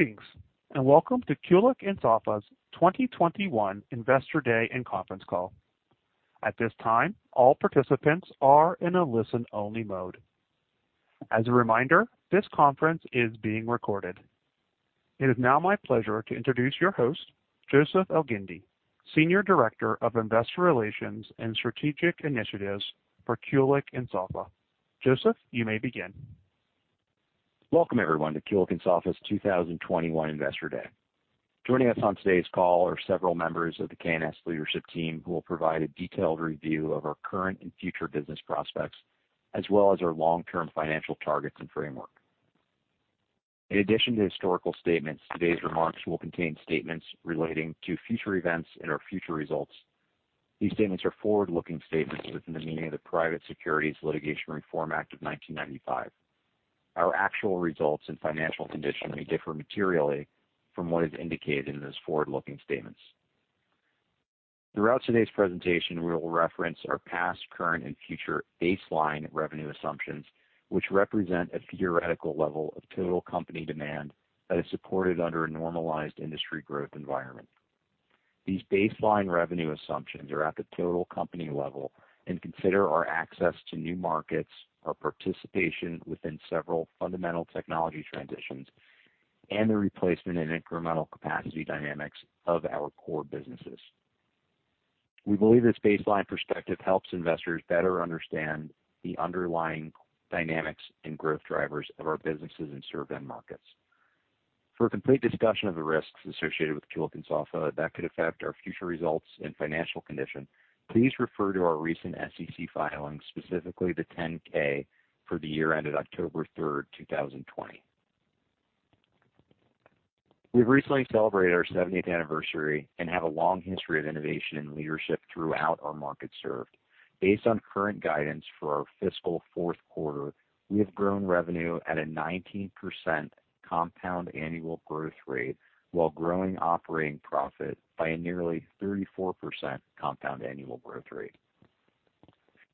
Greetings and welcome to Kulicke & Soffa's 2021 Investor Day and conference call. At this time, all participants are in a listen-only mode. As a reminder, this conference is being recorded. It is now my pleasure to introduce your host, Joseph Elgindy, Senior Director of Investor Relations and Strategic Initiatives for Kulicke & Soffa. Joseph, you may begin. Welcome everyone to Kulicke & Soffa's 2021 Investor Day. Joining us on today's call are several members of the K&S leadership team who will provide a detailed review of our current and future business prospects, as well as our long-term financial targets and framework. In addition to historical statements, today's remarks will contain statements relating to future events and our future results. These statements are forward-looking statements within the meaning of the Private Securities Litigation Reform Act of 1995. Our actual results and financial condition may differ materially from what is indicated in those forward-looking statements. Throughout today's presentation, we will reference in our past, current, and future baseline revenue assumptions, which represent a theoretical level of total company demand that is supported under a normalized industry growth environment. These baseline revenue assumptions are at the total company level and consider our access to new markets, our participation within several fundamental technology transitions, and the replacement and incremental capacity dynamics of our core businesses. We believe this baseline perspective helps investors better understand the underlying dynamics and growth drivers of our businesses and served end markets. For a complete discussion of the risks associated with Kulicke & Soffa that could affect our future results and financial condition, please refer to our recent SEC filings, specifically the 10-K for the year ended October 3rd, 2020. We've recently celebrated our 70th anniversary and have a long history of innovation and leadership throughout our market served. Based on current guidance for our fiscal fourth quarter, we have grown revenue at a 19% compound annual growth rate while growing operating profit by a nearly 34% compound annual growth rate.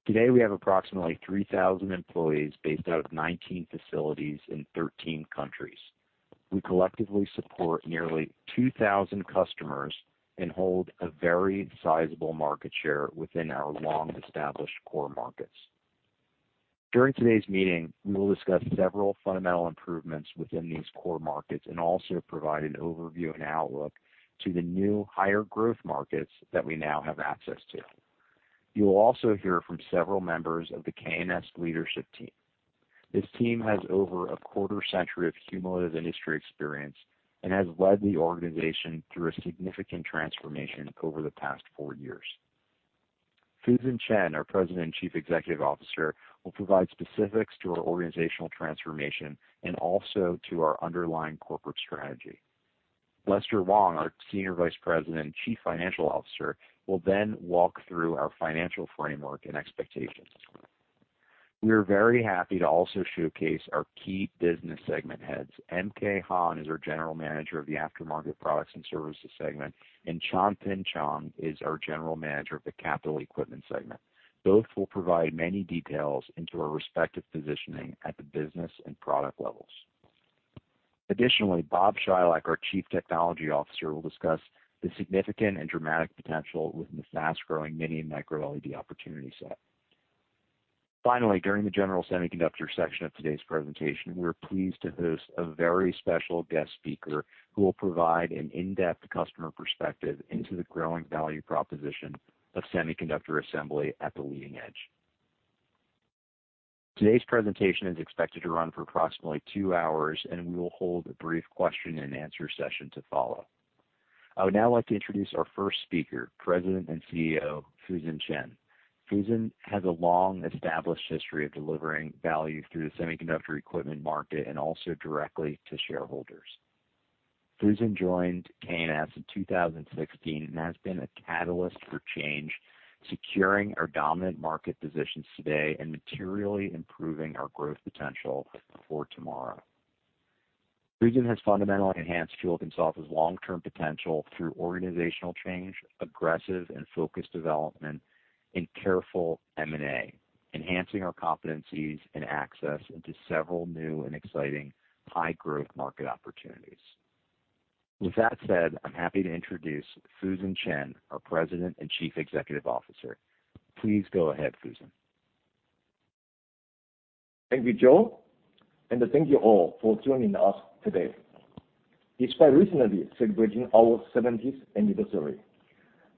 Today, we have approximately 3,000 employees based out of 19 facilities in 13 countries. We collectively support nearly 2,000 customers and hold a very sizable market share within our long-established core markets. During today's meeting, we will discuss several fundamental improvements within these core markets, and also provide an overview and outlook to the new higher growth markets that we now have access to. You will also hear from several members of the K&S leadership team. This team has over a quarter-century of cumulative industry experience and has led the organization through a significant transformation over the past four years. Fusen Chen, our President and Chief Executive Officer, will provide specifics to our organizational transformation and also to our underlying corporate strategy. Lester Wong, our Senior Vice President and Chief Financial Officer, will then walk through our financial framework and expectations. We are very happy to also showcase our key business segment heads. MK Han is our General Manager of the aftermarket products and services segment, and Chan Pin Chong is our General Manager of the capital equipment segment. Both will provide many details into our respective positioning at the business and product levels. Additionally, Bob Chylak, our Chief Technology Officer, will discuss the significant and dramatic potential within the fast-growing Mini LED and MicroLED opportunity set. Finally, during the general semiconductor section of today's presentation, we are pleased to host a very special guest speaker who will provide an in-depth customer perspective into the growing value proposition of semiconductor assembly at the leading edge. Today's presentation is expected to run for approximately two hours, and we will hold a brief question and answer session to follow. I would now like to introduce our first speaker, President and CEO, Fusen Chen. Fusen has a long-established history of delivering value through the semiconductor equipment market and also directly to shareholders. Fusen joined K&S in 2016 and has been a catalyst for change, securing our dominant market positions today and materially improving our growth potential for tomorrow. Fusen has fundamentally enhanced Kulicke & Soffa's long-term potential through organizational change, aggressive and focused development, and careful M&A, enhancing our competencies and access into several new and exciting high-growth market opportunities. With that said, I'm happy to introduce Fusen Chen, our President and Chief Executive Officer. Please go ahead, Fusen. Thank you, Joe, and thank you all for joining us today. Despite recently celebrating our 70th anniversary,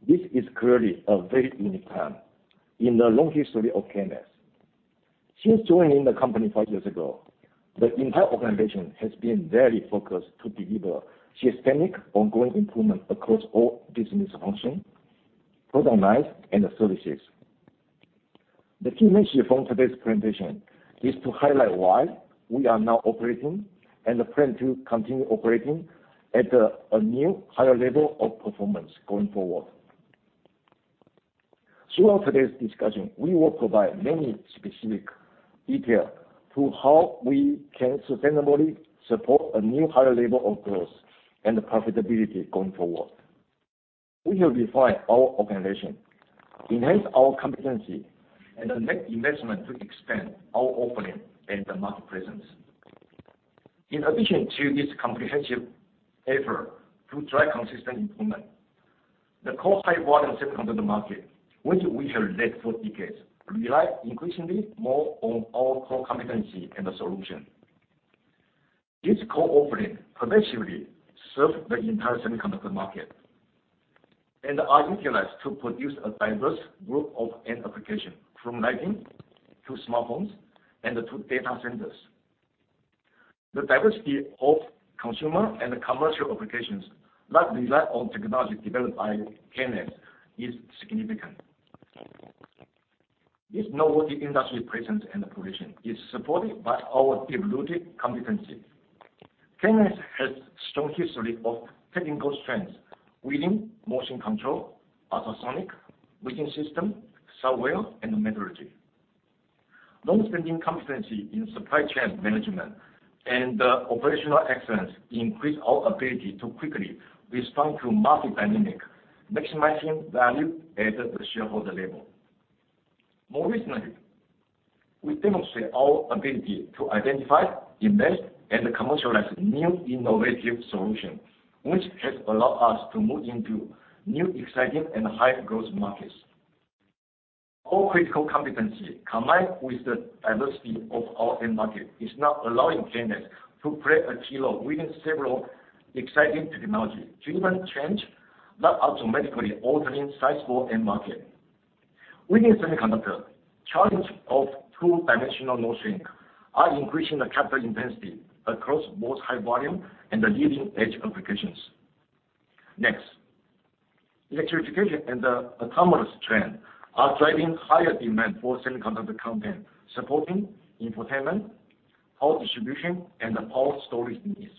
this is clearly a very unique time in the long history of K&S. Since joining the company five years ago, the entire organization has been very focused to deliver systemic, ongoing improvement across all business functions, product lines, and services. The key message from today's presentation is to highlight why we are now operating and plan to continue operating at a new higher level of performance going forward. Towards today discussion, we will provide many specific detail to how we can sustainably support a new level of growth and the profitability and we have refined our organization, enhanced our competency, and make investment to expand our offering and in the market presence. In addition to this comprehensive effort to drive consistent improvement, the core high volume semiconductor market, which we have led for decades, relies increasingly more on our core competency and the solution. This core offering pervasively serves the entire semiconductor market and are utilized to produce a diverse group of end application, from lighting to smartphones and to data centers. The diversity of consumer and commercial applications that rely on technology developed by K&S is significant. This noteworthy industry presence and position is supported by our deep-rooted competency. K&S has strong history of technical strengths within motion control, ultrasonic, vision systems, software, and metallurgy. Long-standing competency in supply chain management and operational excellence increase our ability to quickly respond to market dynamic, maximizing value at the shareholder level. More recently, we demonstrate our ability to identify, invest, and commercialize new innovative solution, which has allowed us to move into new, exciting, and high growth markets. Our critical competency, combined with the diversity of our end market, is now allowing K&S to play a key role within several exciting technology-driven change, that automatically altering sizable end market. Within semiconductor, challenge of two-dimensional node shrink are increasing the capital intensity across both high volume and the leading-edge applications. Next, electrification and the autonomous trend are driving higher demand for semiconductor content, supporting infotainment, power distribution, and power storage needs.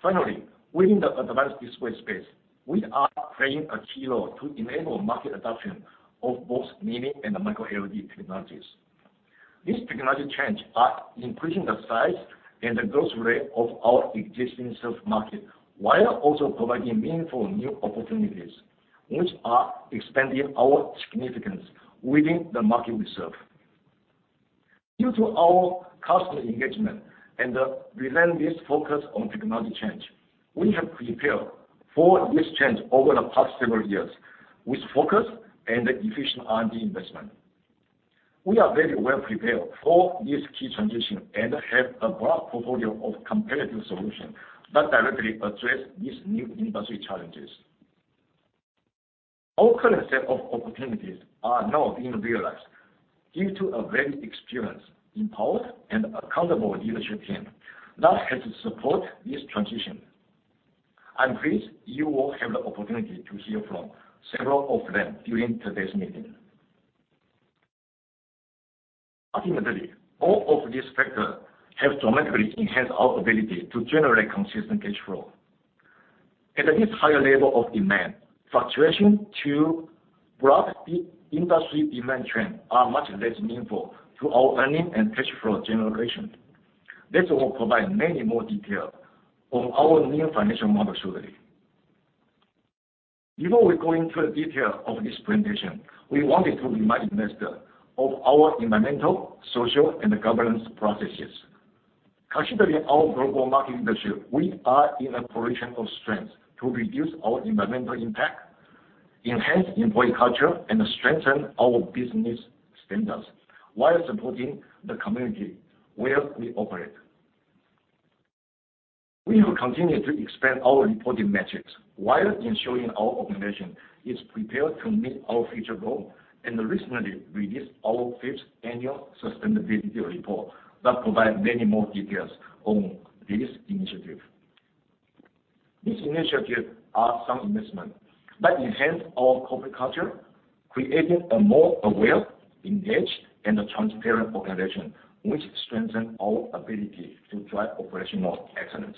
Finally, within the advanced display space, we are playing a key role to enable market adoption of both Mini LED and MicroLED technologies. These technology trends are increasing the size and the growth rate of our existing served market, while also providing meaningful new opportunities, which are expanding our significance within the market we serve. Due to our customer engagement and relentless focus on technology change, we have prepared for this change over the past several years with focus, and efficient R&D investment. We are very well prepared for this key transition and have a broad portfolio of competitive solutions that directly address these new industry challenges. Our current set of opportunities are now being realized due to a very experienced, empowered, and accountable leadership team that has supported this transition. I'm pleased you will have the opportunity to hear from several of them during today's meeting. Ultimately, all of these factors have dramatically enhanced our ability to generate consistent cash flow. At this higher level of demand, fluctuation to broad industry demand trends are much less meaningful to our earnings and cash flow generation. This will provide many more details on our new financial model shortly. Before we go into the details of this presentation, we wanted to remind investors of our environmental, social, and governance processes. Considering our global market leadership, we are in a position of strength to reduce our environmental impact, enhance employee culture, and strengthen our business standards while supporting the community where we operate. We will continue to expand our reporting metrics while ensuring our organization is prepared to meet our future goals, and recently we released our fifth annual sustainability report, that provides many more details on these initiatives. These initiatives are some investments that enhance our corporate culture, creating a more aware, engaged, and transparent organization, which strengthen our ability to drive operational excellence.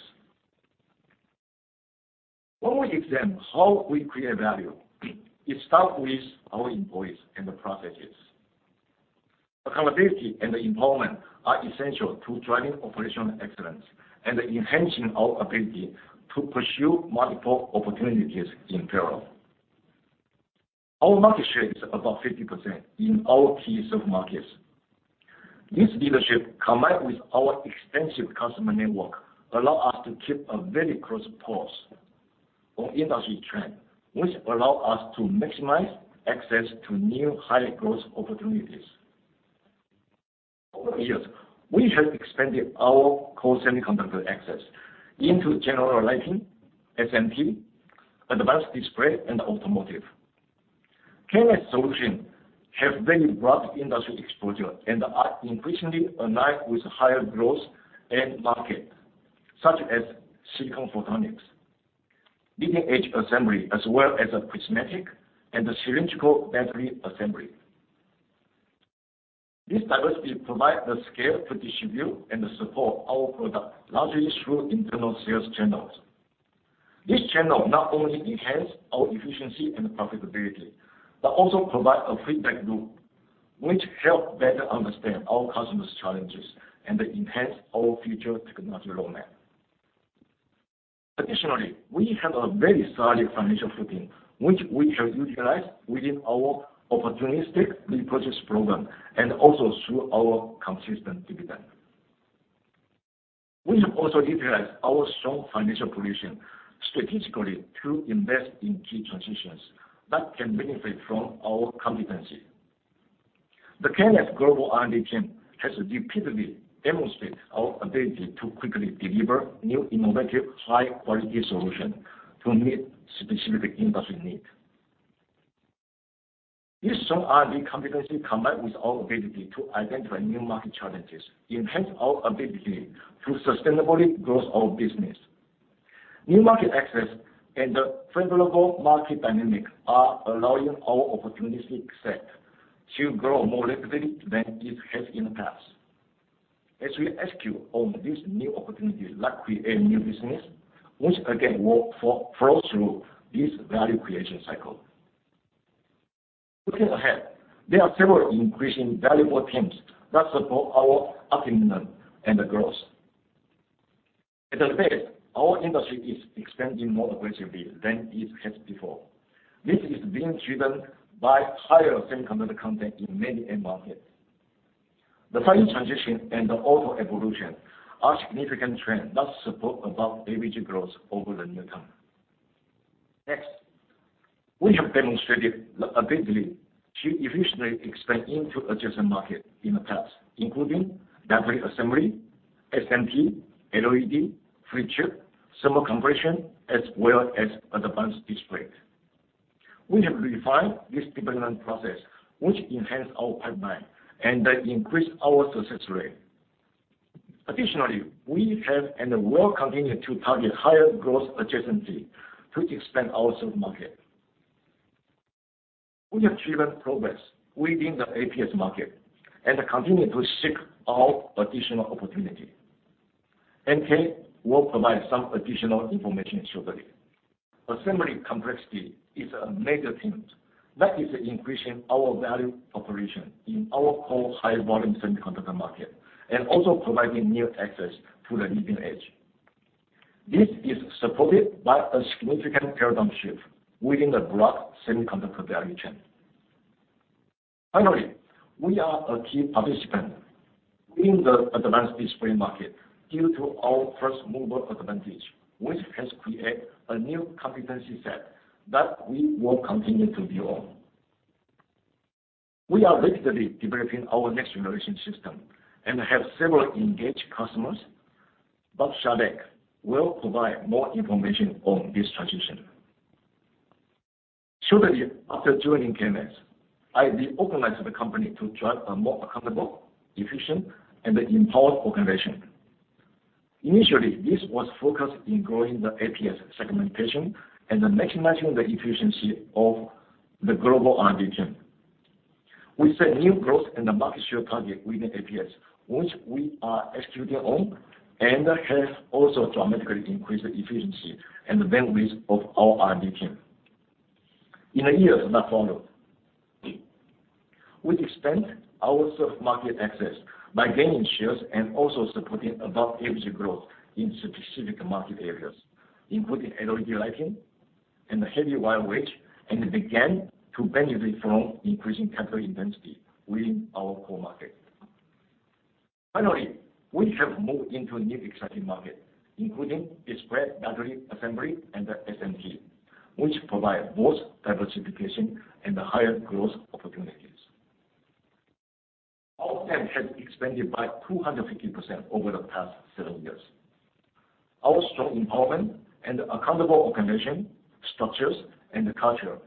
When we examine how we create value, it starts with our employees and the processes. Accountability and empowerment are essential to driving operational excellence and enhancing our ability to pursue multiple opportunities in parallel. Our market share is above 50% in our key served markets. This leadership, combined with our extensive customer network allow us to keep a very close pulse on industry trend, which allow us to maximize access to new high growth opportunities. Over the years, we have expanded our core semiconductor access into general lighting, SMT, advanced display, and automotive. K&S solution have very broad industry exposure and are increasingly aligned with higher growth end market, such as silicon photonics, leading-edge assembly, as well as prismatic and a cylindrical battery assembly. This diversity provide the scale to distribute and support our product largely through internal sales channels. This channel not only enhance our efficiency and profitability, but also provide a feedback loop, which help better understand our customers' challenges and enhance our future technology roadmap. Additionally, we have a very solid financial footing, which we have utilized within our opportunistic repurchase program and also through our consistent dividend. We have also utilized our strong financial position strategically to invest in key transitions that can benefit from our competency. The K&S global R&D team has repeatedly demonstrated our ability to quickly deliver new, innovative, high-quality solutions to meet specific industry needs. This strong R&D competency, combined with our ability to identify new market challenges, enhance our ability to sustainably grow our business. New market access and the favorable market dynamic are allowing our opportunity set to grow more rapidly than it has in the past. As we execute on these new opportunities that create new business, once again, will flow through this value creation cycle. Looking ahead, there are several increasing valuable themes that support our optimism and growth. At the base, our industry is expanding more aggressively than it has before. This is being driven by higher semiconductor content in many end markets. The 5G transition and the auto evolution are significant trends that support above-average growth over the near term. Next, we have demonstrated the ability to efficiently expand into adjacent markets in the past, including battery assembly, SMT, LED, flip chip, thermocompression, as well as advanced display. We have refined this development process, which enhanced our pipeline and increased our success rate. Additionally, we have and will continue to target higher growth adjacencies to expand our served market. We have driven progress within the APS market and continue to seek out additional opportunities. MK will provide some additional information shortly. Assembly complexity is a major theme that is increasing our value proposition in our core high-volume semiconductor market and also providing new access to the leading edge. This is supported by a significant paradigm shift within the broad semiconductor value chain. Finally, we are a key participant in the advanced display market due to our first-mover advantage, which has created a new competency set that we will continue to build on. We are rapidly developing our next-generation system and have several engaged customers. Bob Chylak will provide more information on this transition. Shortly after joining K&S, I reorganized the company to drive a more accountable, efficient, and empowered organization. Initially, this was focused on growing the APS segmentation and maximizing the efficiency of the global R&D team. We set new growth and market share targets within APS, which we are executing on, and have also dramatically increased the efficiency and bandwidth of our R&D team. In the years that followed, we've expanded our served market access by gaining shares and also supporting above-average growth in specific market areas, including LED lighting and heavy wire wedge, and began to benefit from increasing capital intensity within our core market. Finally, we have moved into new exciting markets, including display, battery assembly, and SMT, which provide both diversification and higher growth opportunities. Our TAM has expanded by 250% over the past seven years. Our strong empowerment and accountable organization, structures, and culture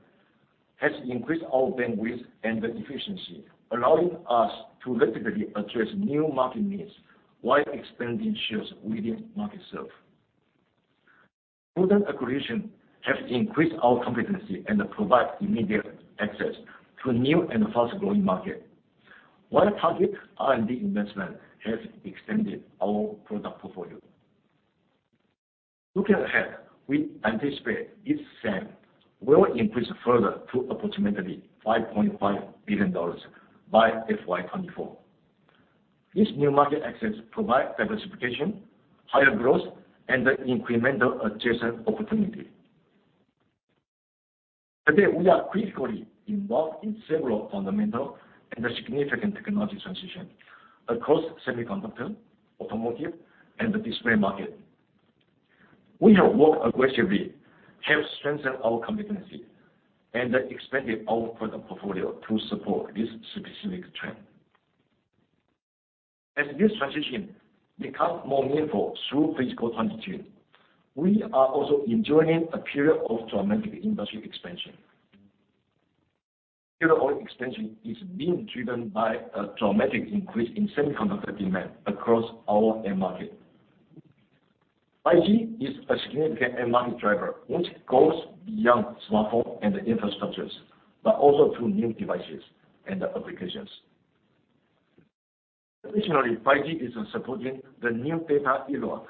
have increased our bandwidth and efficiency, allowing us to rapidly address new market needs while expanding shares within markets served. Prudent acquisition has increased our competency and provided immediate access to new and fast-growing markets, while targeted R&D investment has expanded our product portfolio. Looking ahead, we anticipate this TAM will increase further to approximately $5.5 billion by FY 2024. This new market access provides diversification, higher growth, and incremental adjacent opportunities. Today, we are critically involved in several fundamental and significant technology transitions across semiconductor, automotive, and the display market. We have worked aggressively, have strengthened our competency, and expanded our product portfolio to support this specific trend. As this transition becomes more meaningful through fiscal 2022, we are also entering a period of dramatic industry expansion. The period of expansion is being driven by a dramatic increase in semiconductor demand across our end market. 5G is a significant end market driver, which goes beyond smartphone and infrastructures, but also to new devices and applications. Additionally, 5G is supporting the new data era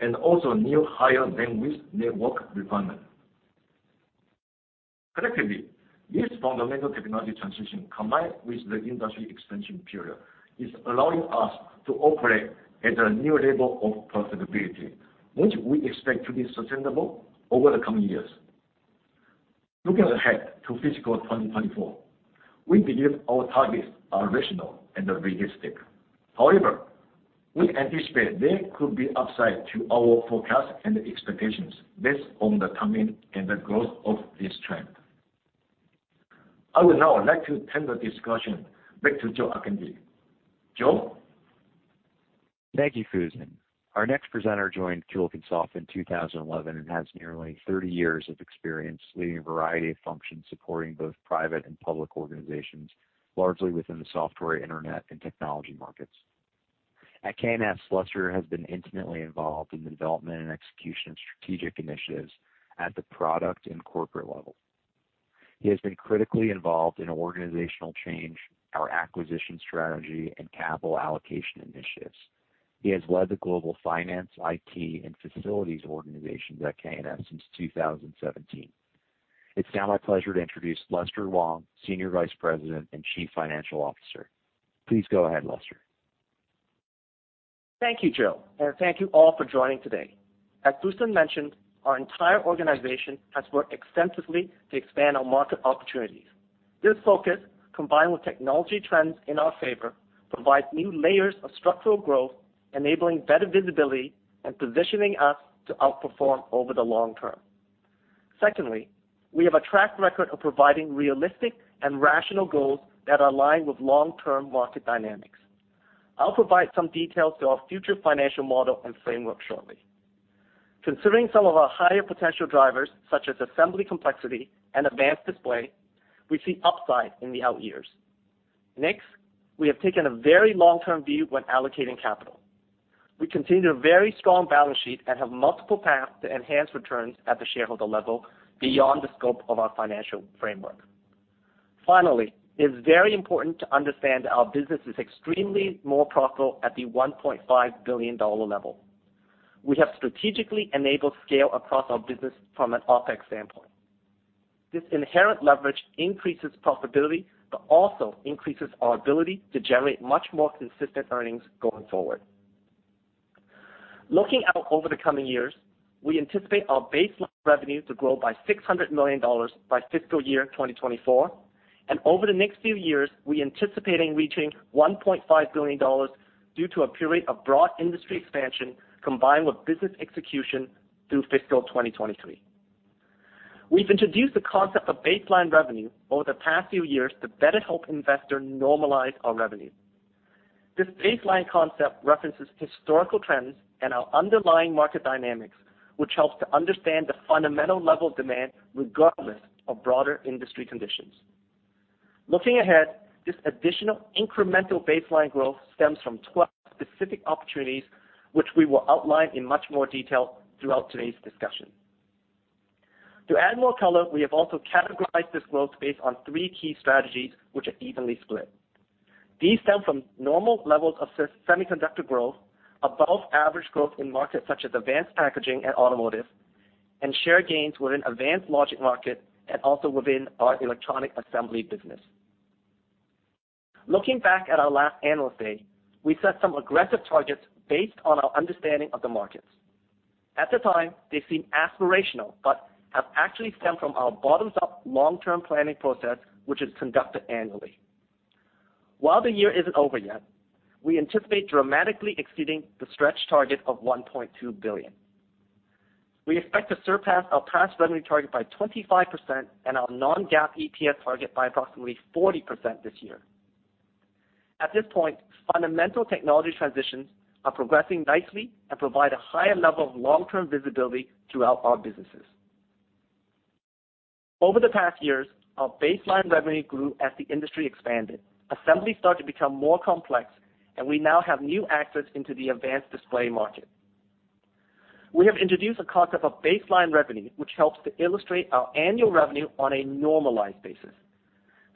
and also new higher bandwidth network deployment. Collectively, this fundamental technology transition, combined with the industry expansion period, is allowing us to operate at a new level of profitability, which we expect to be sustainable over the coming years. Looking ahead to fiscal 2024, we believe our targets are rational and realistic. However, we anticipate there could be upside to our forecast and expectations based on the timing and the growth of this trend. I would now like to turn the discussion back to Joe Elgindy. Joe? Thank you, Fusen. Our next presenter joined Kulicke & Soffa in 2011 and has nearly 30 years of experience leading a variety of functions supporting both private and public organizations, largely within the software, internet, and technology markets. At K&S, Lester has been intimately involved in the development and execution of strategic initiatives at the product and corporate level. He has been critically involved in organizational change, our acquisition strategy, and capital allocation initiatives. He has led the global finance, IT, and facilities organizations at K&S since 2017. It's now my pleasure to introduce Lester Wong, Senior Vice President and Chief Financial Officer. Please go ahead, Lester. Thank you, Joe, and thank you all for joining today. As Fusen mentioned, our entire organization has worked extensively to expand our market opportunities. This focus, combined with technology trends in our favor, provides new layers of structural growth, enabling better visibility and positioning us to outperform over the long term. Secondly, we have a track record of providing realistic and rational goals that align with long-term market dynamics. I'll provide some details to our future financial model and framework shortly. Considering some of our higher potential drivers, such as assembly complexity and advanced display, we see upside in the out years. Next, we have taken a very long-term view when allocating capital. We continue to have a very strong balance sheet and have multiple paths to enhance returns at the shareholder level beyond the scope of our financial framework. Finally, it is very important to understand our business is extremely more profitable at the $1.5 billion level. We have strategically enabled scale across our business from an OpEx standpoint. This inherent leverage increases profitability but also increases our ability to generate much more consistent earnings going forward. Looking out over the coming years, we anticipate our baseline revenue to grow by $600 million by fiscal year 2024. Over the next few years, we anticipate reaching $1.5 billion due to a period of broad industry expansion combined with business execution through fiscal 2023. We've introduced the concept of baseline revenue over the past few years to better help investors normalize our revenue. This baseline concept references historical trends and our underlying market dynamics, which helps to understand the fundamental level of demand regardless of broader industry conditions. Looking ahead, this additional incremental baseline growth stems from 12 specific opportunities, which we will outline in much more detail throughout today's discussion. To add more color, we have also categorized this growth based on three key strategies, which are evenly split. These stem from normal levels of semiconductor growth, above-average growth in markets such as advanced packaging and automotive, and share gains within advanced logic markets and also within our electronic assembly business. Looking back at our last Analyst Day, we set some aggressive targets based on our understanding of the markets. At the time, they seemed aspirational but have actually stemmed from our bottoms-up long-term planning process, which is conducted annually. While the year isn't over yet, we anticipate dramatically exceeding the stretch target of $1.2 billion. We expect to surpass our past revenue target by 25% and our non-GAAP EPS target by approximately 40% this year. At this point, fundamental technology transitions are progressing nicely and provide a higher level of long-term visibility throughout our businesses. Over the past years, our baseline revenue grew as the industry expanded. Assembly started to become more complex, and we now have new access into the advanced display market. We have introduced the concept of baseline revenue, which helps to illustrate our annual revenue on a normalized basis.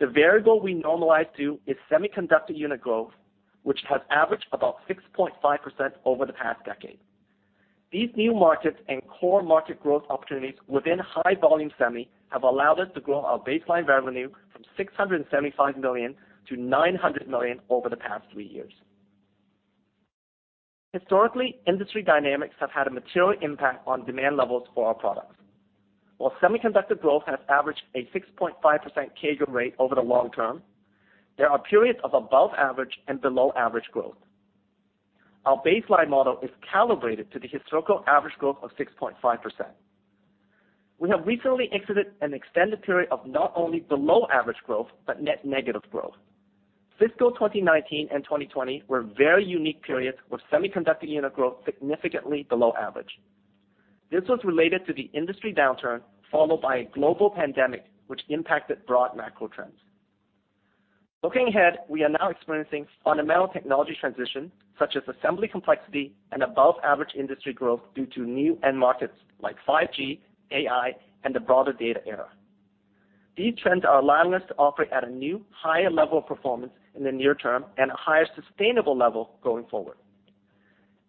The variable we normalize to is semiconductor unit growth, which has averaged about 6.5% over the past decade. These new markets and core market growth opportunities within high-volume semi have allowed us to grow our baseline revenue from $675 million to $900 million over the past three years. Historically, industry dynamics have had a material impact on demand levels for our products. While semiconductor growth has averaged a 6.5% CAGR rate over the long term, there are periods of above-average and below-average growth. Our baseline model is calibrated to the historical average growth of 6.5%. We have recently exited an extended period of not only below-average growth but net negative growth. Fiscal 2019 and 2020 were very unique periods with semiconductor unit growth significantly below average. This was related to the industry downturn followed by a global pandemic, which impacted broad macro trends. Looking ahead, we are now experiencing fundamental technology transition, such as assembly complexity and above-average industry growth due to new end markets like 5G, AI, and the broader data era. These trends are allowing us to operate at a new, higher level of performance in the near term, and a higher sustainable level going forward.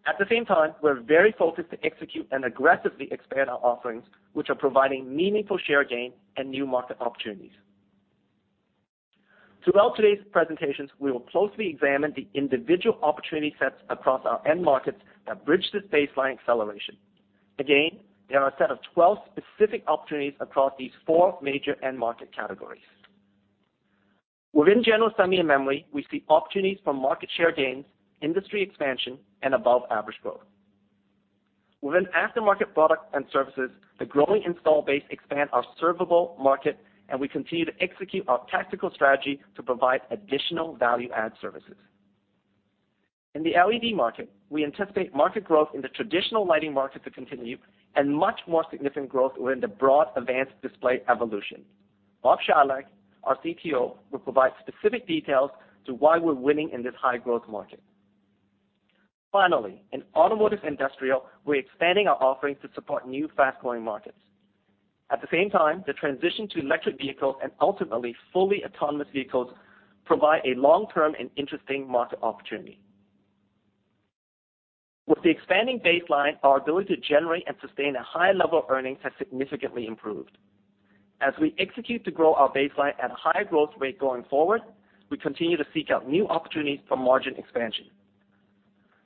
At the same time, we're very focused to execute and aggressively expand our offerings, which are providing meaningful share gain and new market opportunities. Throughout today's presentations, we will closely examine the individual opportunity sets across our end markets that bridge this baseline acceleration. Again, there are a set of 12 specific opportunities across these four major end market categories. Within general semi and memory, we see opportunities for market share gains, industry expansion, and above-average growth. Within aftermarket products and services, the growing install base expand our servable market, and we continue to execute our tactical strategy to provide additional value-add services. In the LED market, we anticipate market growth in the traditional lighting market to continue, and much more significant growth within the broad advanced display evolution. Bob Chylak, our CTO, will provide specific details to why we're winning in this high-growth market. Finally, in automotive industrial, we're expanding our offerings to support new fast-growing markets. At the same time, the transition to electric vehicles and ultimately fully autonomous vehicles provide a long-term and interesting market opportunity. With the expanding baseline, our ability to generate and sustain a high level of earnings has significantly improved. As we execute to grow our baseline at a high growth rate going forward, we continue to seek out new opportunities for margin expansion.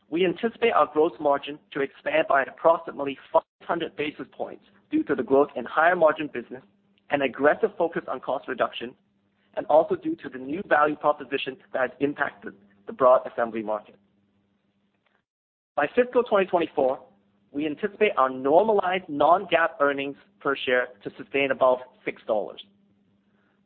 We anticipate our gross margin to expand by approximately 500 basis points due to the growth in higher margin business and aggressive focus on cost reduction, and also due to the new value proposition that has impacted the broad assembly market. By fiscal 2024, we anticipate our normalized non-GAAP earnings per share to sustain above $6.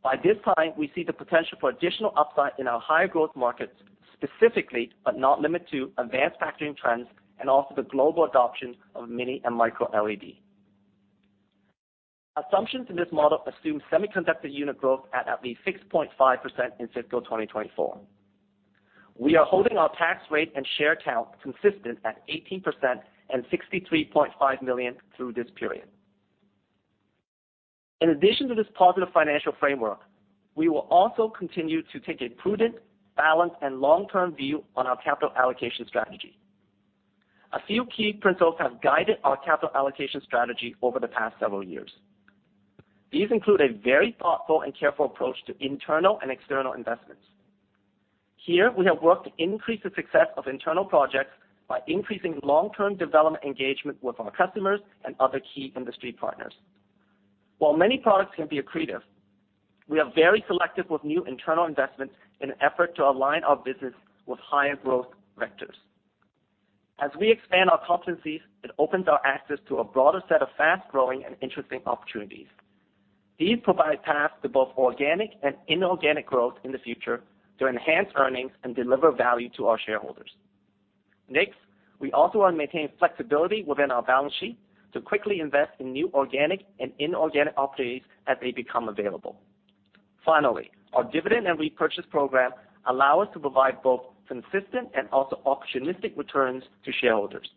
By this time, we see the potential for additional upside in our higher growth markets, specifically, but not limited to advanced packaging trends and also, the global adoption of Mini LED and MicroLED. Assumptions in this model assume semiconductor unit growth at least 6.5% in fiscal 2024. We are holding our tax rate and share count consistent at 18% and 63.5 million through this period. In addition to this positive financial framework, we will also continue to take a prudent, balanced, and long-term view on our capital allocation strategy. A few key principles have guided our capital allocation strategy over the past several years. These include a very thoughtful and careful approach to internal and external investments. Here, we have worked to increase the success of internal projects by increasing long-term development engagement with our customers and other key industry partners. While many products can be accretive, we are very selective with new internal investments in an effort to align our business with higher growth vectors. As we expand our competencies, it opens our access to a broader set of fast-growing and interesting opportunities. These provide paths to both organic and inorganic growth in the future to enhance earnings and deliver value to our shareholders. We also want to maintain flexibility within our balance sheet to quickly invest in new organic and inorganic opportunities as they become available. Our dividend and repurchase program allow us to provide both consistent and also opportunistic returns to shareholders.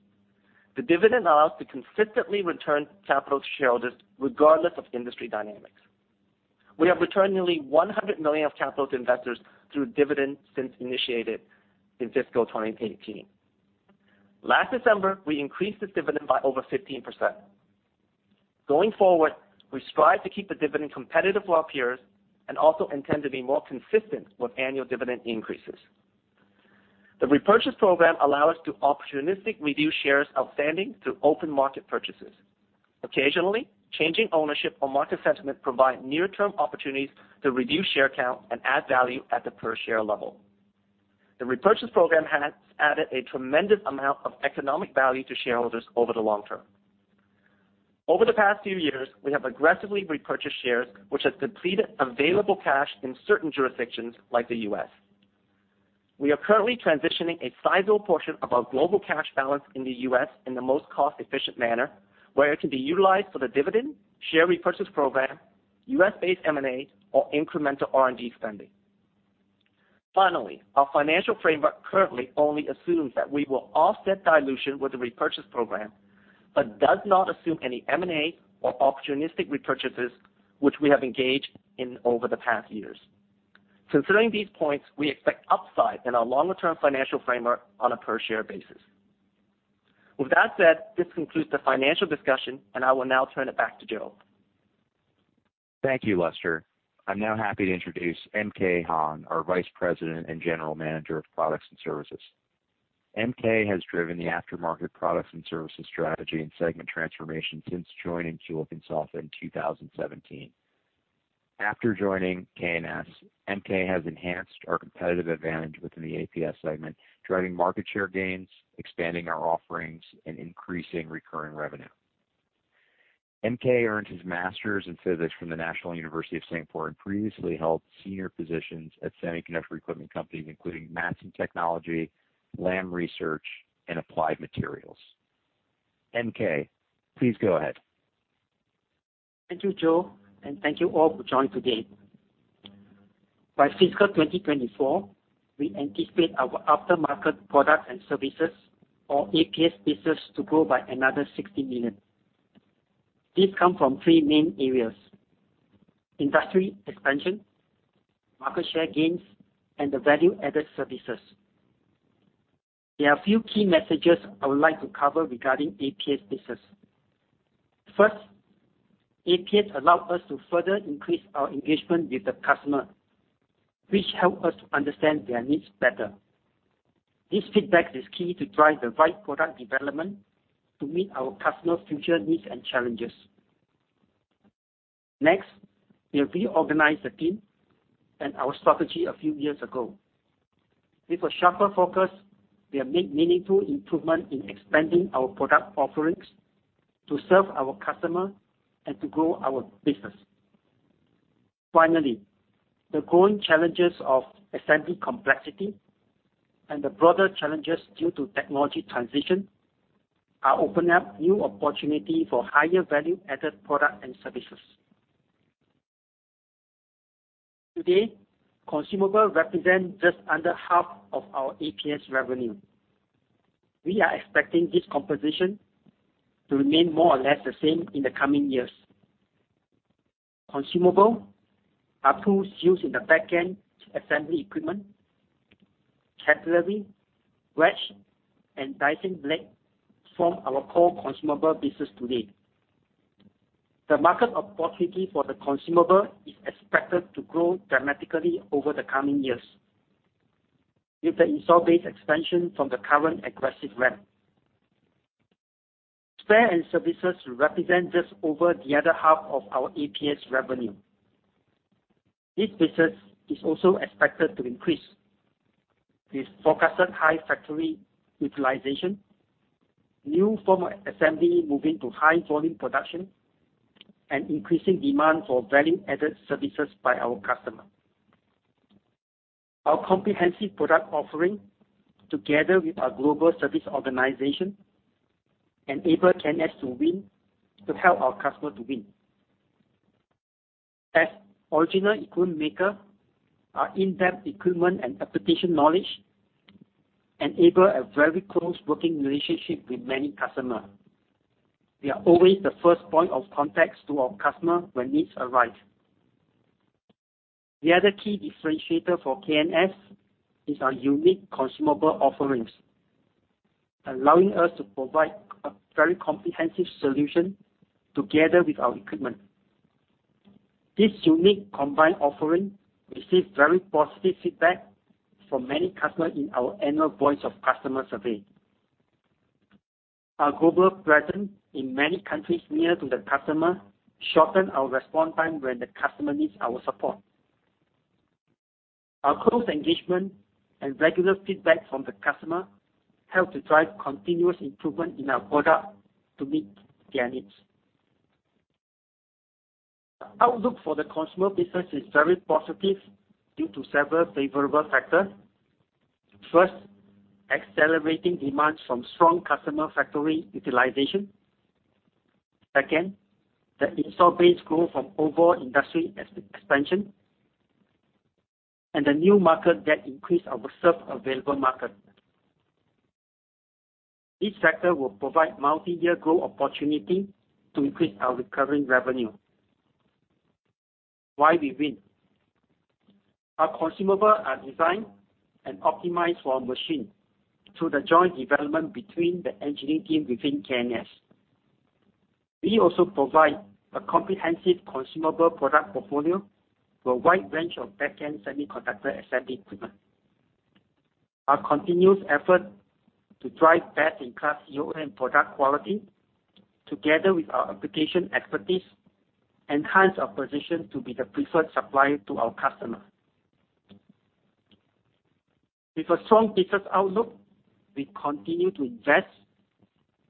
The dividend allows to consistently return capital to shareholders regardless of industry dynamics. We have returned nearly $100 million of capital to investors through dividends since initiated in fiscal 2018. Last December, we increased this dividend by over 15%. Going forward, we strive to keep the dividend competitive to our peers, and also intend to be more consistent with annual dividend increases. The repurchase program allow us to opportunistically reduce shares outstanding through open market purchases. Occasionally, changing ownership or market sentiment provide near-term opportunities to reduce share count and add value at the per-share level. The repurchase program has added a tremendous amount of economic value to shareholders over the long term. Over the past few years, we have aggressively repurchased shares, which has depleted available cash in certain jurisdictions like the U.S. We are currently transitioning a sizable portion of our global cash balance in the U.S. in the most cost-efficient manner, where it can be utilized for the dividend, share repurchase program, U.S.-based M&A, or incremental R&D spending. Finally, our financial framework currently only assumes that we will offset dilution with the repurchase program, but does not assume any M&A or opportunistic repurchases, which we have engaged in over the past years. Considering these points, we expect upside in our longer-term financial framework on a per-share basis. With that said, this concludes the financial discussion, and I will now turn it back to Joe. Thank you, Lester. I'm now happy to introduce MK Han, our Vice President and General Manager of Products and Services. MK has driven the Aftermarket Products and Services strategy and segment transformation since joining Kulicke & Soffa in 2017. After joining K&S, MK has enhanced our competitive advantage within the APS segment, driving market share gains, expanding our offerings, and increasing recurring revenue. MK earned his Master's in Physics from the National University of Singapore and previously held senior positions at semiconductor equipment companies, including Mattson Technology, Lam Research, and Applied Materials. MK, please go ahead. Thank you, Joe, and thank you all for joining today. By fiscal 2024, we anticipate our Aftermarket Product and Services or APS business to grow by another $60 million. This comes from three main areas: industry expansion, market share gains, and the value-added services. There are a few key messages I would like to cover regarding APS business. First, APS allows us to further increase our engagement with the customer, which helps us to understand their needs better. This feedback is key to drive the right product development to meet our customers' future needs and challenges. Next, we reorganized the team and our strategy a few years ago. With a sharper focus, we have made meaningful improvement in expanding our product offerings to serve our customers and to grow our business. Finally, the growing challenges of assembly complexity and the broader challenges due to technology transition are opening up new opportunities for higher value-added product and services. Today, consumables represent just under half of our APS revenue. We are expecting this composition to remain more or less the same in the coming years. Consumables are tools used in the back-end assembly equipment, capillary, wedge, and dicing blade form our core consumables business today. The market opportunity for the consumables is expected to grow dramatically over the coming years with the install base expansion from the current aggressive ramp. Spares and services represent just over the other half of our APS revenue. This business is also expected to increase with forecasted high factory utilization, new forms of assembly moving to high volume production, and increasing demand for value-added services by our customers. Our comprehensive product offering, together with our global service organization, enables K&S to win to help our customers to win. As original equipment maker, our in-depth equipment and application knowledge enable a very close working relationship with many customer. We are always the first point of contact to our customer when needs arise. The other key differentiator for K&S is our unique consumable offerings, allowing us to provide a very comprehensive solution together with our equipment. This unique combined offering receive very positive feedback from many customer in our annual voice of customer survey. Our global presence in many countries near to the customer shorten our respond time when the customer needs our support. Our close engagement and regular feedback from the customer help to drive continuous improvement in our product to meet their needs. The outlook for the consumable business is very positive due to several favorable factors. First, accelerating demand from strong customer factory utilization. Second, the install base growth from overall industry expansion, and the new market that increase our serve available market. These factors will provide multi-year growth opportunity to increase our recurring revenue. Why we win? Our consumable are designed and optimized for our machine through the joint development between the engineering team within K&S. We also provide a comprehensive consumable product portfolio to a wide range of back-end semiconductor assembly equipment. Our continuous effort to drive best-in-class OEM product quality, together with our application expertise, enhance our position to be the preferred supplier to our customer. With a strong business outlook, we continue to invest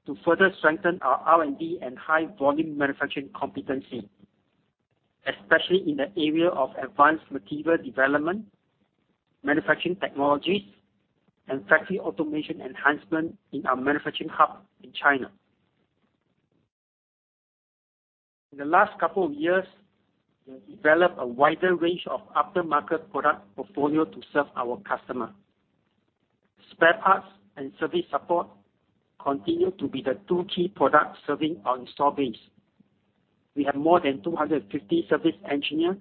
to further strengthen our R&D and high volume manufacturing competency, especially in the area of advanced material development, manufacturing technologies, and factory automation enhancement in our manufacturing hub in China. In the last couple of years, we have developed a wider range of aftermarket product portfolio to serve our customer. Spare parts and service support continue to be the 2 key products serving our install base. We have more than 250 service engineer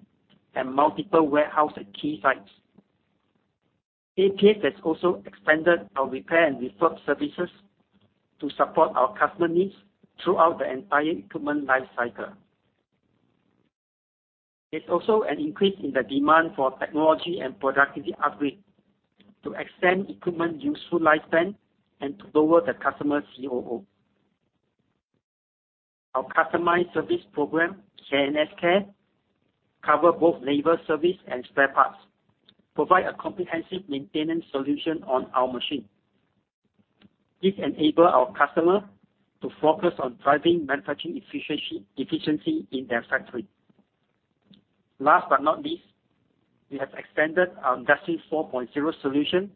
and multiple warehouse at key sites. APS has also expanded our repair and refurb services to support our customer needs throughout the entire equipment life cycle. There's also an increase in the demand for technology and productivity upgrade to extend equipment useful lifespan and to lower the customer's COO. Our customized service program, K&S Care, cover both labor service and spare parts, provide a comprehensive maintenance solution on our machine. This enable our customer to focus on driving manufacturing efficiency in their factory. Last but not least, we have expanded our Industry 4.0 solution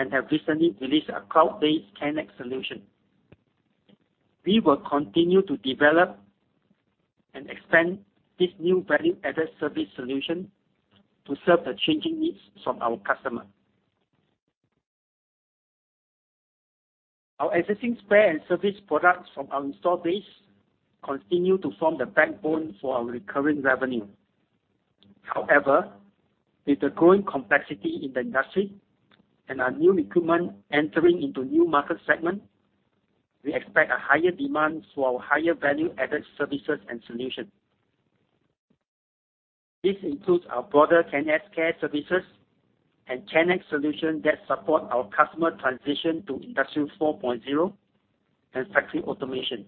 and have recently released a cloud-based KNeXt solution. We will continue to develop and expand this new value-added service solution to serve the changing needs from our customer. Our existing spare and service products from our install base continue to form the backbone for our recurring revenue. With the growing complexity in the industry and our new recruitment entering into new market segment, we expect a higher demand for our higher value-added services and solution. This includes our broader K&S Care services and K&S solution that support our customer transition to Industry 4.0 and factory automation.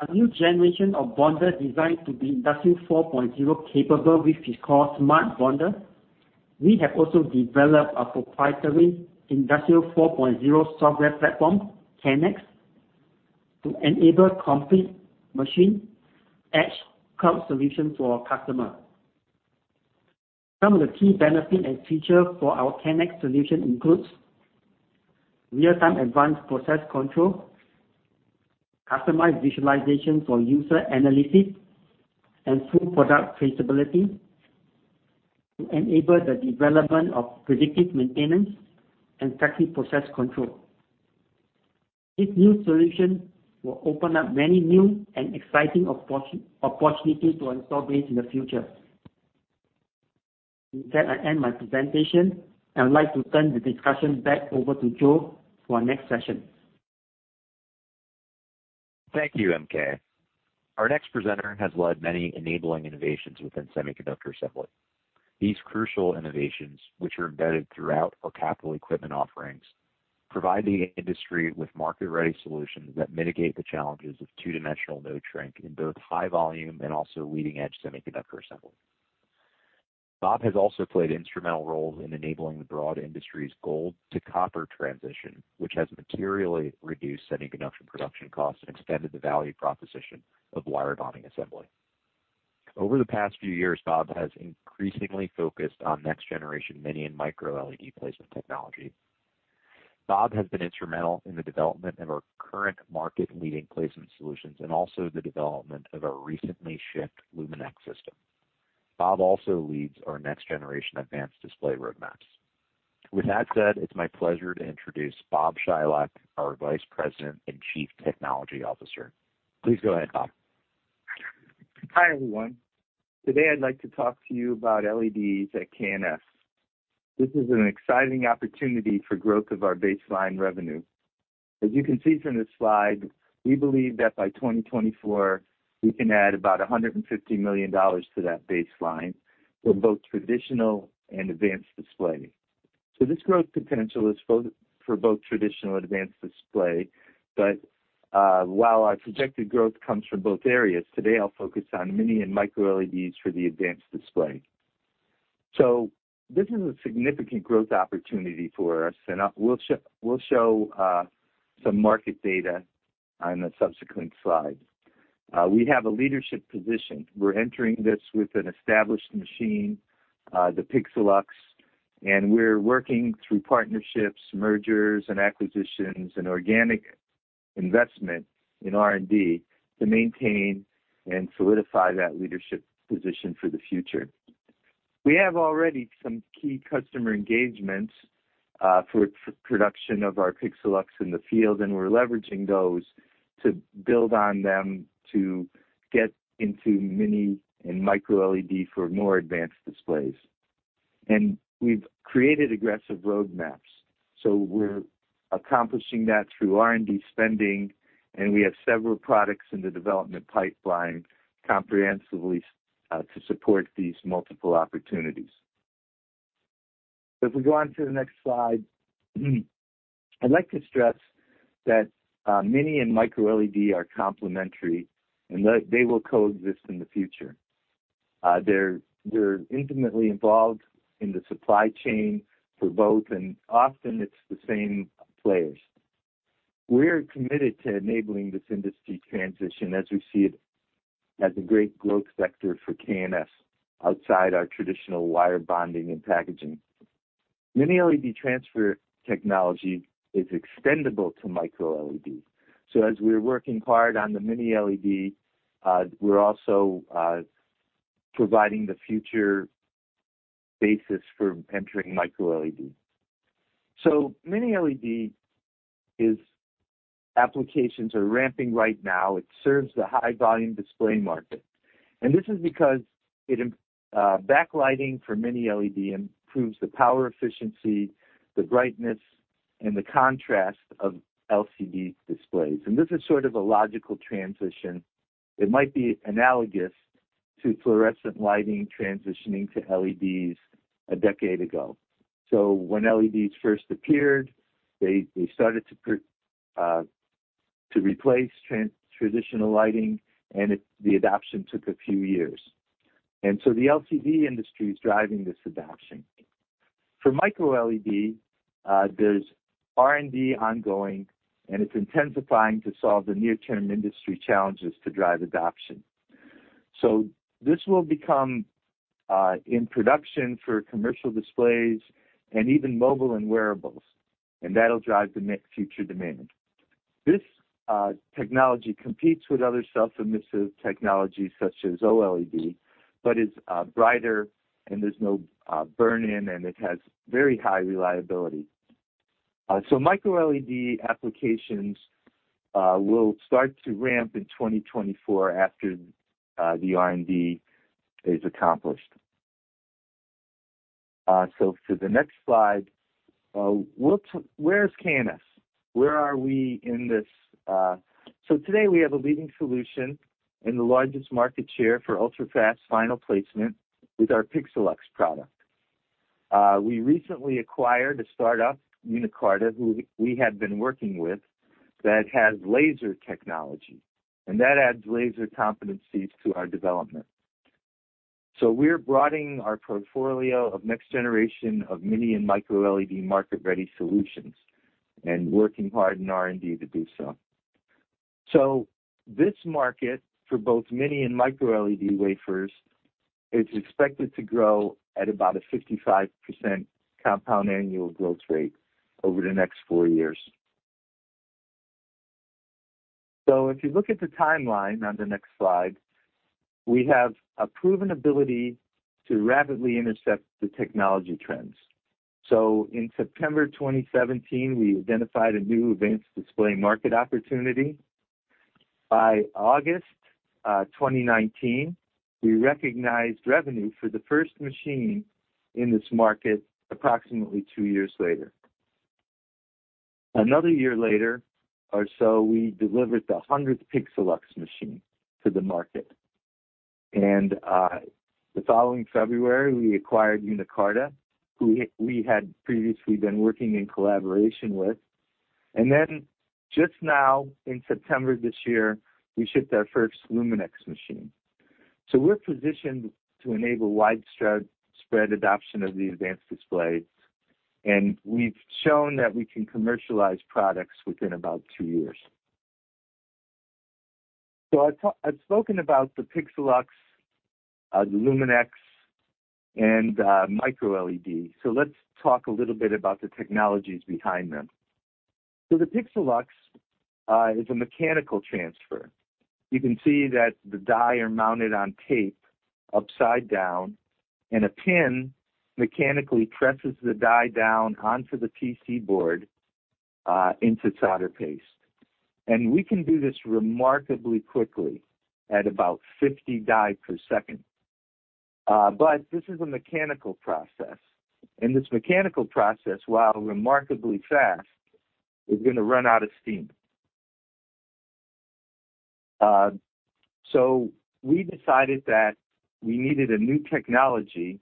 A new generation of bonder designed to be Industry 4.0 capable, which we call smart bonder. We have also developed a proprietary Industry 4.0 software platform, KNeXt, to enable complete machine edge cloud solution for our customer. Some of the key benefits and feature for our KNeXt solution includes real-time advanced process control, customized visualization for user analysis, and full product traceability to enable the development of predictive maintenance and factory process control. This new solution will open up many new and exciting opportunities to install base in the future. With that, I end my presentation, and I'd like to turn the discussion back over to Joe for our next session. Thank you, MK. Our next presenter has led many enabling innovations within semiconductor assembly. These crucial innovations, which are embedded throughout our capital equipment offerings, provide the industry with market-ready solutions that mitigate the challenges of two-dimensional node shrink in both high volume and also leading-edge semiconductor assembly. Bob has also played instrumental roles in enabling the broad industry's gold to copper transition, which has materially reduced semiconductor production costs and extended the value proposition of wire bonding assembly. Over the past few years, Bob has increasingly focused on next generation Mini LED and MicroLED placement technology. Bob has been instrumental in the development of our current market leading placement solutions and also the development of our recently shipped LUMINEX system. Bob also leads our next generation advanced display roadmaps. With that said, it's my pleasure to introduce Bob Chylak, our Vice President and Chief Technology Officer. Please go ahead, Bob. Hi, everyone. Today, I'd like to talk to you about LEDs at K&S. This is an exciting opportunity for growth of our baseline revenue. As you can see from this slide, we believe that by 2024, we can add about $150 million to that baseline for both traditional and advanced display. This growth potential is for both traditional and advanced display. While our projected growth comes from both areas, today I'll focus on Mini and MicroLEDs for the advanced display. This is a significant growth opportunity for us, and we'll show some market data on the subsequent slide. We have a leadership position. We're entering this with an established machine, the Pixelux, and we're working through partnerships, mergers, and acquisitions, and organic investment in R&D to maintain and solidify that leadership position for the future. We have already some key customer engagements for production of our Pixelux in the field. We're leveraging those to build on them to get into mini and micro LED for more advanced displays. We've created aggressive roadmaps. We're accomplishing that through R&D spending, and we have several products in the development pipeline comprehensively, to support these multiple opportunities. If we go on to the next slide, I'd like to stress that mini and micro LED are complementary, and they will coexist in the future. They're intimately involved in the supply chain for both and often it's the same players. We're committed to enabling this industry transition as we see it as a great growth sector for K&S outside our traditional wire bonding and packaging. Mini LED transfer technology is extendable to micro LED. As we're working hard on the Mini LED, we're also providing the future basis for entering MicroLED. Mini LED applications are ramping right now. It serves the high volume display market, and this is because backlighting for Mini LED improves the power efficiency, the brightness, and the contrast of LCD displays, and this is sort of a logical transition. It might be analogous to fluorescent lighting transitioning to LEDs a decade ago. When LEDs first appeared, they started to replace traditional lighting, and the adoption took a few years. The LCD industry is driving this adoption. For MicroLED, there's R&D ongoing, and it's intensifying to solve the near-term industry challenges to drive adoption. This will become in production for commercial displays and even mobile and wearables, and that'll drive the future demand. This technology competes with other self-emissive technologies such as OLED, but is brighter and there's no burn-in, and it has very high reliability. Micro-LED applications will start to ramp in 2024 after the R&D is accomplished. To the next slide, where's K&S? Where are we in this? Today, we have a leading solution and the largest market share for ultra-fast final placement with our Pixelux product. We recently acquired a startup, Uniqarta, who we had been working with, that has laser technology, and that adds laser competencies to our development. We're broadening our portfolio of next generation of mini and micro-LED market-ready solutions and working hard in R&D to do so. This market for both mini and micro-LED wafers is expected to grow at about a 55% compound annual growth rate over the next four years. If you look at the timeline on the next slide, we have a proven ability to rapidly intercept the technology trends. In September of 2017, we identified a new advanced display market opportunity. By August 2019, we recognized revenue for the first machine in this market approximately two years later. Another year later or so, we delivered the 100th Pixelux machine to the market. The following February, we acquired Uniqarta, who we had previously been working in collaboration with, and then just now in September this year, we shipped our first LUMINEX machine. We're positioned to enable widespread adoption of the advanced display, and we've shown that we can commercialize products within about two years. I've spoken about the Pixelux, the LUMINEX, and MicroLED. Let's talk a little bit about the technologies behind them. The Pixelux is a mechanical transfer. You can see that the die are mounted on tape upside down and a pin mechanically presses the die down onto the PC board into solder paste. We can do this remarkably quickly at about 50 die per second. This is a mechanical process, and this mechanical process, while remarkably fast, is going to run out of steam. We decided that we needed a new technology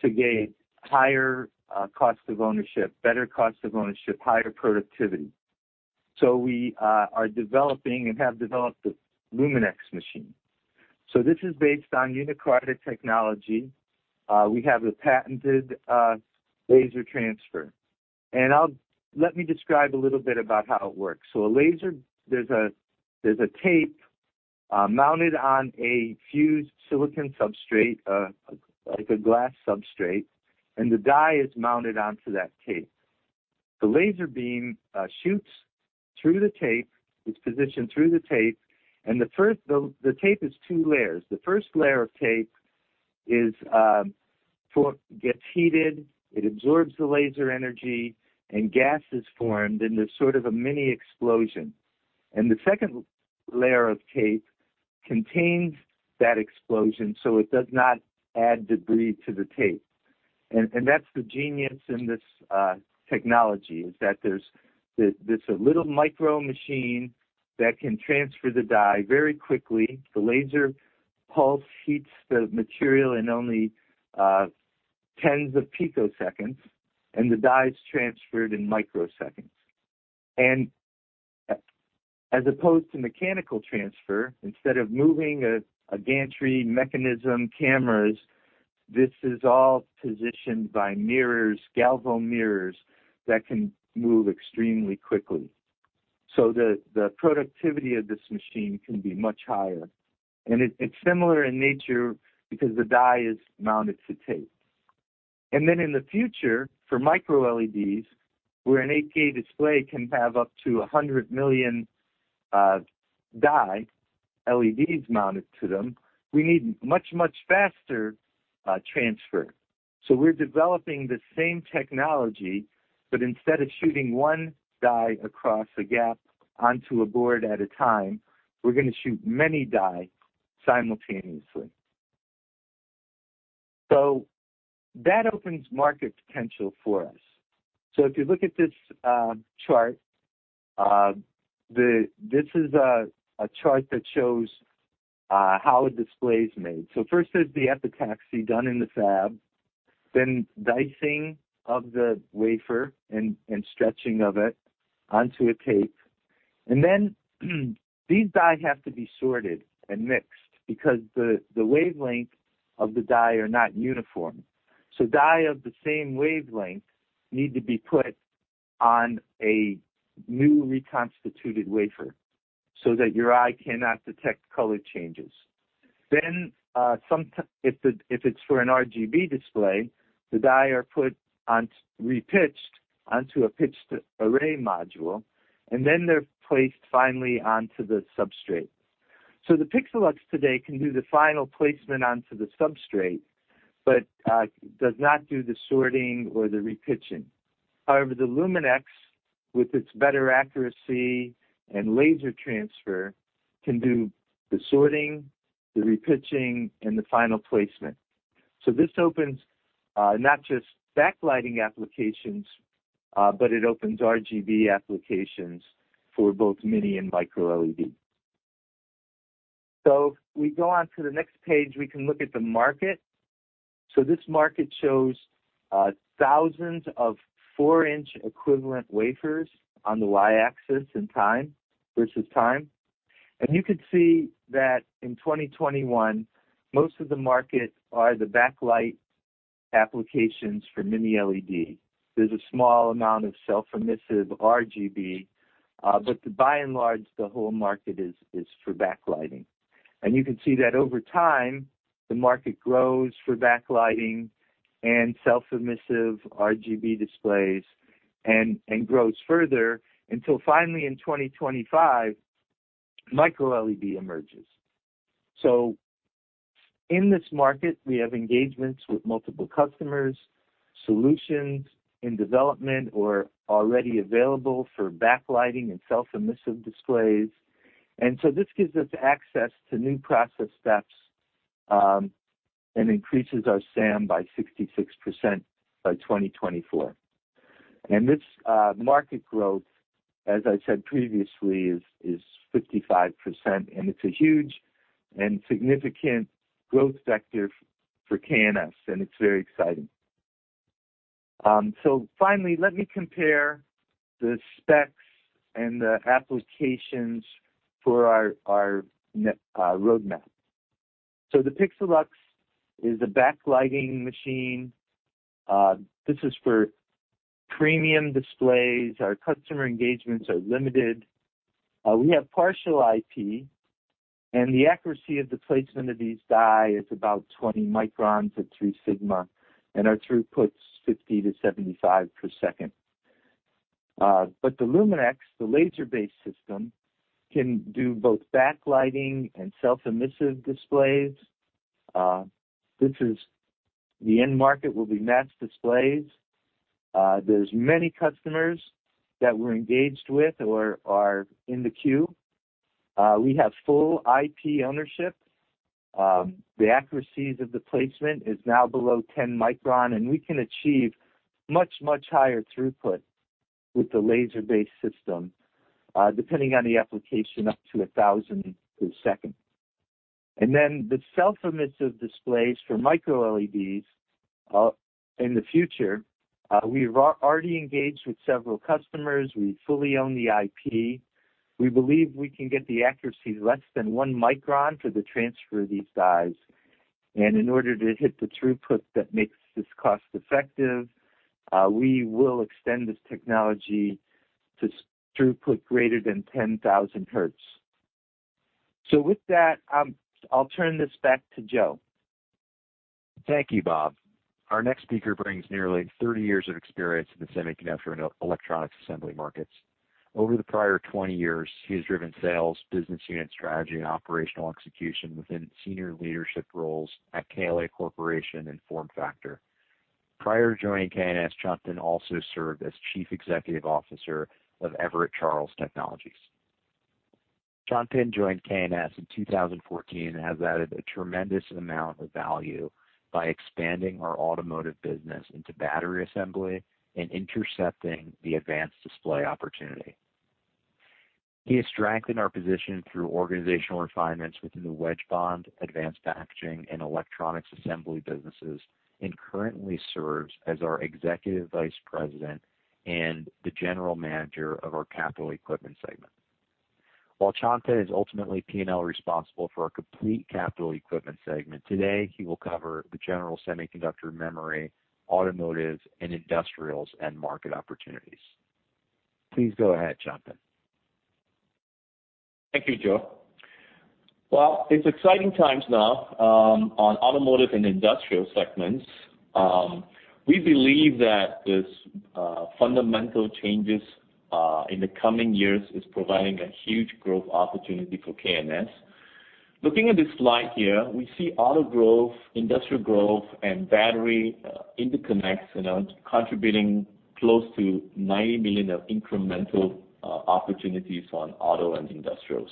to gain higher cost of ownership, better cost of ownership, higher productivity. We are developing and have developed the LUMINEX machine. This is based on Uniqarta technology. We have a patented laser transfer. Let me describe a little bit about how it works. A laser, there's a tape mounted on a fused silicon substrate, like a glass substrate, and the die is mounted onto that tape. The laser beam shoots through the tape, it's positioned through the tape, and the tape is two layers. The first layer of tape gets heated, it absorbs the laser energy, and gas is formed, and there's sort of a mini explosion. The second layer of tape contains that explosion, so it does not add debris to the tape. That's the genius in this technology, is that there's a little micro machine that can transfer the die very quickly. The laser pulse heats the material in only tens of picoseconds, and the die is transferred in microseconds. As opposed to mechanical transfer, instead of moving a gantry mechanism, cameras, this is all positioned by mirrors, galvo mirrors, that can move extremely quickly. The productivity of this machine can be much higher, and it's similar in nature because the die is mounted to tape. In the future, for MicroLEDs, where an 8K display can have up to 100 million die LEDs mounted to them, we need much, much faster transfer. We're developing the same technology, but instead of shooting one die across a gap onto a board at a time, we're going to shoot many die simultaneously, so that opens market potential for us. If you look at this chart, this is a chart that shows how a display is made. First is the epitaxy done in the fab, then dicing of the wafer, and stretching of it onto a tape. These die have to be sorted and mixed because the wavelength of the die are not uniform. Die of the same wavelength need to be put on a new reconstituted wafer so that your eye cannot detect color changes. If it's for an RGB display, the die are repitched onto a pitched array module, and then they're placed finally onto the substrate. The Pixelux today can do the final placement onto the substrate, but does not do the sorting or the repitching. However, the LUMINEX, with its better accuracy and laser transfer, can do the sorting, the repitching, and the final placement. This opens, not just backlighting applications, but it opens RGB applications for both Mini and MicroLED. We go on to the next page, we can look at the market. This market shows thousands of four-inch equivalent wafers on the Y-axis versus time. You could see that in 2021, most of the market are the backlight applications for Mini LED. There's a small amount of self-emissive RGB but, by and large, the whole market is for backlighting. You can see that over time, the market grows for backlighting and self-emissive RGB displays and grows further, until finally in 2025, MicroLED emerges. In this market, we have engagements with multiple customers, solutions in development or already available for backlighting and self-emissive displays. This gives us access to new process steps, and increases our SAM by 66% by 2024. This market growth, as I said previously, is 55%, and it's a huge and significant growth sector for K&S, and it's very exciting. Finally, let me compare the specs and the applications for our roadmap. The Pixelux is a backlighting machine. This is for premium displays. Our customer engagements are limited. We have partial IP, and the accuracy of the placement of these die is about 20 microns at 3 Sigma, and our throughput's 50 to 75 per second. The LUMINEX, the laser-based system, can do both backlighting and self-emissive displays. The end market will be mass displays. There's many customers that we're engaged with or are in the queue. We have full IP ownership. The accuracies of the placement is now below 10 micron, and we can achieve much, much higher throughput with the laser-based system, depending on the application, up to 1,000 per second. Then the self-emissive displays for MicroLEDs in the future, we've already engaged with several customers. We fully own the IP. We believe we can get the accuracy less than 1 micron for the transfer of these dies. In order to hit the throughput that makes this cost-effective, we will extend this technology to throughput greater than 10,000 Hz. With that, I'll turn this back to Joe. Thank you, Bob. Our next speaker brings nearly 30 years of experience in the semiconductor and electronics assembly markets. Over the prior 20 years, he has driven sales, business unit strategy, and operational execution within senior leadership roles at KLA Corporation and FormFactor. Prior to joining K&S, Chan Pin also served as chief executive officer of Everett Charles Technologies. Chan Pin joined K&S in 2014 and has added a tremendous amount of value by expanding our automotive business into battery assembly and intercepting the advanced display opportunity. He has strengthened our position through organizational refinements within the wedge bond, advanced packaging, and electronics assembly businesses, and currently serves as our Executive Vice President and the General Manager of our Capital Equipment Segment. While Chan Pin Chong is ultimately P&L responsible for our complete Capital Equipment Segment, today, he will cover the general semiconductor memory, automotive, and industrials and market opportunities. Please go ahead, Chan Pin. Thank you, Joe. Well, it's exciting times now on automotive and industrial segments. We believe that this fundamental changes in the coming years is providing a huge growth opportunity for K&S. Looking at this slide here, we see auto growth, industrial growth, and battery interconnects, and are contributing close to $90 million of incremental opportunities on auto and industrials.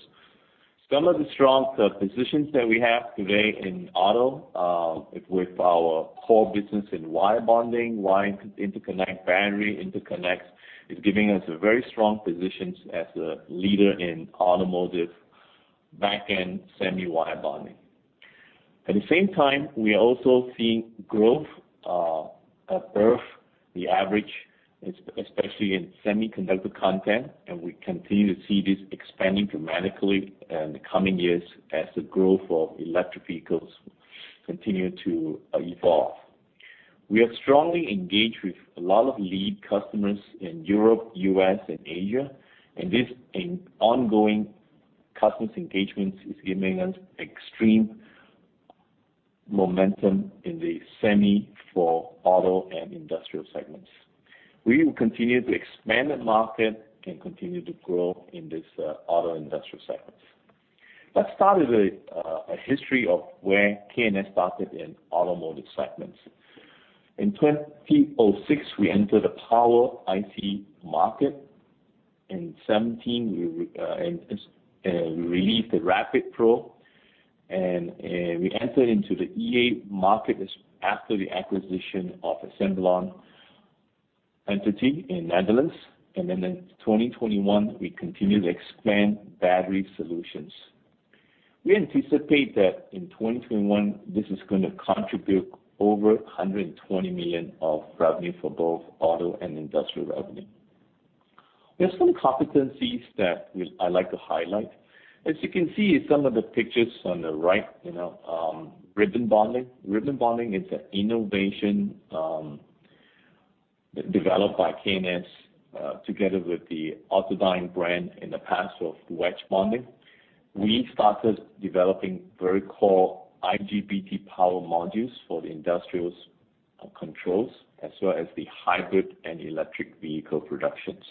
Some of the strong positions that we have today in auto, with our core business in wire bonding, wire interconnect, battery interconnects, is giving us a very strong position as a leader in automotive back-end semi wire bonding. At the same time, we are also seeing growth above the average, especially in semiconductor content, and we continue to see this expanding dramatically in the coming years as the growth of electric vehicles continue to evolve. We are strongly engaged with a lot of lead customers in Europe, U.S., and Asia. These ongoing customers engagements is giving us extreme momentum in the semi for auto and industrial segments. We will continue to expand the market and continue to grow in these auto industrial segments. Let's start with a history of where K&S started in automotive segments. In 2006, we entered the power IC market. In 2017, we released the RAPID Pro, and we entered into the EA market after the acquisition of Assembléon entity in Netherlands. In 2021, we continued to expand battery solutions. We anticipate that in 2021, this is going to contribute over $120 million of revenue for both auto and industrial revenue. There's some competencies that I like to highlight. As you can see, some of the pictures on the right, ribbon bonding. Ribbon bonding is an innovation developed by K&S, together with the Ultradyne brand in the past of wedge bonding. We started developing very core IGBT power modules for the industrial controls as well as the hybrid and electric vehicle productions.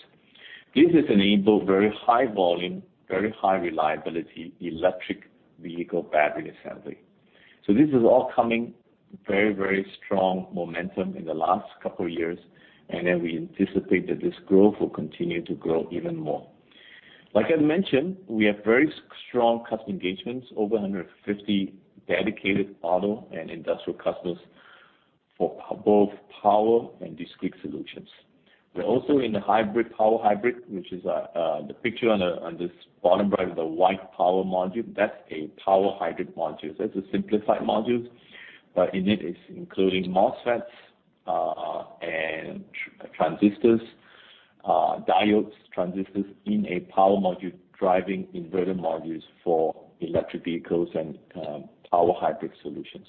This has enabled very high volume, very high reliability electric vehicle battery assembly. This is all coming very strong momentum in the last couple of years. We anticipate that this growth will continue to grow even more. Like I mentioned, we have very strong customer engagements, over 150 dedicated auto and industrial customers for both power and discrete solutions. We're also in the hybrid power hybrid, which is the picture on this bottom right of the white power module, that's a power hybrid module. That's a simplified module. In it is including MOSFETs and transistors, diodes, transistors in a power module, driving inverter modules for electric vehicles and power hybrid solutions.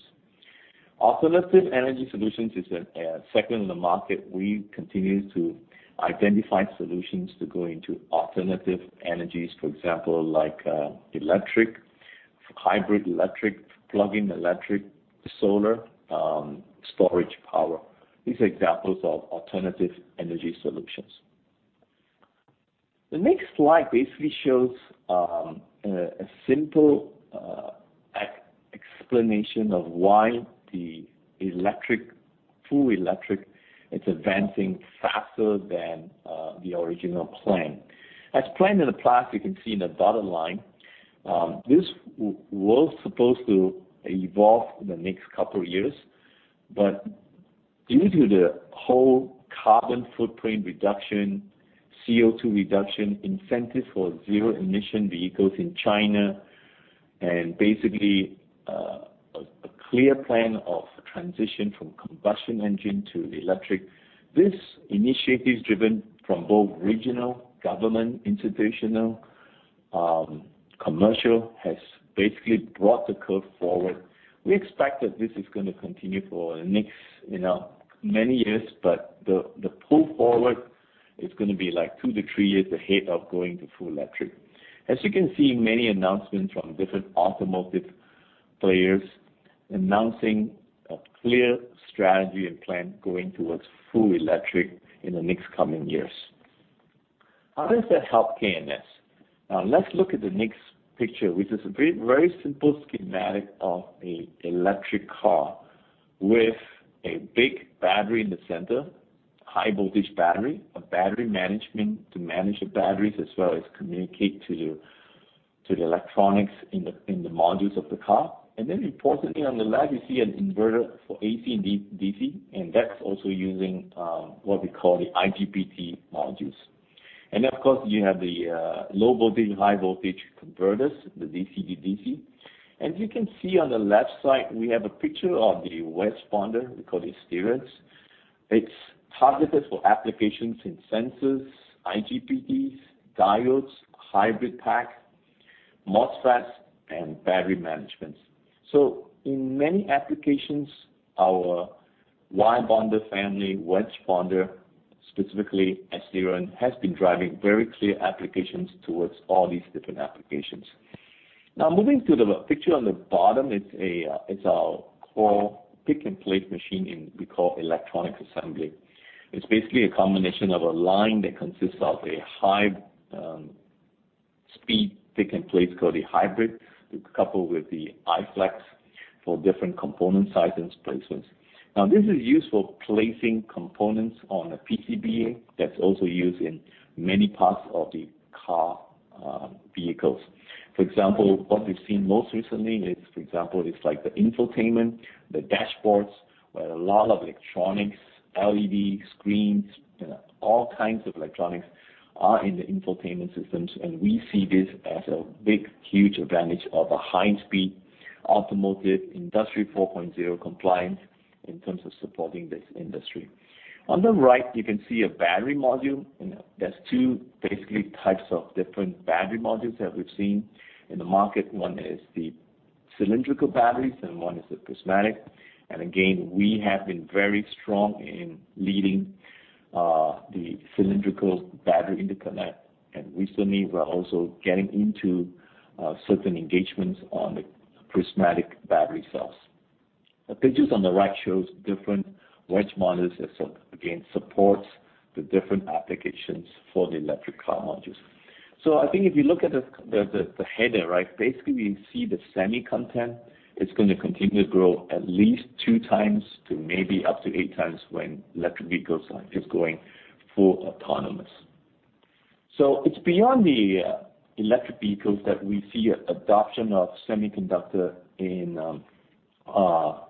Alternative energy solutions is a segment in the market. We continue to identify solutions to go into alternative energies, for example, like electric, hybrid electric, plug-in electric, solar, storage power. These are examples of alternative energy solutions. The next slide basically shows a simple explanation of why the full electric is advancing faster than the original plan. As planned in the past, you can see in the bottom line, this was supposed to evolve in the next couple of years, but due to the whole carbon footprint reduction, CO2 reduction, incentives for zero-emission vehicles in China, and basically, a clear plan of transition from combustion engine to electric, this initiative driven from both regional government, institutional, commercial, has basically brought the curve forward. We expect that this is going to continue for the next many years, but the pull forward is going to be two to three years ahead of going to full electric. As you can see, many announcements from different automotive players announcing a clear strategy and plan going towards full electric in the next coming years. How does that help K&S? Let's look at the next picture, which is a very simple schematic of an electric car with a big battery in the center, high-voltage battery, a battery management to manage the batteries as well as communicate to the electronics in the modules of the car. Importantly, on the left, you see an inverter for AC and DC, and that's also using what we call the IGBT modules. Of course, you have the low voltage, high voltage converters, the DC to DC. You can see on the left side, we have a picture of the wedge bonder, we call the Asterion. It's targeted for applications in sensors, IGBTs, diodes, hybrid pack, MOSFETs, and battery management. In many applications, our wire bonder family, wedge bonder, specifically as Asterion, has been driving very clear applications towards all these different applications. Moving to the picture on the bottom, it's our core pick-and-place machine, and we call electronics assembly. It's basically a combination of a line that consists of a high-speed pick-and-place called a Hybrid. It's coupled with the iFlex for different component sizes, placements. This is used for placing components on a PCBA that's also used in many parts of the car vehicles. For example, what we've seen most recently is, for example, is like the infotainment, the dashboards, where a lot of electronics, LED screens, all kinds of electronics are in the infotainment systems, and we see this as a big, huge advantage of a high-speed automotive Industry 4.0 compliance in terms of supporting this industry. On the right, you can see a battery module, and there's two basically types of different battery modules that we've seen in the market. One is the cylindrical batteries, and one is the prismatic. Again, we have been very strong in leading the cylindrical battery interconnect, and recently we're also getting into certain engagements on the prismatic battery cells. The pictures on the right shows different wedge modules that again, supports the different applications for the electric car modules. I think if you look at the header, right? Basically, we see the semi content. It's going to continue to grow at least 2x to maybe up to 8x when electric vehicles are just going full autonomous. It's beyond the electric vehicles that we see adoption of semiconductor in power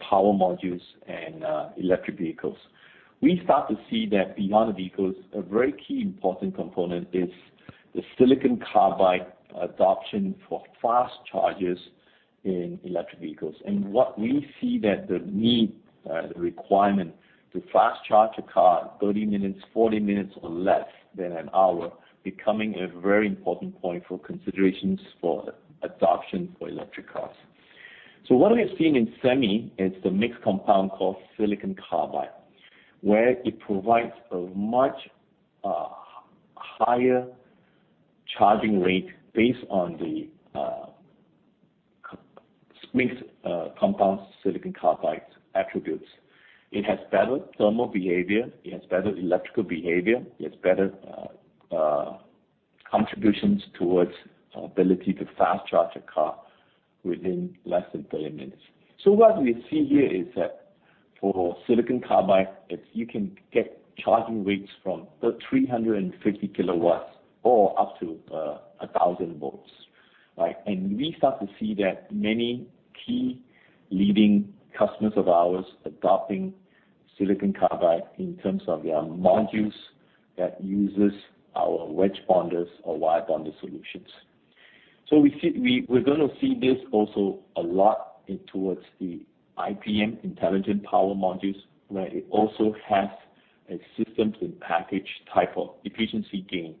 modules and electric vehicles. We start to see that beyond the vehicles, a very key important component is the silicon carbide adoption for fast chargers in electric vehicles. What we see that the need, the requirement to fast charge a car, 30 minutes, 40 minutes, or less than 1 hour, becoming a very important point for considerations for adoption for electric cars. What we've seen in semi is the mixed compound called silicon carbide, where it provides a much higher charging rate based on the mixed compound silicon carbide's attributes. It has better thermal behavior, it has better electrical behavior, it has better contributions towards ability to fast charge a car within less than 30 minutes. What we see here is that for silicon carbide, you can get charging rates from 350 kW or up to 1,000 V, right? We start to see that many key leading customers of ours adopting silicon carbide in terms of their modules that uses our wedge bonders or wire bonder solutions. We're going to see this also a lot towards the IPM, Intelligent Power Modules, where it also has a system to package type of efficiency gain.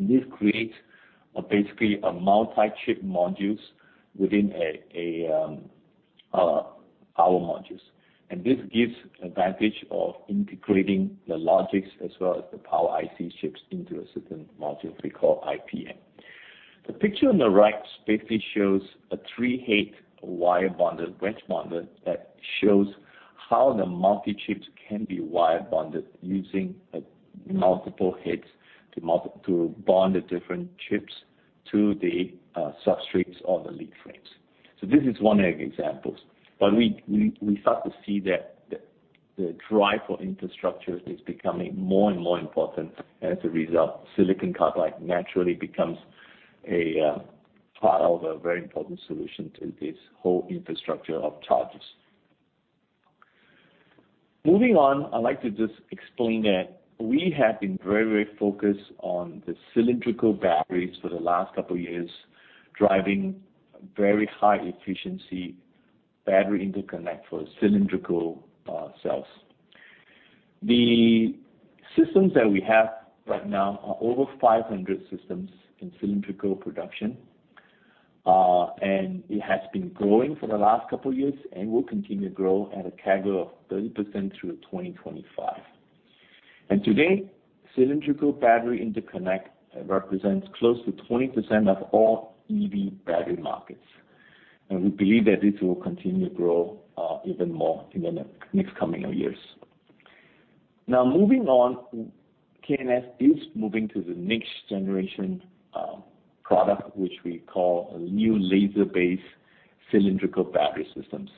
This creates basically a multi-chip modules within power modules. This gives advantage of integrating the logics as well as the power IC chips into a certain module we call IPM. The picture on the right basically shows a three-head wire bonder, wedge bonder that shows how the multi-chips can be wire bonded using multiple heads to bond the different chips to the substrates or the lead frames. This is one of the examples, but we start to see that the drive for infrastructure is becoming more and more important. As a result, silicon carbide naturally becomes a part of a very important solution to this whole infrastructure of chargers. Moving on, I'd like to just explain that we have been very focused on the cylindrical batteries for the last couple of years, driving very high efficiency battery interconnect for cylindrical cells. The systems that we have right now are over 500 systems in cylindrical production, and it has been growing for the last couple years and will continue to grow at a CAGR of 30% through 2025. Today, cylindrical battery interconnect represents close to 20% of all EV battery markets, and we believe that this will continue to grow even more in the next coming years. Moving on, K&S is moving to the next-generation product, which we call a new laser-based cylindrical battery systems.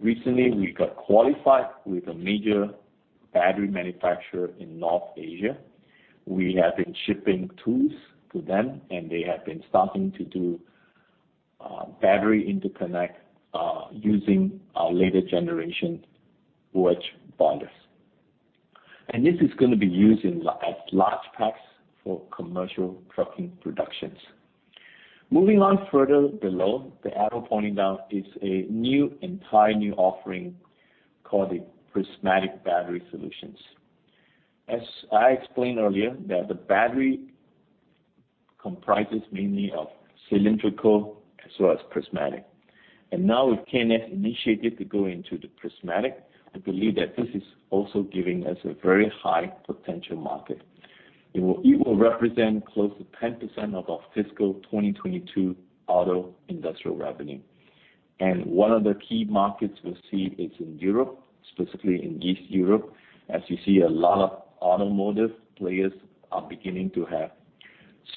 Recently, we got qualified with a major battery manufacturer in North Asia. We have been shipping tools to them, and they have been starting to do battery interconnect, using our later-generation wedge bonders. This is going to be used in large packs for commercial trucking productions. Moving on further below, the arrow pointing down is a new, entirely new offering called the Prismatic Battery Solutions. As I explained earlier, the battery comprises mainly of cylindrical as well as prismatic. Now with K&S initiated to go into the prismatic, I believe that this is also giving us a very high potential market. It will represent close to 10% of our fiscal 2022 auto industrial revenue. One of the key markets we'll see is in Europe, specifically in East Europe. As you see, a lot of automotive players are beginning to have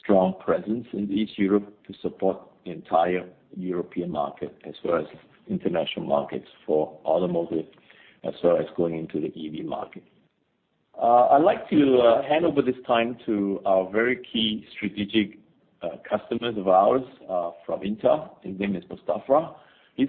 strong presence in East Europe to support the entire European market as well as international markets for automotive, as well as going into the EV market. I'd like to hand over this time to a very key strategic customer of ours, from Intel. His name is Mostafa. He's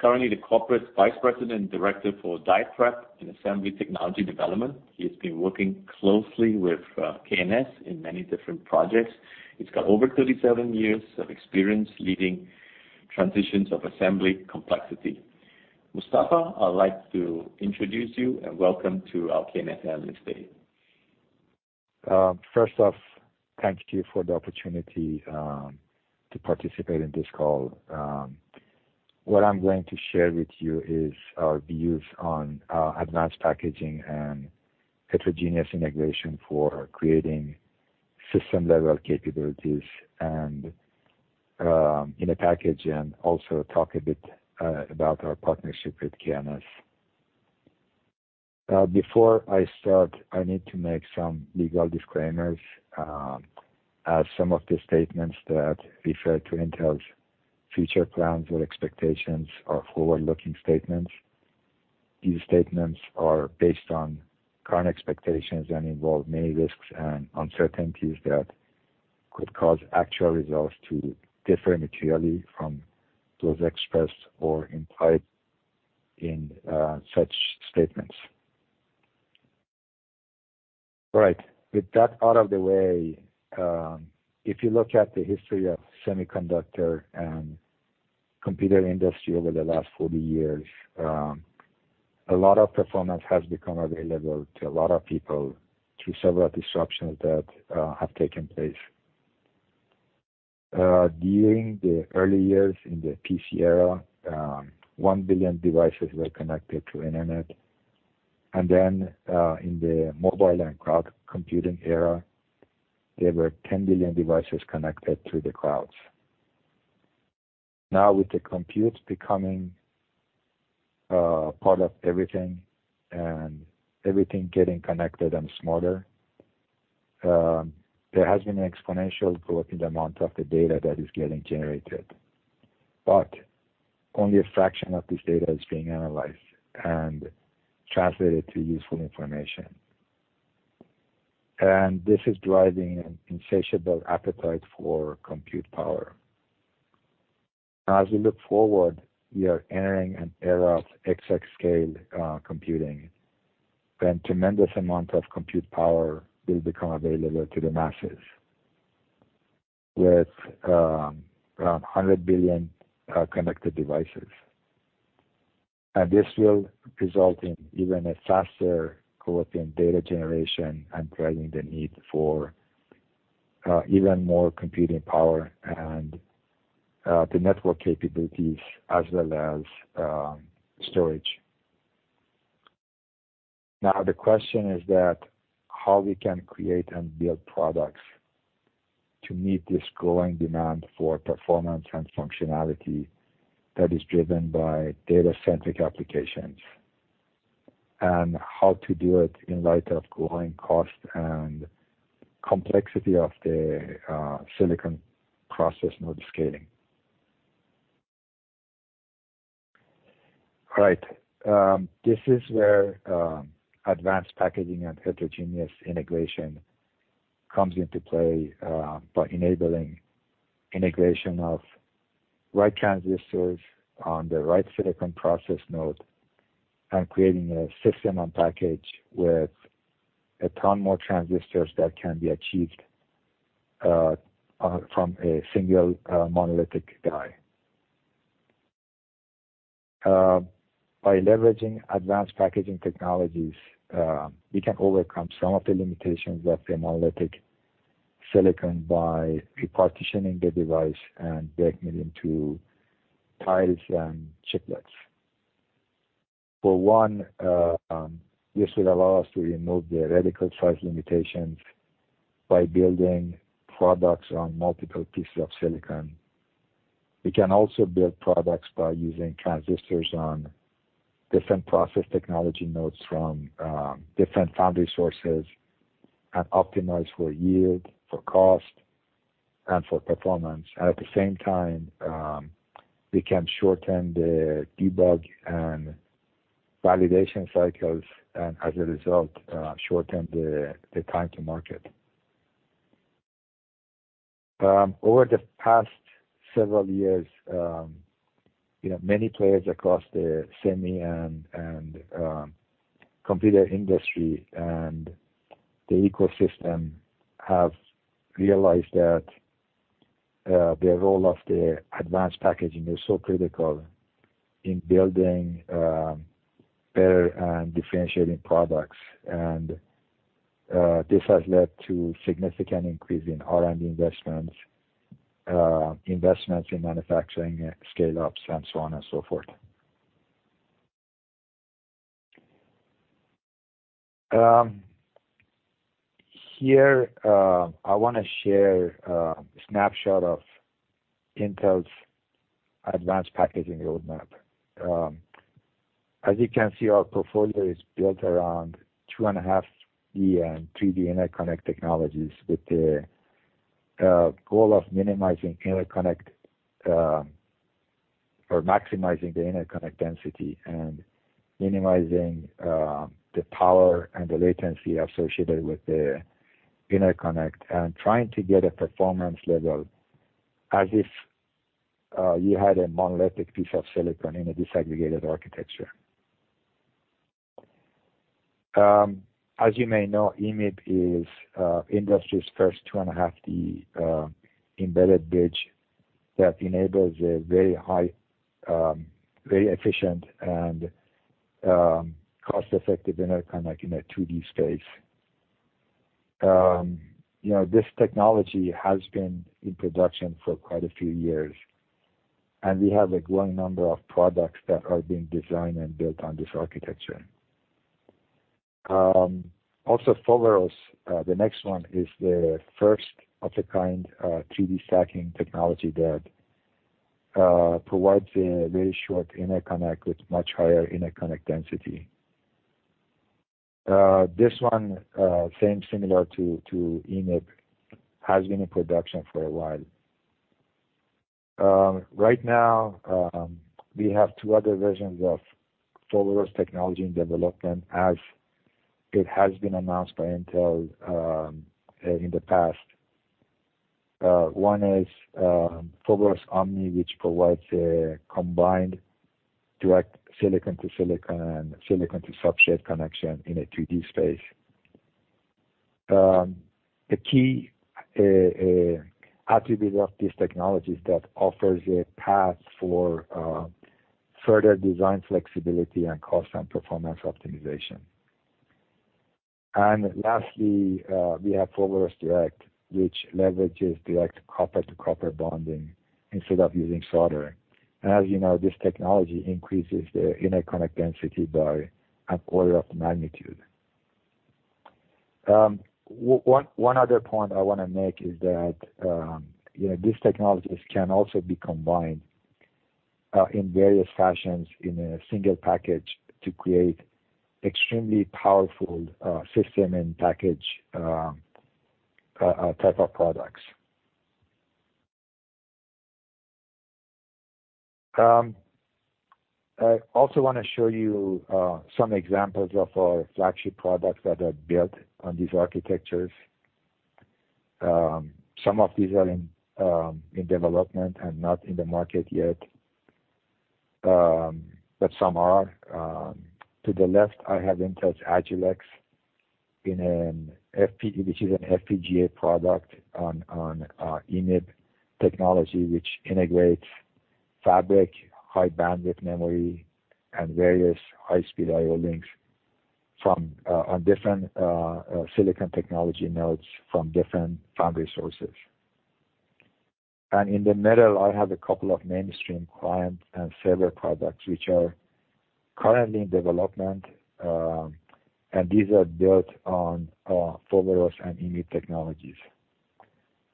currently the Corporate Vice President and Director for Die Prep and Assembly Technology Development. He has been working closely with K&S in many different projects. He's got over 37 years of experience leading transitions of assembly complexity. Mostafa, I'd like to introduce you and welcome to our K&S Analyst Day. First off, thank you for the opportunity to participate in this call. What I'm going to share with you is our views on advanced packaging and heterogeneous integration for creating system-level capabilities and in a package, and also talk a bit about our partnership with K&S. Before I start, I need to make some legal disclaimers, as some of the statements that refer to Intel's future plans or expectations are forward-looking statements. These statements are based on current expectations and involve many risks and uncertainties that could cause actual results to differ materially from those expressed or implied in such statements. All right, with that out of the way, if you look at the history of semiconductor and computer industry over the last 40 years, a lot of performance has become available to a lot of people through several disruptions that have taken place. During the early years in the PC era, 1 billion devices were connected to internet. Then, in the mobile and cloud computing era, there were 10 billion devices connected to the cloud. Now, with the compute becoming a part of everything, and everything getting connected and smarter, there has been an exponential growth in the amount of the data that is getting generated. Only a fraction of this data is being analyzed and translated to useful information. This is driving an insatiable appetite for compute power. As we look forward, we are entering an era of exascale computing, and tremendous amount of compute power will become available to the masses, with around 100 billion connected devices. This will result in even a faster growth in data generation and driving the need for even more computing power and the network capabilities, as well as storage. The question is that how we can create and build products to meet this growing demand for performance and functionality that is driven by data-centric applications, and how to do it in light of growing cost and complexity of the silicon process node scaling. This is where advanced packaging and heterogeneous integration comes into play, by enabling integration of right transistors on the right silicon process node, and creating a system on package with a ton more transistors that can be achieved from a single monolithic die. By leveraging advanced packaging technologies, we can overcome some of the limitations of the monolithic silicon by repartitioning the device and breaking it into tiles and chiplets. For one, this will allow us to remove the reticle size limitations by building products on multiple pieces of silicon. We can also build products by using transistors on different process technology nodes from different foundry sources and optimize for yield, for cost, and for performance. At the same time, we can shorten the debug and validation cycles, and as a result, shorten the time to market. Over the past several years, many players across the semi and computer industry and the ecosystem have realized that the role of the advanced packaging is so critical in building better and differentiating products. This has led to significant increase in R&D investments, investments in manufacturing and scale-ups, and so on and so forth. Here, I want to share a snapshot of Intel's advanced packaging roadmap. As you can see, our portfolio is built around 2.5D and 3D interconnect technologies with the goal of maximizing the interconnect density, and minimizing the power and the latency associated with the interconnect, and trying to get a performance level as if you had a monolithic piece of silicon in a disaggregated architecture. As you may know, EMIB is industry's first 2.5D embedded bridge that enables a very high, very efficient, and cost-effective interconnect in a 2D space. This technology has been in production for quite a few years and we have a growing number of products that are being designed and built on this architecture. Foveros, the next one, is the first-of-its-kind 3D stacking technology that provides a very short interconnect with much higher interconnect density. This one, same similar to EMIB, has been in production for a while. Right now, we have two other versions of Foveros technology in development as it has been announced by Intel in the past. One is Foveros Omni, which provides a combined direct silicon to silicon, and a silicon to substrate connection in a 2D space. The key attribute of this technology is that offers a path for further design flexibility and cost and performance optimization. Lastly, we have Foveros Direct, which leverages direct copper to copper bonding instead of using solder. As you know, this technology increases the interconnect density by an order of magnitude. One other point I want to make is that these technologies can also be combined in various fashions in a single package to create extremely powerful system and package type of products. I also want to show you some examples of our flagship products that are built on these architectures. Some of these are in development and not in the market yet, but some are. To the left, I have Intel's Agilex, which is an FPGA product on EMIB technology, which integrates fabric, high bandwidth memory, and various high-speed I/O links on different silicon technology nodes from different foundry sources. In the middle, I have a couple of mainstream client and server products, which are currently in development, and these are built on Foveros and EMIB technologies.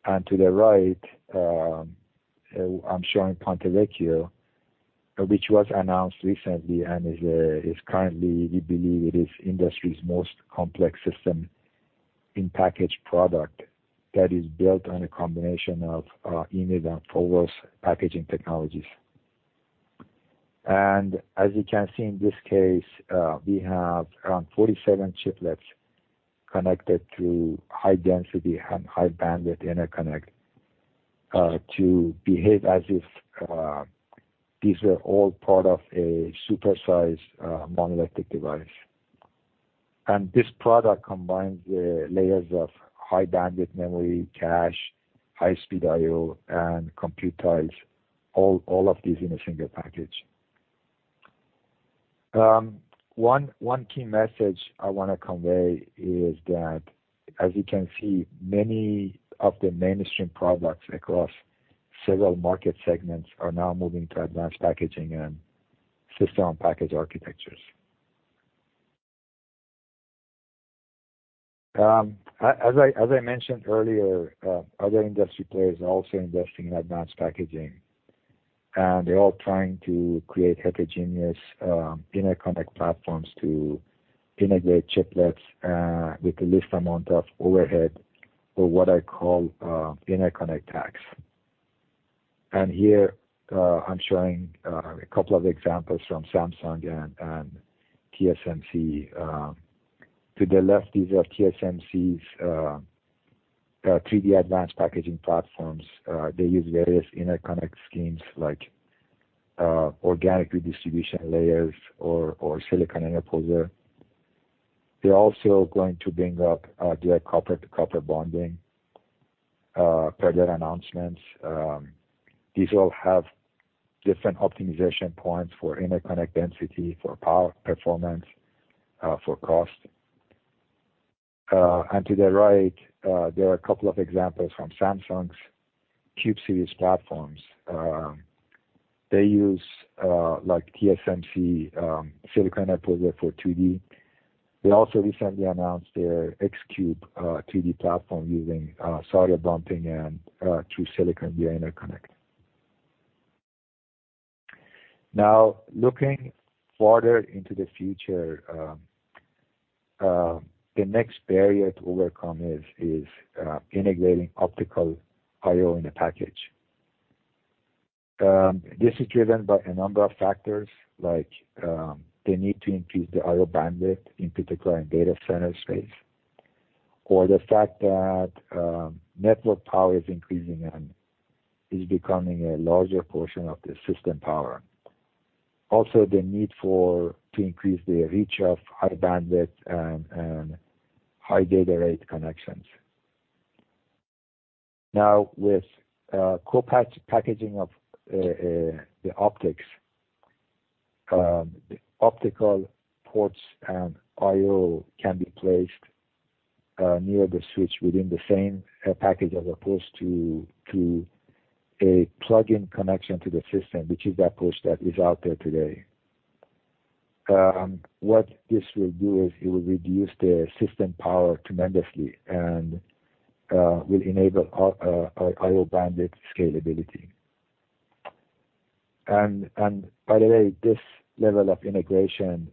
To the right, I'm showing Ponte Vecchio, which was announced recently and is currently, we believe it is industry's most complex system in packaged product that is built on a combination of EMIB and Foveros packaging technologies. As you can see, in this case, we have around 47 chiplets connected through high density and high bandwidth interconnect, to behave as if these were all part of a super-sized monolithic device. This product combines the layers of high bandwidth memory, cache, high speed I/O, and compute tiles, all of these in a single package. One key message I want to convey is that as you can see, many of the mainstream products across several market segments are now moving to advanced packaging and system package architectures. As I mentioned earlier, other industry players are also investing in advanced packaging. They're all trying to create heterogeneous interconnect platforms to integrate chiplets with the least amount of overhead or what I call interconnect tax. Here, I'm showing a couple of examples from Samsung and TSMC. To the left is TSMC's 3D advanced packaging platforms. They use various interconnect schemes like organic redistribution layers or silicon interposer. They're also going to bring up direct copper to copper bonding per their announcements. These all have different optimization points for interconnect density, for power performance, for cost. To the right, there are a couple of examples from Samsung's Cube series platforms. They use, like TSMC, silicon interposer for 2D. They also recently announced their X-Cube 3D platform using solder bumping and through silicon via interconnect. Looking further into the future, the next barrier to overcome is integrating optical I/O in a package. This is driven by a number of factors, like the need to increase the I/O bandwidth, in particular in data center space, or the fact that network power is increasing, and is becoming a larger portion of the system power. Also, the need to increase the reach of high bandwidth and high data rate connections. Now with co-packaging of the optics, the optical ports and I/O can be placed near the switch within the same package as opposed to a plug-in connection to the system, which is the approach that is out there today. What this will do is it will reduce the system power tremendously and will enable I/O bandwidth scalability. By the way, this level of integration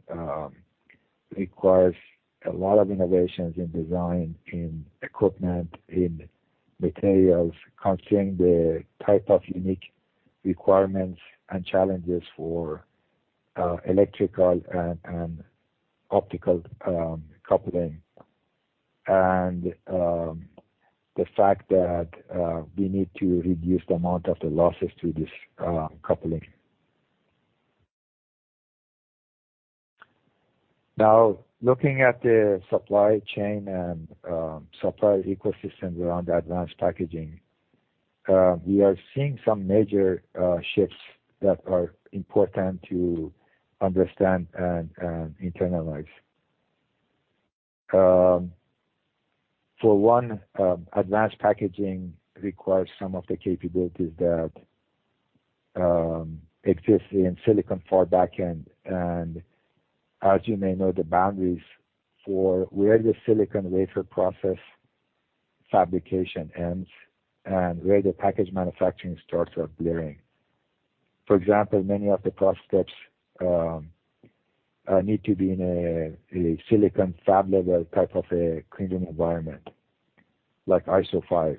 requires a lot of innovations in design, in equipment, in materials concerning the type of unique requirements and challenges for electrical and optical coupling, and the fact that we need to reduce the amount of the losses to this coupling. Now, looking at the supply chain and supply ecosystem around advanced packaging, we are seeing some major shifts that are important to understand and internalize. For one, advanced packaging requires some of the capabilities that exist in silicon far back-end. As you may know, the boundaries for where the silicon wafer process fabrication ends and where the package manufacturing starts are blurring. For example, many of the process steps need to be in a silicon fab-level type of a clean room environment, like ISO 5.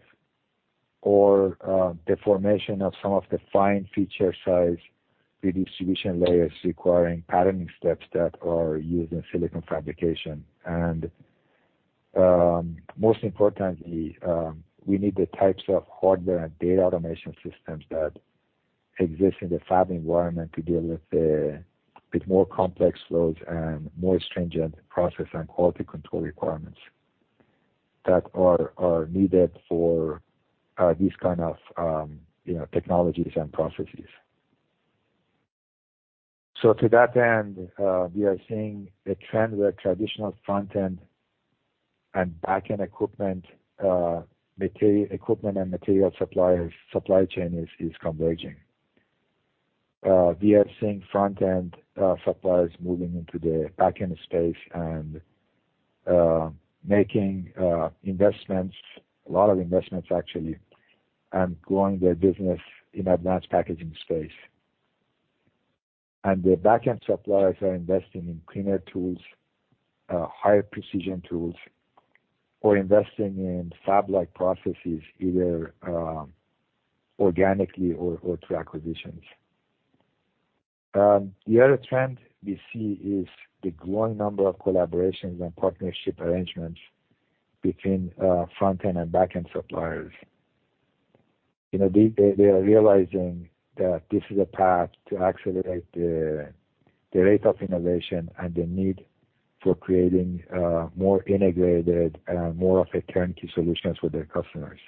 The formation of some of the fine feature size redistribution layers requiring patterning steps that are used in silicon fabrication. Most importantly, we need the types of hardware and data automation systems that exist in the fab environment to deal with a bit more complex flows and more stringent process and quality control requirements that are needed for these kind of technologies and processes. To that end, we are seeing a trend where traditional front-end and back-end equipment and material supply chain is converging. We are seeing front-end suppliers moving into the back-end space and making investments, a lot of investments actually, and growing their business in advanced packaging space. The back-end suppliers are investing in cleaner tools, higher precision tools, or investing in fab-like processes, either organically or through acquisitions. The other trend we see is the growing number of collaborations and partnership arrangements between front-end and back-end suppliers. They are realizing that this is a path to accelerate the rate of innovation and the need for creating more integrated and more of a turnkey solutions for their customers.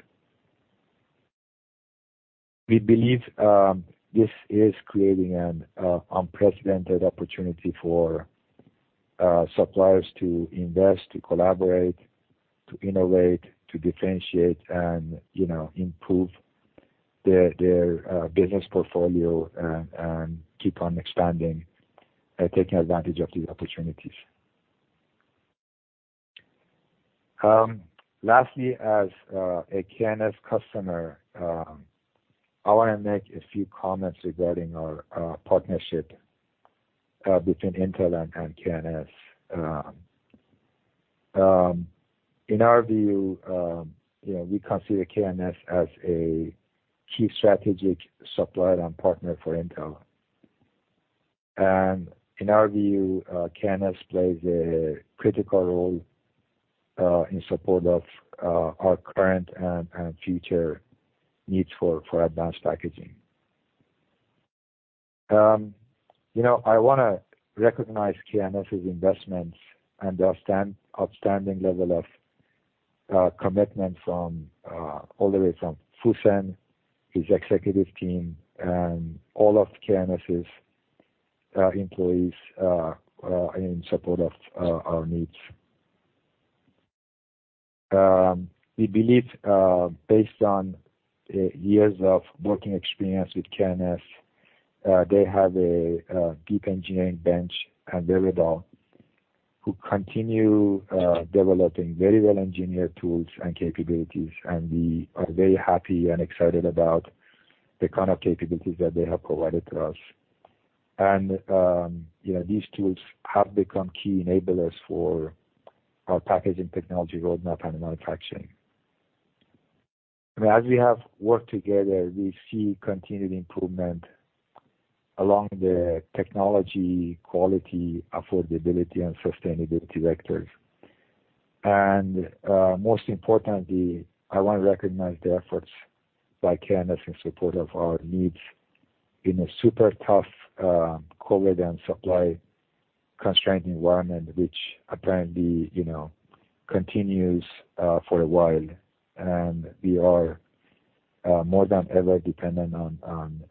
We believe this is creating an unprecedented opportunity for suppliers to invest, to collaborate, to innovate, to differentiate, and improve their business portfolio, and keep on expanding and taking advantage of these opportunities. Lastly, as a K&S customer, I want to make a few comments regarding our partnership between Intel and K&S. In our view, we consider K&S as a key strategic supplier and partner for Intel. In our view, K&S plays a critical role in support of our current and future needs for advanced packaging. I want to recognize K&S's investments and their outstanding level of commitment from all the way from Fusen Chen, his executive team, and all of K&S's employees in support of our needs. We believe, based on years of working experience with K&S, they have a deep engineering bench and valuable who continue developing very well-engineered tools and capabilities, and we are very happy and excited about the kind of capabilities that they have provided to us. These tools have become key enablers for our packaging technology roadmap and manufacturing. As we have worked together, we see continued improvement along the technology, quality, affordability, and sustainability vectors. Most importantly, I want to recognize the efforts by K&S in support of our needs in a super tough COVID and supply-constrained environment, which apparently, you know, continues for a while. We are more than ever dependent on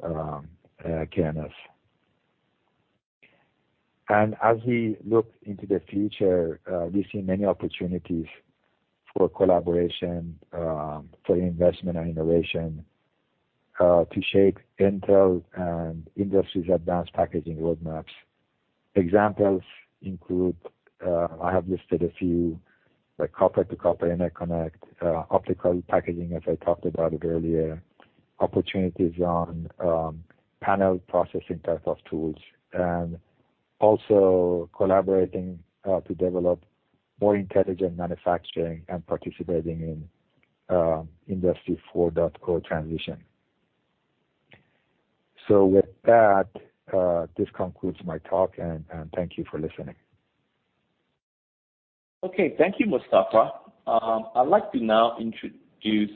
K&S. As we look into the future, we see many opportunities for collaboration, for investment and innovation, to shape Intel and the industry's advanced packaging roadmaps. Examples include, I have listed a few, like copper-to-copper interconnect, optical packaging, as I talked about it earlier, opportunities on panel processing type of tools, and also collaborating to develop more intelligent manufacturing and participating in Industry 4.0 transition. With that, this concludes my talk, and thank you for listening. Okay. Thank you, Mostafa. I'd like to now introduce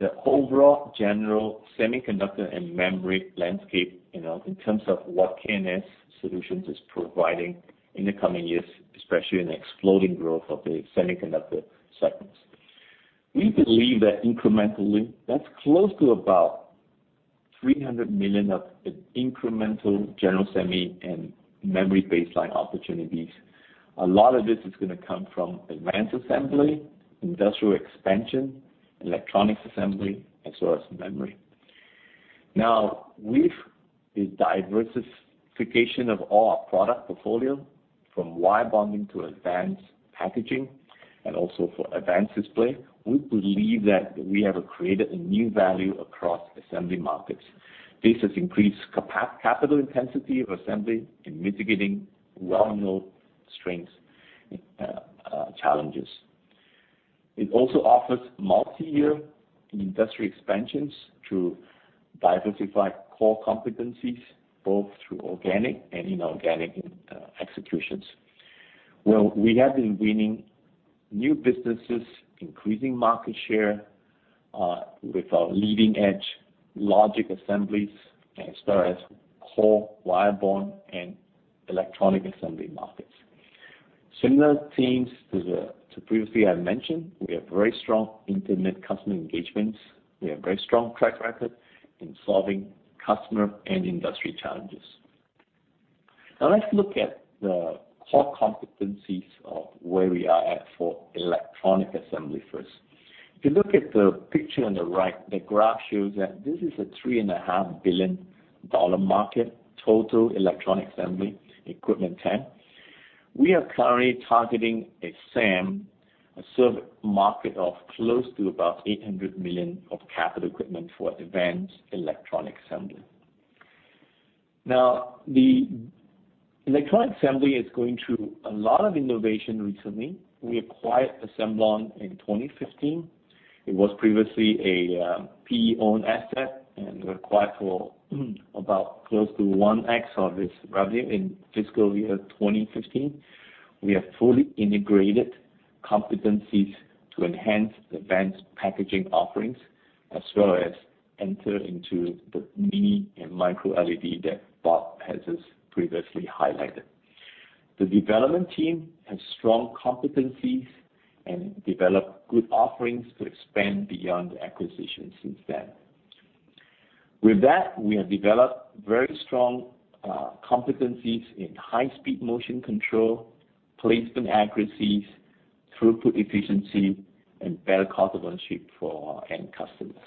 the overall general semiconductor and memory landscape, in terms of what K&S Solutions is providing in the coming years, especially in the exploding growth of the semiconductor segments. We believe that incrementally, that's close to about $300 million of incremental general semi and memory baseline opportunities. A lot of this is going to come from advanced assembly, industrial expansion, electronics assembly, as well as memory. With the diversification of our product portfolio, from wire bonding to advanced packaging and also for advanced display, we believe that we have created a new value across assembly markets. This has increased capital intensity of assembly in mitigating well-known strengths and challenges. It also offers multi-year industry expansions through diversified core competencies, both through organic and inorganic executions. Well, we have been winning new businesses, increasing market share, with our leading-edge logic assemblies, as well as core wire bond and electronic assembly markets. Similar themes to previously I mentioned, we have very strong intimate customer engagements. We have very strong track record in solving customer and industry challenges. Let's look at the core competencies of where we are at for electronic assembly first. If you look at the picture on the right, the graph shows that this is a $3.5 billion market, total electronic assembly equipment TAM. We are currently targeting a SAM, a served market of close to about $800 million of capital equipment for advanced electronic assembly. Now the electronic assembly is going through a lot of innovation recently. We acquired Assembléon in 2015. It was previously a PE-owned asset, we acquired for about close to 1x of its revenue in Fiscal Year 2015. We have fully integrated competencies to enhance advanced packaging offerings, as well as enter into the Mini LED and MicroLED that Bob has previously highlighted. The development team have strong competencies and developed good offerings to expand beyond the acquisition since then. With that, we have developed very strong competencies in high-speed motion control, placement accuracies, throughput efficiency, and better cost of ownership for our end customers.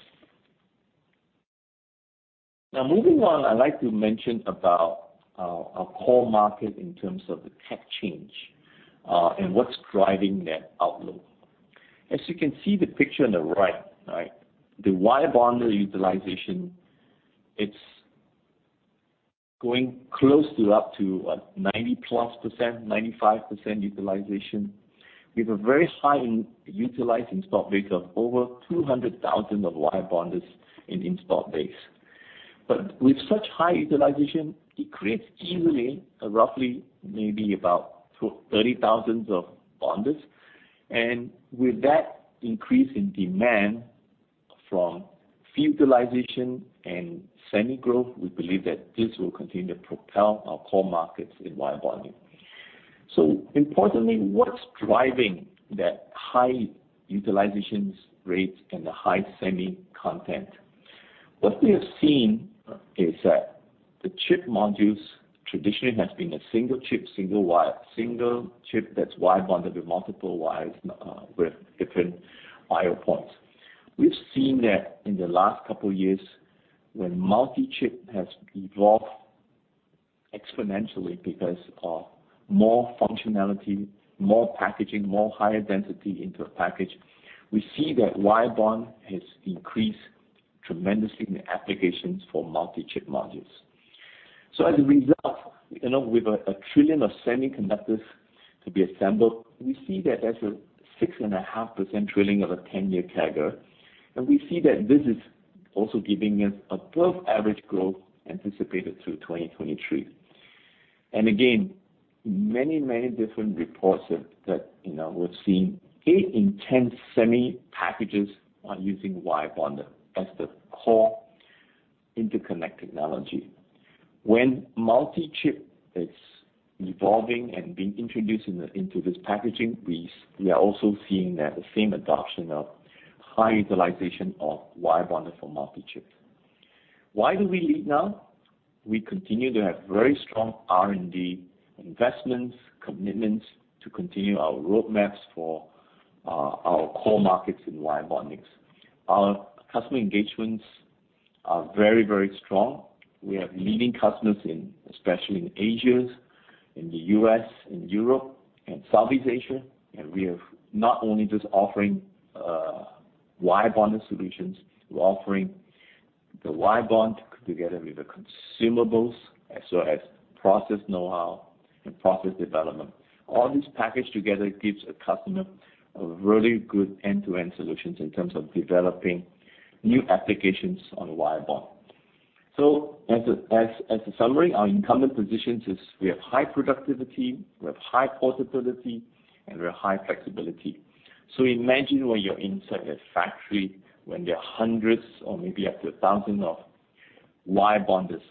Now, moving on, I'd like to mention about our core market in terms of the tech change, and what's driving that outlook. As you can see the picture on the right, the wire bonder utilization, it's going close to up to what, 90+%, 95% utilization. We have a very high utilized install base of over 200,000 wire bonders in install base. With such high utilization, it creates yearly, roughly maybe about 30,000 bonders. With that increase in demand from utilization and semi growth, we believe that this will continue to propel our core markets in wire bonding. Importantly, what's driving that high utilization rates and the high semi content? What we have seen is that the chip modules traditionally has been a single chip that's wire bonded with multiple wires with different I/O points. We've seen that in the last couple of years, when multi-chip has evolved exponentially because of more functionality, more packaging, more higher density into a package. We see that wire bond has increased tremendously in the applications for multi-chip modules. As a result, with 1 trillion semiconductors to be assembled, we see that as a 6.5% drilling of a 10-year CAGR. We see that this is also giving us above average growth anticipated through 2023. Again, many, many different reports that we've seen, eight in 10 semi packages are using wire bonding as the core interconnect technology. When multi-chip is evolving and being introduced into this packaging, we are also seeing that the same adoption of high utilization of wire bond for multi-chip. Why do we lead now? We continue to have very strong R&D investments, commitments to continue our roadmaps for our core markets in wire bondings. Our customer engagements are very strong. We have leading customers especially in Asia, in the U.S., in Europe and Southeast Asia. We are not only just offering wire bonding solutions, we're offering the wire bond together with the consumables, as well as process know-how and process development. All this packaged together gives a customer a really good end-to-end solutions in terms of developing new applications on wire bond. As a summary, our incumbent positions is we have high productivity, we have high portability, and we have high flexibility. Imagine when you're inside a factory, when there are 100s or maybe up to 1,000 of wire bonders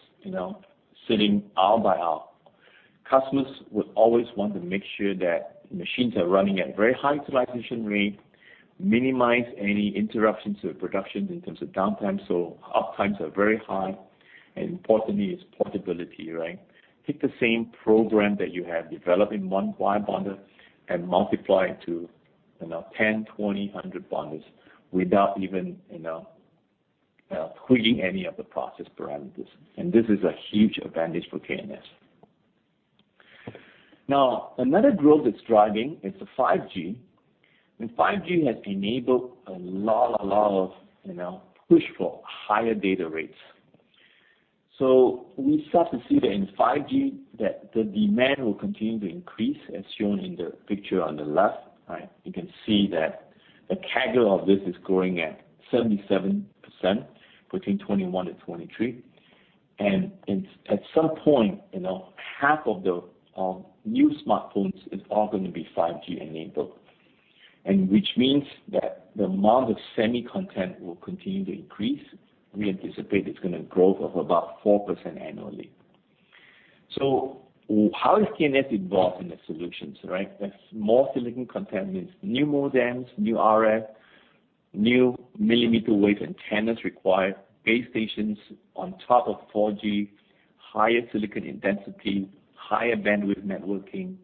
sitting hour by hour, customers would always want to make sure that machines are running at very high utilization rate, minimize any interruptions to the productions in terms of downtime. Uptimes are very high, and importantly is portability, right? Take the same program that you have developed in one wire bonder and multiply it to, you know, 10, 20, 100 bonders without even tweaking any of the process parameters. This is a huge advantage for K&S. Another growth that's driving is the 5G. 5G has enabled a lot of push for higher data rates. We start to see that in 5G, that the demand will continue to increase, as shown in the picture on the left. Right. You can see that the CAGR of this is growing at 77% between 2021 and 2023. At some point, half of the new smartphones is all going to be 5G enabled, which means that the amount of semi content will continue to increase. We anticipate it's going to grow of about 4% annually. How is K&S involved in the solutions, right? There's more silicon content means new modems, new RF, new millimeter wave antennas require base stations on top of 4G, higher silicon intensity, higher bandwidth networking.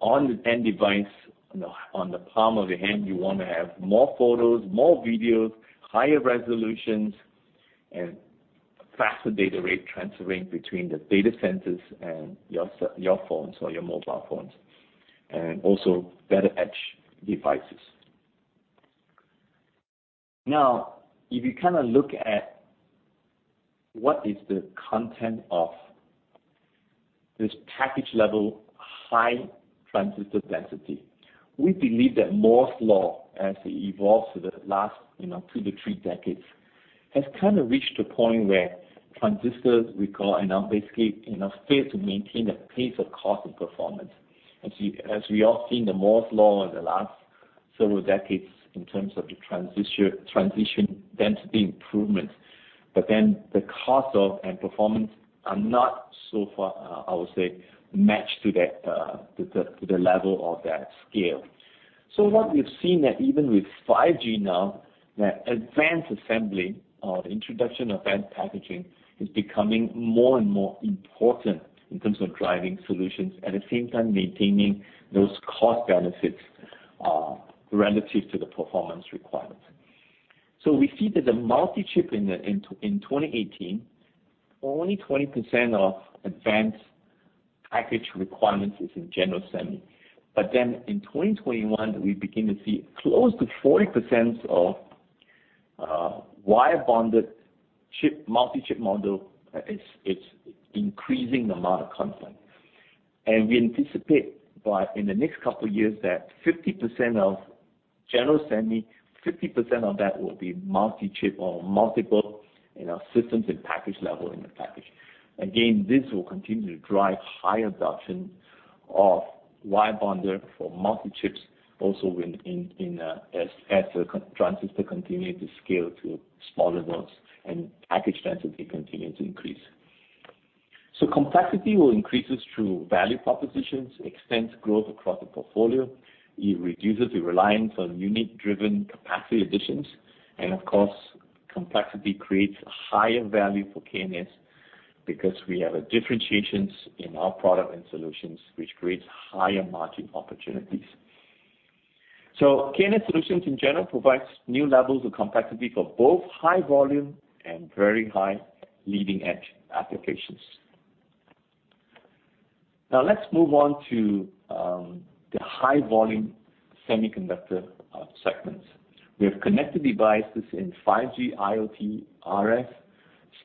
On the end device, on the palm of your hand, you want to have more photos, more videos, higher resolutions, and faster data rate transferring between the data centers and your phones or your mobile phones, and also, better edge devices. If you look at what is the content of this package level, high transistor density, we believe that Moore's law, as it evolves to the last two to three decades, has reached a point where transistors, we call, basically fail to maintain the pace of cost and performance. As we all seen, the Moore's law in the last several decades in terms of the transistor density improvements, but then the cost and performance are not so far, I would say, matched to the level of that scale. What we've seen that even with 5G now, that advanced assembly or the introduction of advanced packaging is becoming more and more important in terms of driving solutions. At the same time, maintaining those cost benefits are relative to the performance requirements. We see that the multi-chip in 2018, only 20% of advanced package requirements is in general semi. In 2021, we begin to see close to 40% of wire bonded multi-chip module, it's increasing the amount of content. We anticipate by in the next couple of years that 50% of general semi, 50% of that will be multi-chip or multiple systems in package level in the package. This will continue to drive high adoption of wire bonder for multi-chips also as the transistor continue to scale to smaller ones and package density continues to increase. Complexity will increase through value propositions, extends growth across the portfolio. It reduces the reliance on unit-driven capacity additions, and of course, complexity creates a higher value for K&S because we have a differentiations in our product and solutions, which creates higher margin opportunities, so K&S solutions in general provides new level of complexities for both high volume and very high leading edge applications. Let's move on to the high volume semiconductor segments. We have connected devices in 5G, IoT, RF,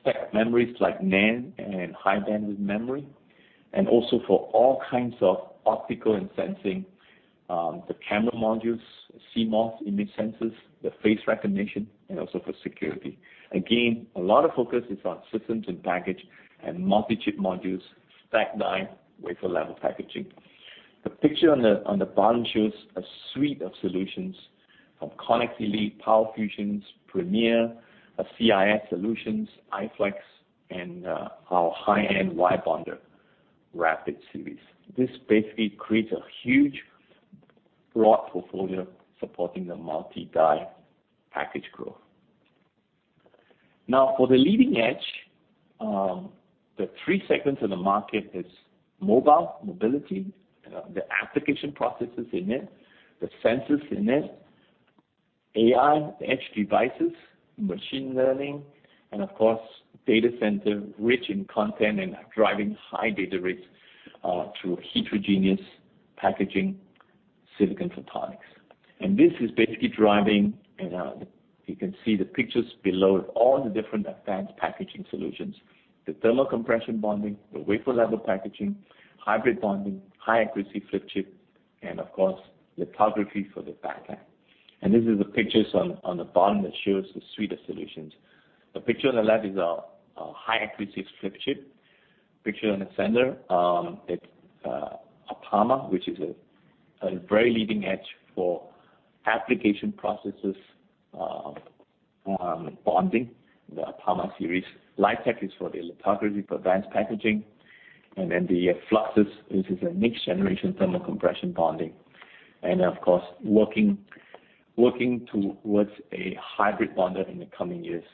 stacked memories like NAND and high bandwidth memory, and also for all kinds of optical and sensing, the camera modules, the CMOS, image sensors, the face recognition, and also for security. Again, a lot of focus is on systems and package and multi-chip modules, stack die, wafer level packaging. The picture on the bottom shows a suite of solutions from ConnX ELITE, PowerFusion's, Premier, CIF solutions, AiFlex, and our high-end wire bonder, RAPID series. This basically creates a huge broad portfolio supporting the multi-die package growth. Now, for the leading edge, the three segments in the market is mobile, mobility, the application processes in it, the sensors in it, AI, the edge devices, machine learning, and of course, data center, rich in content and driving high data rates through heterogeneous packaging, silicon photonics. This is basically driving, you can see the pictures below of all the different advanced packaging solutions, the thermocompression bonding, the wafer level packaging, hybrid bonding, high-accuracy flip chip and, of course, lithography for the back end. This is the pictures on the bottom that shows the suite of solutions. The picture on the left is a high-accuracy flip chip. The picture on the center, it's a APAMA, which is a very leading edge for application processes bonding, the APAMA series. LITEQ is for the lithography for advanced packaging. The Fluxus, this is a next generation thermocompression bonding and, of course, working towards a hybrid bonder in the coming years,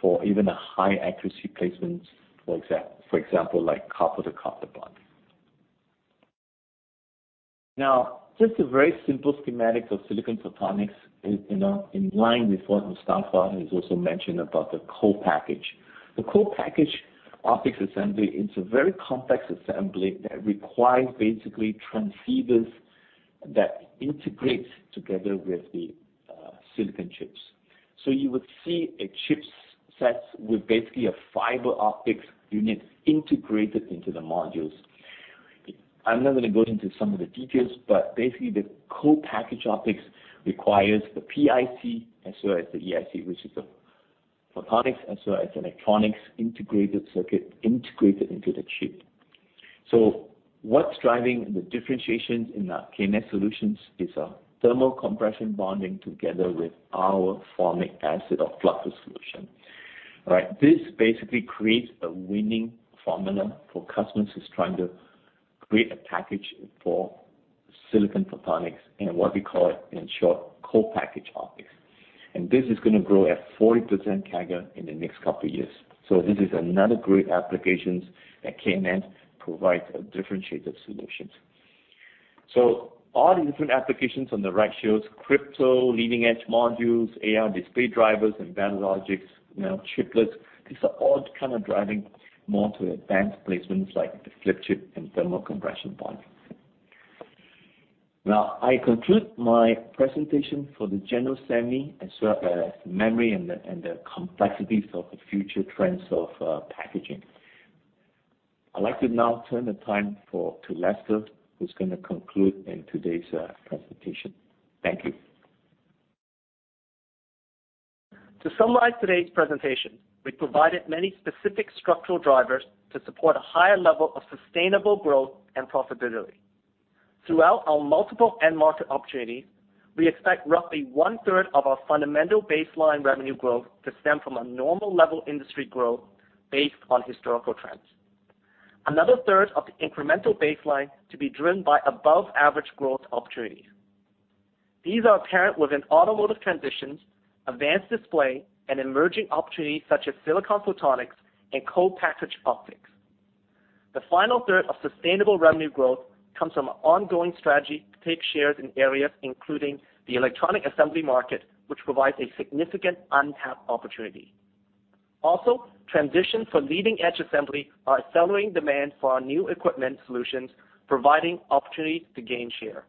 for even a high accuracy placements, for example, like copper-to-copper bonding. Now just a very simple schematic of silicon photonics in line with what Mostafa has also mentioned about the Co-Packaged. The Co-Packaged Optics assembly, it's a very complex assembly that requires basically transceivers that integrates together with the silicon chips. You would see a chip set with basically a fiber optics unit integrated into the modules. I'm not going to go into some of the details, but basically the Co-Packaged Optics requires the PIC as well as the EIC, which is a photonics, as well as electronics integrated circuit integrated into the chip. What's driving the differentiations in our K&S solutions is a thermal compression bonding together with our formic acid or Fluxus solution. All right. This basically creates a winning formula for customers who's trying to create a package for Silicon Photonics, and what we call it in short, Co-Packaged Optics. This is going to grow at 40% CAGR in the next couple years. This is another great applications that K&S provides a differentiated solutions. All the different applications on the right shows crypto, leading edge modules, AI display drivers, advanced logics, chiplets. These are all kind of driving more to advanced placements like the flip chip and thermal compression bond. Now, I conclude my presentation for the general semi as well as the memory and the complexities of the future trends of packaging. I'd like to now turn the time to Lester, who's going to conclude in today's presentation. Thank you. To summarize today's presentation, we provided many specific structural drivers to support a higher level of sustainable growth and profitability. Throughout our multiple end market opportunities, we expect roughly 1/3 of our fundamental baseline revenue growth to stem from a normal level industry growth based on historical trends. Another 1/3 of the incremental baseline to be driven by above average growth opportunities. These are apparent within automotive transitions, advanced display, and emerging opportunities such as silicon photonics and Co-Packaged Optics. The final 1/3 of sustainable revenue growth comes from an ongoing strategy to take shares in areas including the electronic assembly market, which provides a significant untapped opportunity. Also, transitions for leading-edge assembly are accelerating demand for our new equipment solutions, providing opportunities to gain share.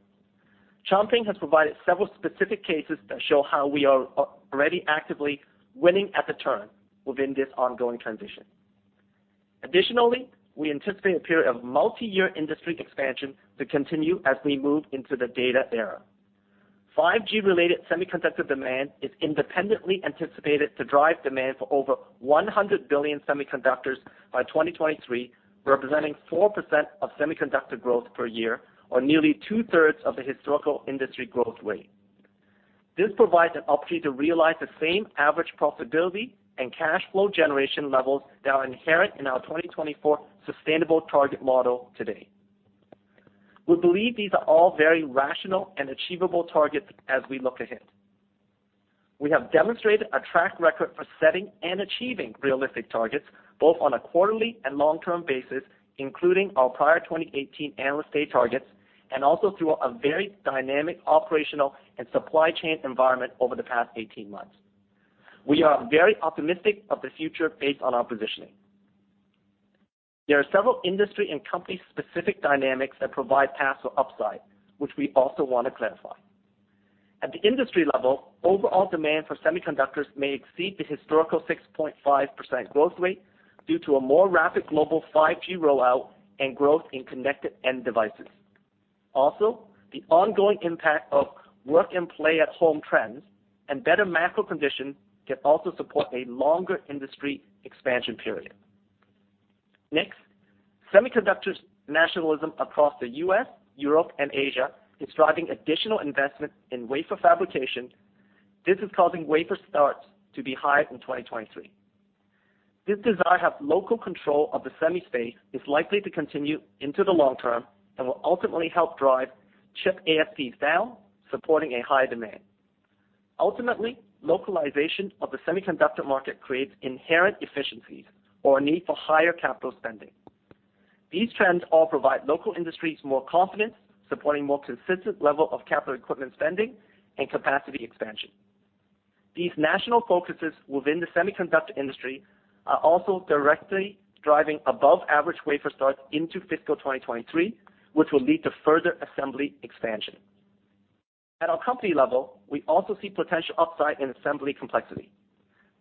Chan Pin has provided several specific cases that show how we are already actively winning at the turn within this ongoing transition. Additionally, we anticipate a period of multi-year industry expansion to continue as we move into the data era. 5G-related semiconductor demand is independently anticipated to drive demand for over 100 billion semiconductors by 2023, representing 4% of semiconductor growth per year, or nearly two-thirds of the historical industry growth rate. This provides an opportunity to realize the same average profitability and cash flow generation levels that are inherent in our 2024 sustainable target model today. We believe these are all very rational and achievable targets as we look ahead. We have demonstrated a track record for setting and achieving realistic targets, both on a quarterly and long-term basis, including our prior 2018 Analyst Day targets, and also through a very dynamic operational and supply chain environment over the past 18 months. We are very optimistic of the future based on our positioning. There are several industry and company specific dynamics that provide paths for upside, which we also want to clarify. At the industry level, overall demand for semiconductors may exceed the historical 6.5% growth rate due to a more rapid global 5G rollout and growth in connected end devices. Also, the ongoing impact of work and play at-home trends and better macro conditions can also support a longer industry expansion period. Next, semiconductors nationalism across the U.S., Europe, and Asia is driving additional investment in wafer fabrication. This is causing wafer starts to be high in 2023. This desire to have local control of the semi space is likely to continue into the long term and will ultimately help drive chip ASPs down, supporting a high demand. Ultimately, localization of the semiconductor market creates inherent efficiencies or a need for higher capital spending. These trends all provide local industries more confidence, supporting more consistent level of capital equipment spending, and capacity expansion. These national focuses within the semiconductor industry are also directly driving above-average wafer starts into fiscal 2023, which will lead to further assembly expansion. At our company level, we also see potential upside in assembly complexity,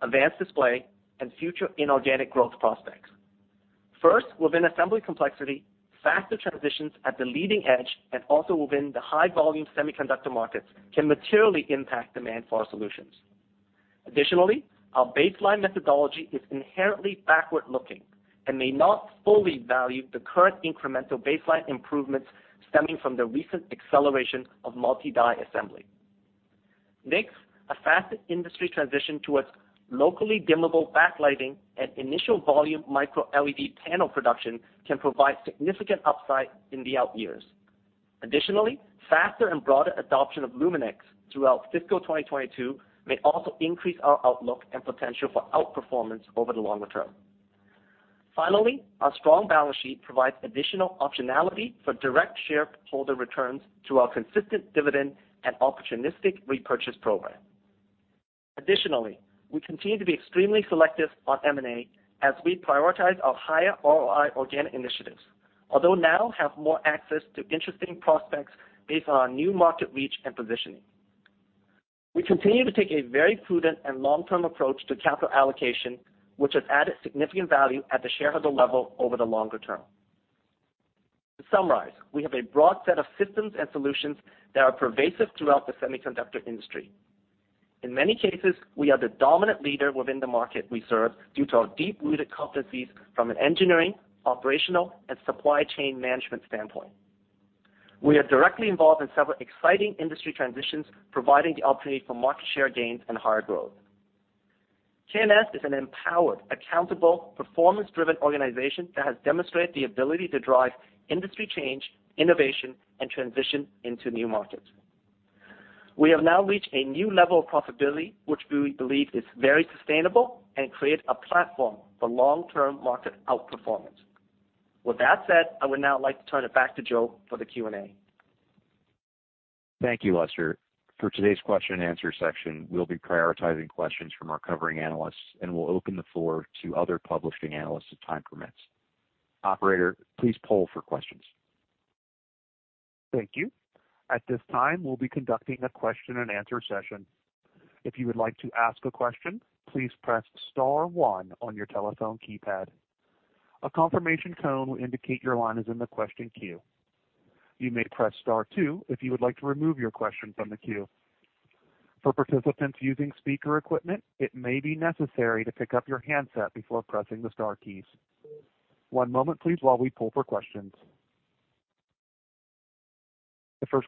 advanced display, and future inorganic growth prospects. First, within assembly complexity, faster transitions at the leading edge and also within the high-volume semiconductor markets can materially impact demand for our solutions. Additionally, our baseline methodology is inherently backward-looking and may not fully value the current incremental baseline improvements stemming from the recent acceleration of multi-die assembly. Next, a faster industry transition towards locally dimmable backlighting and initial volume MicroLED panel production can provide significant upside in the out years. Additionally, faster and broader adoption of LumenX throughout fiscal 2022 may also increase our outlook and potential for outperformance over the longer term. Finally, our strong balance sheet provides additional optionality for direct shareholder returns through our consistent dividend and opportunistic repurchase program. Additionally, we continue to be extremely selective on M&A as we prioritize our higher ROI organic initiatives. Although we now have more access to interesting prospects based on our new market reach and positioning. We continue to take a very prudent and long-term approach to capital allocation, which has added significant value at the shareholder level over the longer term. To summarize, we have a broad set of systems and solutions that are pervasive throughout the semiconductor industry. In many cases, we are the dominant leader within the market we serve due to our deep-rooted competencies from an engineering, operational, and supply chain management standpoint. We are directly involved in several exciting industry transitions, providing the opportunity for market share gains and higher growth. K&S is an empowered, accountable, performance-driven organization that has demonstrated the ability to drive industry change, innovation, and transition into new markets. We have now reached a new level of profitability, which we believe is very sustainable and creates a platform for long-term market outperformance. With that said, I would now like to turn it back to Joe for the Q&A. Thank you, Lester. For today's question and answer section, we'll be prioritizing questions from our covering analysts, and we'll open the floor to other publishing analysts as time permits. Operator, please poll for questions. Thank you. At this time, we'll be conducting a question and answer session. If you would like to ask a question, please press star one on your telephone keypad. A confirmation tone will indicate your line is in the question queue. You may press star two if you would like to remove your question from the queue. The first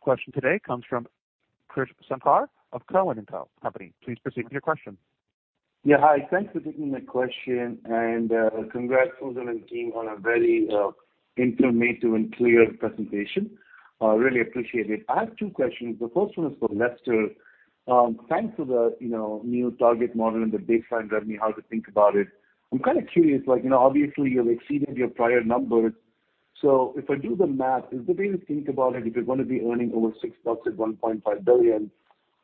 question today comes from Krish Sankar of Cowen & Co, company. Please proceed with your question. Yeah. Hi. Thanks for taking my question, and congrats, Fusen and team, on a very informative and clear presentation, really appreciate it. I have two questions. The first one is for Lester. Thanks for the new target model and the baseline revenue, how to think about it. I'm kind of curious, obviously, you're exceeding your prior numbers. If I do the math, is the way to think about it, if you're going to be earning over $6 at $1.5 billion,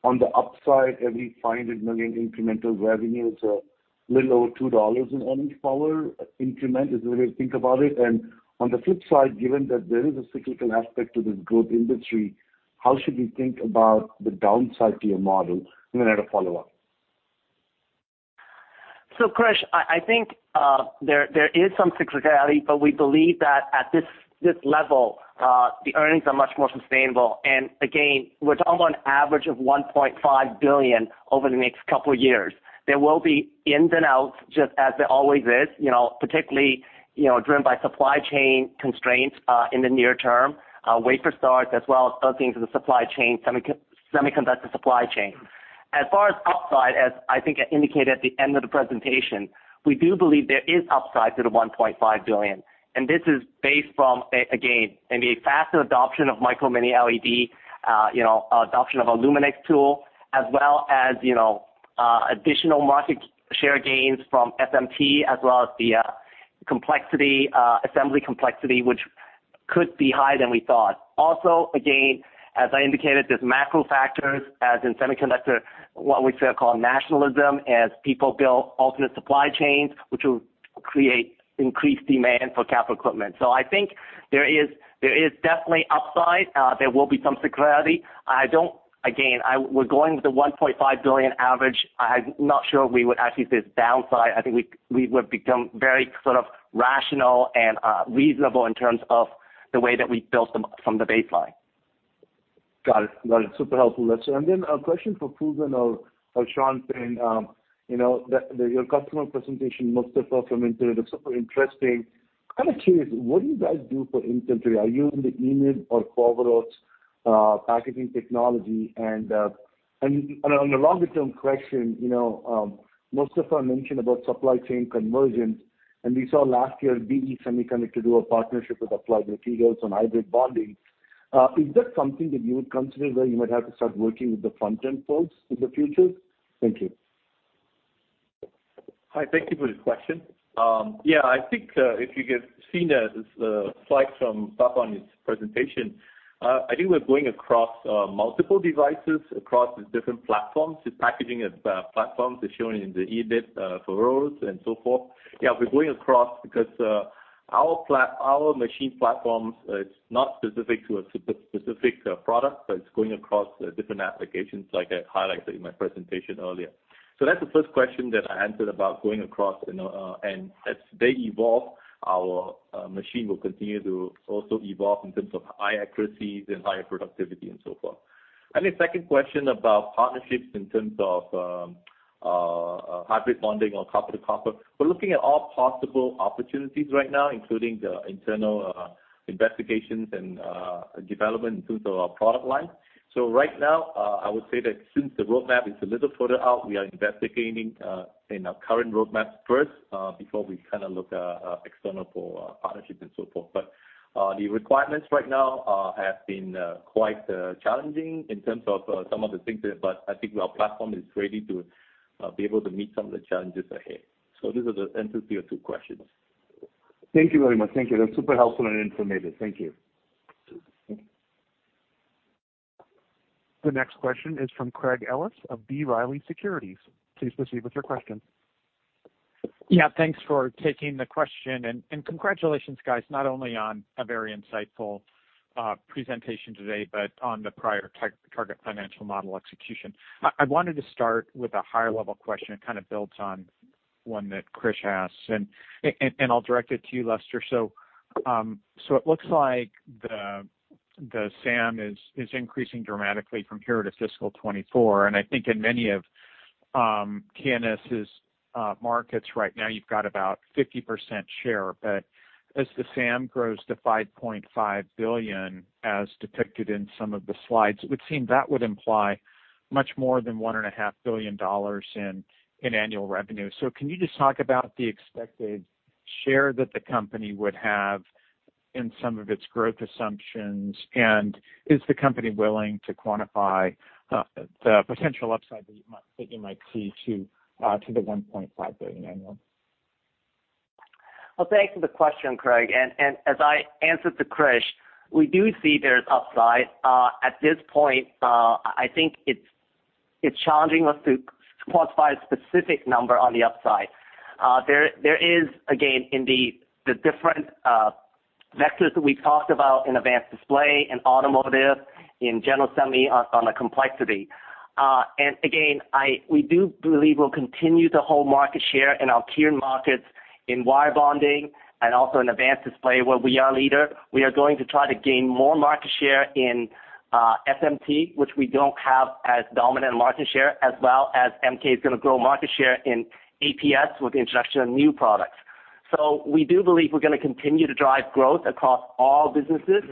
on the upside, every $500 million incremental revenue is a little over $2 in earnings power increment. Is the way to think about it? On the flip side, given that there is a cyclical aspect to this growth industry, how should we think about the downside to your model? Then I had a follow-up. Krish, I think there is some cyclicality, but we believe that at this level, the earnings are much more sustainable. Again, we're talking about an average of $1.5 billion over the next couple of years. There will be ins and outs, just as there always is, particularly driven by supply chain constraints in the near term, wafer starts as well as other things in the supply chain, semiconductor supply chain. As far as upside, as I think I indicated at the end of the presentation, we do believe there is upside to the $1.5 billion, and this is based from, again, in the faster adoption of MicroLED Mini LED, you know, adoption of a LumenX tool, as well as additional market share gains from SMT, as well as the assembly complexity, which could be higher than we thought. Again, as I indicated, there's macro factors, as in semiconductor, what we call nationalism, as people build alternate supply chains, which will create increased demand for capital equipment. I think there is definitely upside. There will be some cyclicality. Again, we're going with the $1.5 billion average. I'm not sure we would actually say it's downside. I think we would become very split up rational and reasonable in terms of the way that we built them from the baseline. Got it, got it, super helpful. Lester, and then a question for Fusen or Chan Pin, you knwo, your customer presentation, most of us are familiar with it's super interesting. I'm kind of curious, what do you guys do for inventory? Are you in the EMIB or Foveros packaging technology? On a one longer-term question, Mostafa mentioned out supply chain convergence, and we saw last year BE Semiconductor do a partnership with Applied Materials on hybrid bonding. Is that something that you would consider where you might have to start working with the front-end folks in the future? Thank you. Hi. Thank you for the question. I think, if you could seen the slide from Tapan's presentation, we're going across multiple devices, across the different platforms, the packaging of platforms as shown in the EMIB Foveros, and so forth. Yeah, we're going across because our machine platforms, it's not specific to a specific product, but it's going across different applications like I highlighted in my presentation earlier. That's the first question that I answered about going across, and as they evolve, our machine will continue to also evolve in terms of high accuracies and higher productivity and so forth. The second question about partnerships in terms of hybrid bonding or copper-to-copper. We're looking at all possible opportunities right now, including the internal investigations and development in terms of our product line. Right now, I would say that since the roadmap is a little further out, we are investigating in our current roadmap first, before we look external for partnerships, and so forth. The requirements right now have been quite challenging in terms of some of the things, but I think our platform is ready to be able to meet some of the challenges ahead. Those are the answers to your two questions. Thank you very much. Thank you, that is super helpful, and informative. Thank you. The next question is from Craig Ellis of B. Riley Securities. Please proceed with your question. Yeah. Thanks for taking the question, and congratulations, guys, not only on a very insightful presentation today, but on the prior target financial model execution. I wanted to start with a higher-level question. It kind of builds on one that Krish asked, and I'll direct it to you, Lester. It looks like the SAM is increasing dramatically from here to fiscal 2024. I think in many of K&S' markets right now, you've got about 50% share. As the SAM grows to $5.5 billion as depicted in some of the slides, it would seem that would imply much more than $1.5 billion in annual revenue. Can you just talk about the expected share that the company would have in some of its growth assumptions, and is the company willing to quantify the potential upside that you might see to the $1.5 billion annual? Well, thanks for the question, Craig, and as I answered to Krish, we do see there's upside. At this point, I think it's challenging us to quantify a specific number on the upside. There is, again, in the different vectors that we've talked about in advanced display and automotive, in general semi on the complexity. Again, we do believe we'll continue to hold market share in our tier markets in wire bonding and also in advanced display, where we are a leader. We are going to try to gain more market share in SMT, which we don't have as dominant market share, as well as MK is going to grow market share in APS with the introduction of new products. We do believe we're going to continue to drive growth across all businesses.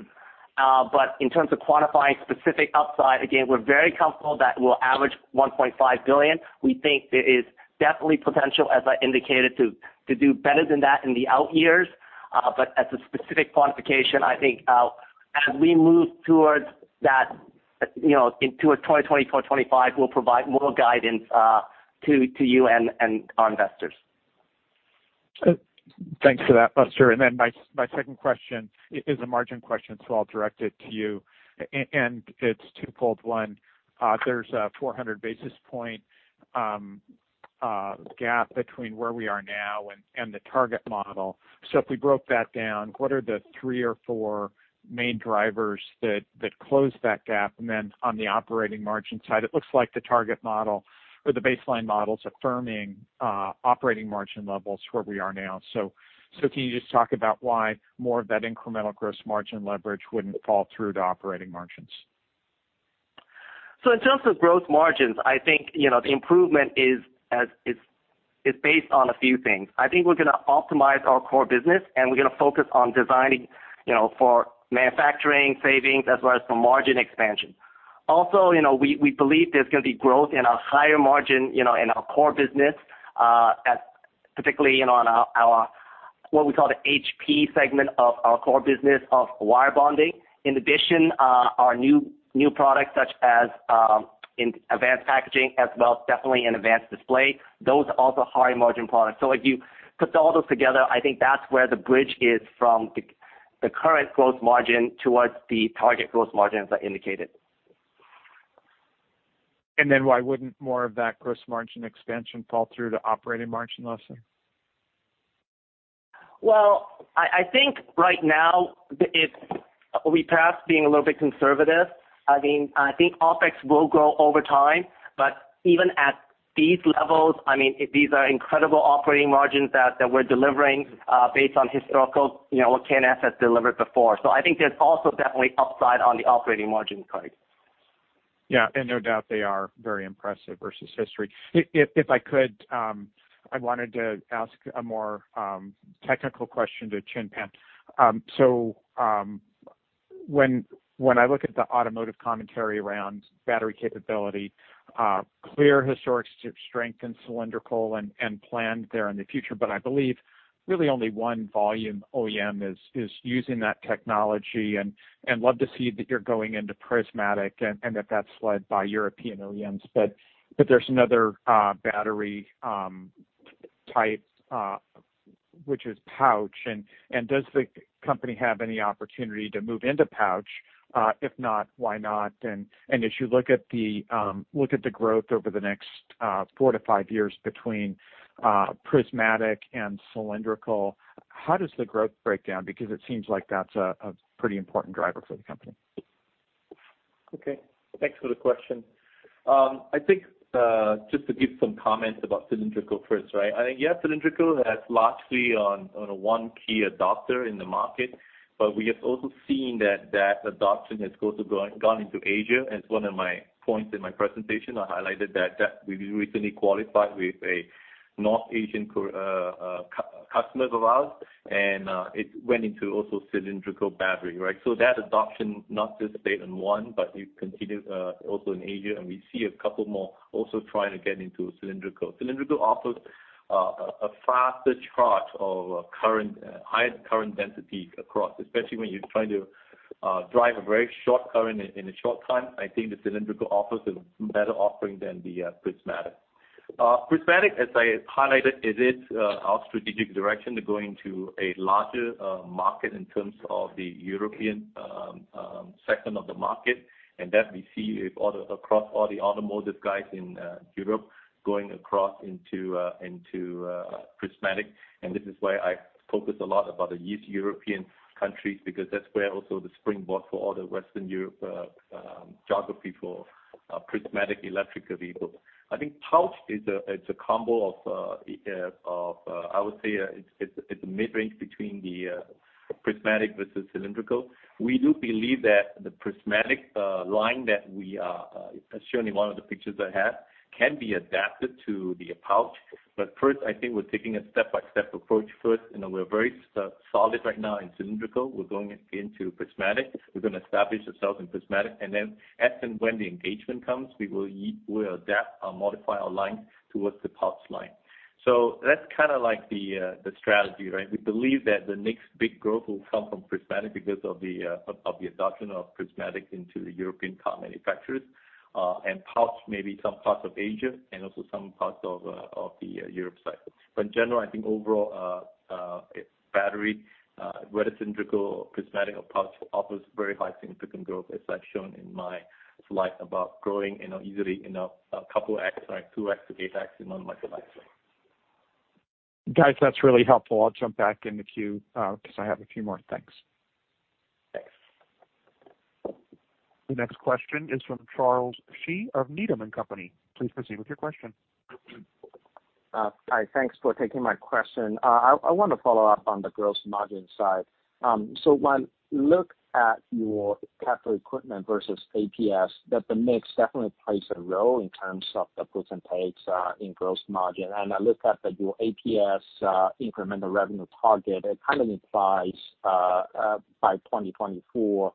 In terms of quantifying specific upside, again, we're very comfortable that we'll average $1.5 billion. We think there is definitely potential, as I indicated, to do better than that in the out years. As a specific quantification, I think as we move towards that, you know, into 2024, 2025, we'll provide more guidance to you and our investors. Thanks for that, Lester. Then my second question is a margin question, I'll direct it to you, and it's twofold. One, there's a 400-basis point gap between where we are now and the target model. If we broke that down, what are the three or four main drivers that close that gap? Then on the operating margin side, it looks like the target model or the baseline model is affirming operating margin levels where we are now. Can you just talk about why more of that incremental gross margin leverage wouldn't fall through to operating margins? In terms of gross margins, I think, the improvement is based on a few things. I think we're going to optimize our core business, and we're going to focus on designing for manufacturing, savings, as well as for margin expansion. Also, we believe there's going to be growth in a higher margin in our core business, specifically in our, what we call the HP segment of our core business of wire bonding. In addition, our new products such as in advanced packaging as well as definitely in advanced display, those are also high margin products. If you put all those together, I think that's where the bridge is from the current gross margin towards the target gross margin, as I indicated. Why wouldn't more of that gross margin expansion fall through to operating margin, Lester? Well, I think right now, we perhaps being a little bit conservative. I think OpEx will grow over time, but even at these levels, these are incredible operating margins that we're delivering based on historical, you know, what K&S has delivered before. I think there's also definitely upside on the operating margin side. Yeah, no doubt they are very impressive versus history. If I could, I wanted to ask a more technical question to Chan Pin. When I look at the automotive commentary around battery capability, clear historic strength in cylindrical and planned there in the future, but I believe really only one volume OEM is using that technology, and love to see that you're going into prismatic and that's led by European OEMs. There's another battery type, which is pouch, and does the company have any opportunity to move into pouch? If not, why not? As you look at the growth over the next four to five years between prismatic and cylindrical, how does the growth break down? Because it seems like that's a pretty important driver for the company. Okay, thanks for the question, just to give some comments about cylindrical first, right? Cylindrical has largely had one key adopter in the market, but we have also seen that adoption has also gone into Asia. As one of my points in my presentation, I highlighted that we've recently qualified with a North Asian customer of ours, and it went into also cylindrical battery, right? That adoption not just stayed in one, but we continued also in Asia, and we see a couple more also trying to get into cylindrical. Cylindrical offers a faster charge of highest current density across, especially when you're trying to drive a very short current in a short time, I think, the cylindrical offers a better offering than the prismatic. Prismatic, as I highlighted, is our strategic direction to going to a larger market in terms of the European segment of the market, and that we see across all the automotive guys in Europe going across into prismatic. This is why I focus a lot about the East European countries, because that's where also the springboard for all the Western Europe geography for prismatic electric vehicles. I think pouch is a combo of, I would say, it's a mid-range between the prismatic versus cylindrical. We do believe that the prismatic line, I'll show you one of the pictures I have, can be adapted to the pouch. First, I think we're taking a step-by-step approach first, and we're very solid right now in cylindrical. We're going into prismatic. We're going to establish ourselves in prismatic, and then as and when the engagement comes, we will adapt or modify our line towards the pouch line. That's the strategy, right? We believe that the next big growth will come from prismatic because of the adoption of prismatic into the European car manufacturers, and pouch maybe some parts of Asia, and also some parts of the Europe side. In general, I think overall, battery, whether cylindrical, prismatic, or pouch, offers very high significant growth, as I've shown in my slide about growing easily a couple X, right? 2X to 8X in one lifecycle. Guys, that's really helpful. I'll jump back in the queue because I have a few more. Thanks. Thanks. The next question is from Charles Shi of Needham & Company. Please proceed with your question. Hi, thanks for taking my question. I want to follow up on the gross margin side. When you look at your capital equipment versus APS, that the mix definitely plays a role in terms of the gives and takes in gross margin. I looked at your APS incremental revenue target. It kind of implies by 2024,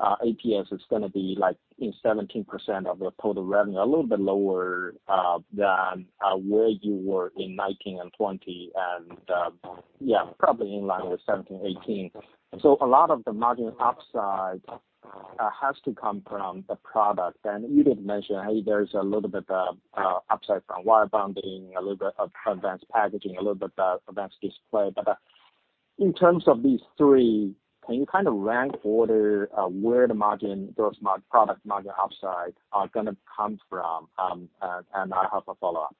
APS is going to be like in 17% of the total revenue, a little bit lower than where you were in 2019 and 2020, probably in line with 2017, 2018. A lot of the margin upside has to come from the product. You did mention how there is a little bit of upside from wire bonding, a little bit of advanced packaging, a little bit of advanced display. In terms of these three, can you kind of rank order where the gross product margin upside are going to come from? I have a follow-up.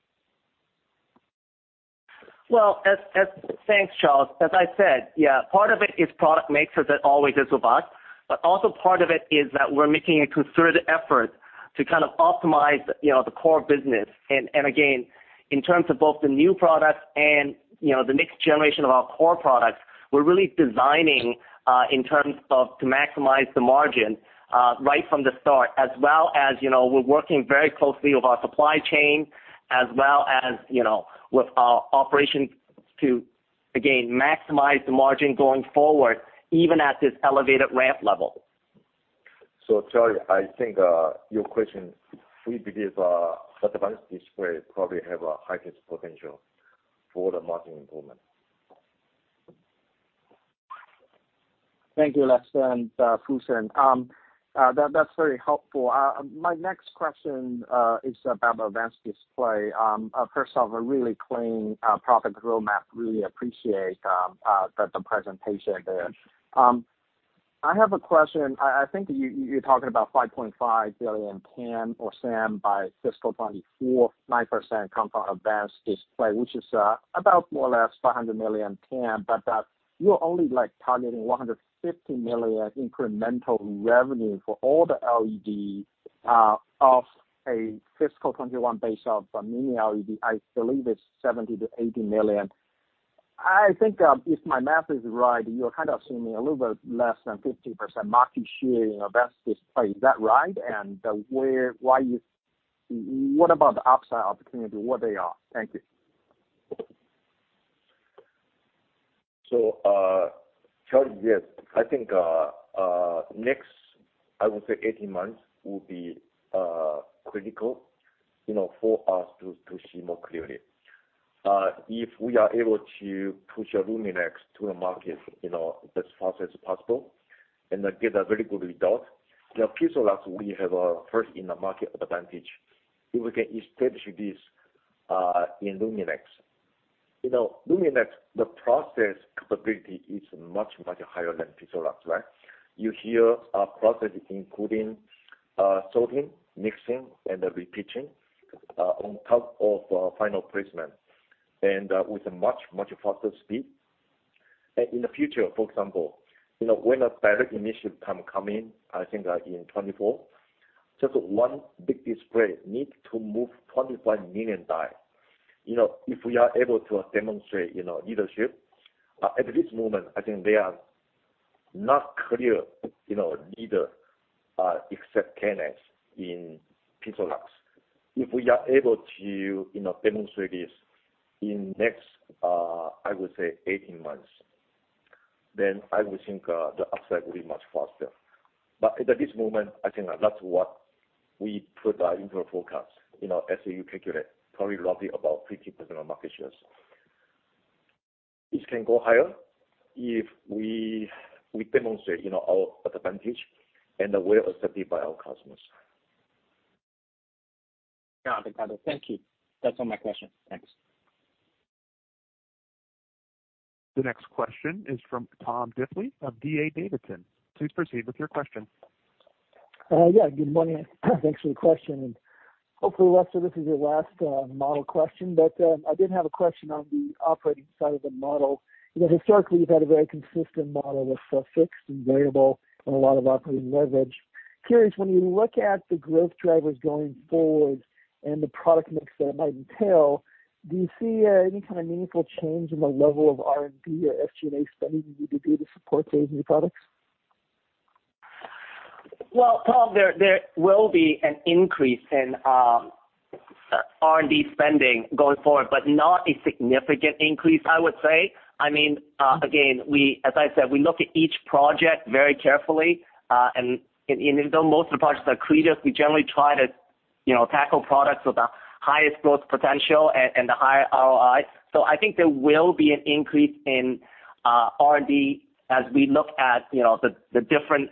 Well, thanks, Charles. As I said, part of it is product mixer that always is with us, but also part of it is that we're making a concerted effort to kind of optimize the core business. Again, in terms of both the new products and the next generation of our core products, we're really designing in terms of to maximize the margin right from the start. As well as we're working very closely with our supply chain, as well as with our operations to, again, maximize the margin going forward, even at this elevated ramp level. Charles, I think your question, we believe advanced display probably have the highest potential for the margin improvement. Thank you, Lester and Fusen. That's very helpful. My next question is about advanced display. First off, a really clean product roadmap, really appreciate the presentation there. I have a question. I think you're talking about $5.5 billion TAM or SAM by fiscal 2024, 9% compound advanced display, which is about more or less $500 million TAM, but you're only targeting $150 million incremental revenue for all the LED of a fiscal 2021 based off Mini LED. I believe it's $70 million to $80 million. I think if my math is right, you're seeing a little bit less than 15% market share in advanced display. Is that right? What about the upside opportunity? What they are? Thank you. Charlie, yes. I think next, I would say 18 months will be critical for us to see more clearly. If we are able to push our LumenX to the market as fast as possible and then get a very good result, then Pixelux, we have a first-in-the-market advantage if we can establish this in LumenX. LumenX, the process capability is much, much higher than Pixeluxm, right. You hear our processes including sorting, mixing, and re-pitching on top of final placement, and with a much, much faster speed. In the future, for example when a direct emission type come in, I think in 2024, just one big display need to move 25 million die. If we are able to demonstrate leadership, at this moment, I think they are not clear, leader except Canon in Pixelux. If we are able to demonstrate this in next, I would say 18 months, then I would think the upside will be much faster. At this moment, I think that's what we provide into our forecast. As you calculate, probably roughly about 15% of market shares. It can go higher if we demonstrate our advantage and we're accepted by our customers. Yeah, okay, thank you. That's all my question. Thanks. The next question is from Tom Diffely of D.A. Davidson. Please proceed with your question. Yeah, good morning. Thanks for the question, and hopefully, Lester, this is your last model question. I did have a question on the operating side of the model. Historically, you've had a very consistent model with fixed and variable and a lot of operating leverage. Curious, when you look at the growth drivers going forward and the product mix that it might entail, do you see any kind of meaningful change in the level of R&D or SG&A spending you need to do to support these new products? Well, Tom, there will be an increase in R&D spending going forward, but not a significant increase, I would say. Again, as I said, we look at each project very carefully. Even though most of the projects are accretive, we generally try to tackle products with the highest growth potential and the higher ROI. I think there will be an increase in R&D as we look at the different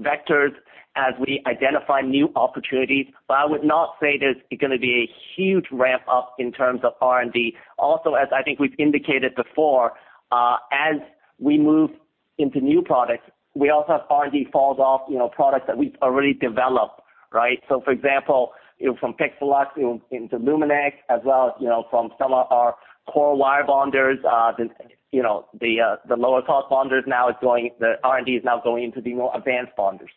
vectors, as we identify new opportunities. I would not say there's going to be a huge ramp-up in terms of R&D. Also, as I think we've indicated before, as we move into new products, we also have R&D falls off, products that we've already developed. For example from Pixelux into LumenX as well as from some of our core wire bonders, the lower cost bonders now the R&D is now going into the more advanced bonders.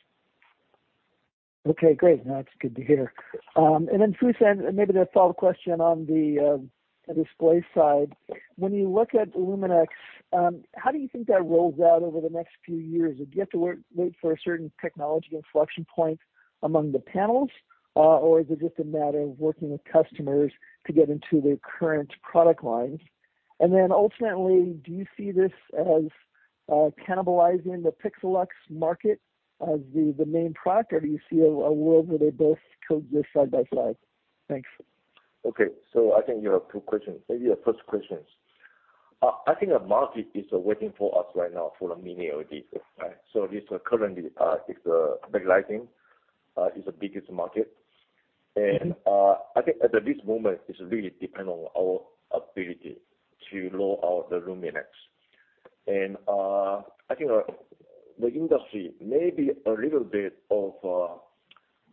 Okay, great. That's good to hear, then Fusen, maybe the follow-up question on the display side. When you look at LumenX, how do you think that rolls out over the next few years? Do you have to wait for a certain technology inflection point among the panels? Or is it just a matter of working with customers to get into their current product lines? Then ultimately, do you see this as cannibalizing the Pixelux market as the main product, or do you see a world where they both coexist side by side? Thanks. Okay. I think you have two questions, maybe your first question, I think the market is waiting for us right now for the Mini LED. This is currently backlighting. Its the biggest market. I think at this moment, it really depend on our ability to roll out the LUMINEX. I think the industry, maybe a little bit of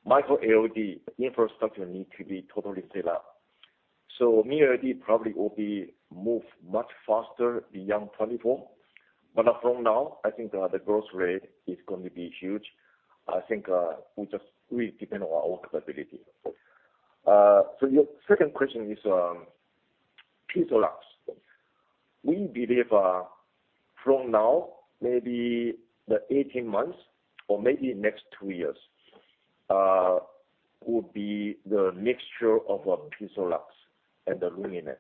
MicroLED infrastructure need to be totally set up. Mini LED probably will be moved much faster beyond 2024. From now, I think the growth rate is going to be huge. I think it just really depend on our own capability. Your second question is Pixelux, we believe from now, maybe the 18 months or maybe next two years will be the mixture of Pixelux and the LUMINEX,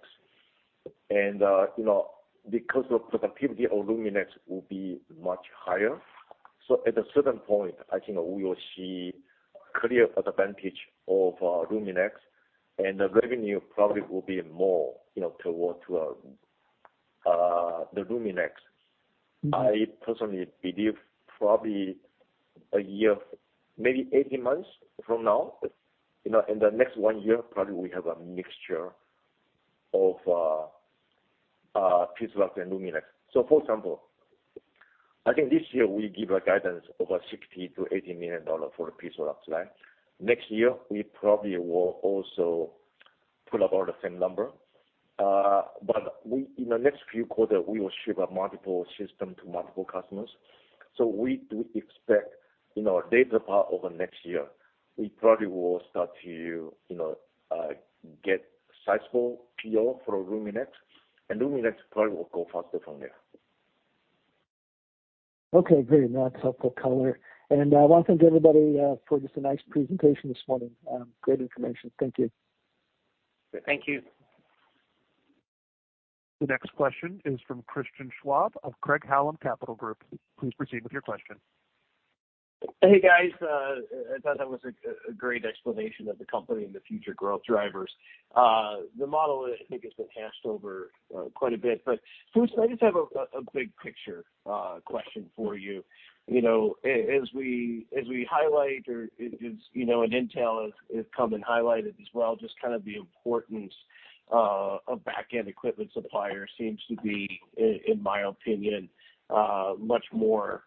because the productivity of LUMINEX will be much higher. At a certain point, I think we will see clear advantage of LumenX, and the revenue probably will be more toward the LumenX. I personally believe probably a year, maybe 18 months from now, in the next one year, probably we have a mixture of Pixelux and LumenX. For example, I think this year we give a guidance over $60 million to $80 million for the Pixelux line. Next year, we probably will also pull about the same number. In the next few quarters, we will ship a multiple system to multiple customers. We do expect, in our data part over next year, we probably will start to get sizable PO for LumenX, and LumenX probably will go faster from there. Okay, great, that's helpful color. I want to thank everybody for just a nice presentation this morning, great information, thank you. Thank you. The next question is from Christian Schwab of Craig-Hallum Capital Group. Please proceed with your question. Hey, guys. I thought that was a great explanation of the company and the future growth drivers. The model, I think, has been hashed over quite a bit. Fusen, I just have a big picture question for you. As we highlight, and Intel Corporation has come and highlighted as well, just the importance of back-end equipment supplier seems to be, in my opinion, much more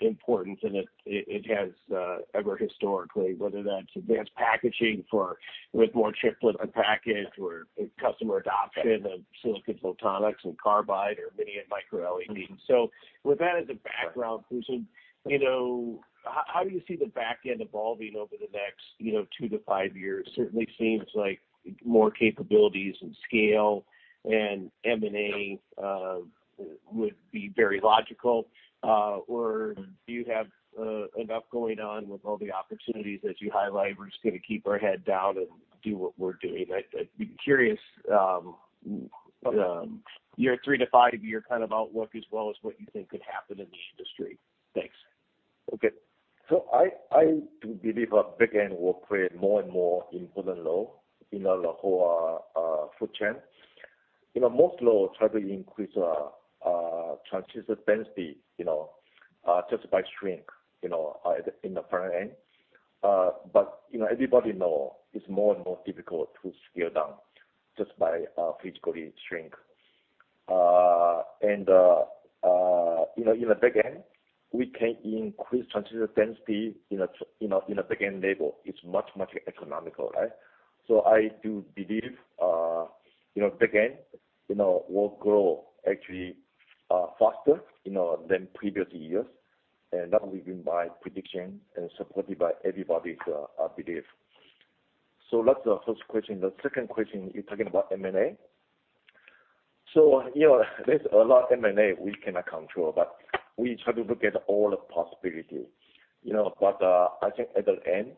important than it has ever historically, whether that's advanced packaging with more chiplet and package or customer adoption of Silicon Photonics and carbide or Mini LED and MicroLED. With that as a background, Fusen, how do you see the back end evolving over the next two to five years? Certainly seems like more capabilities and scale and M&A would be very logical. Do you have enough going on with all the opportunities that you highlight, we're just going to keep our head down and do what we're doing? I'd be curious, year three to five, your kind of outlook as well as what you think could happen in the industry. Thanks. Okay. I do believe our back end will create more and more input than low, the whole food chain. Most now try to increase our transistor density, just by shrink in the front end. Everybody know it's more and more difficult to scale down just by physically shrink. In the back end, we can increase transistor density in a back end level. It's much economical, right? I do believe back end will grow actually faster than previous years, and that will been my prediction and supported by everybody's belief, so that's the first question. The second question, you're talking about M&A. There's a lot M&A we cannot control, but we try to look at all the possibilities. I think at the end,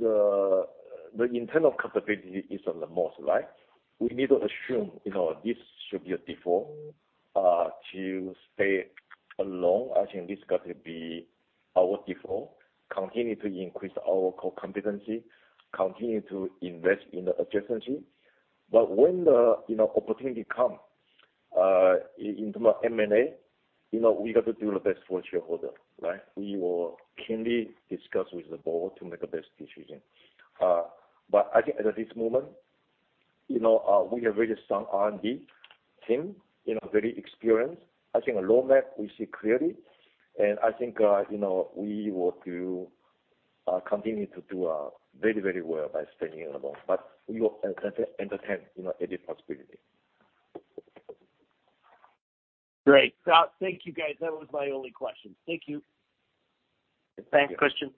the internal capability is the most, right? We need to assume this should be a default to stay alone. I think this got to be our default, continue to increase our core competency, continue to invest in the adjacency. When the opportunity come in terms of M&A, you know, we got to do the best for shareholder, right? We will keenly discuss with the board to make the best decision. I think at this moment, we have very strong R&D team, very experienced. I think a roadmap we see clearly, and I think we will continue to do very well by staying alone. We will entertain any possibility. Great. Thank you, guys. That was my only question. Thank you. Thanks, Christian.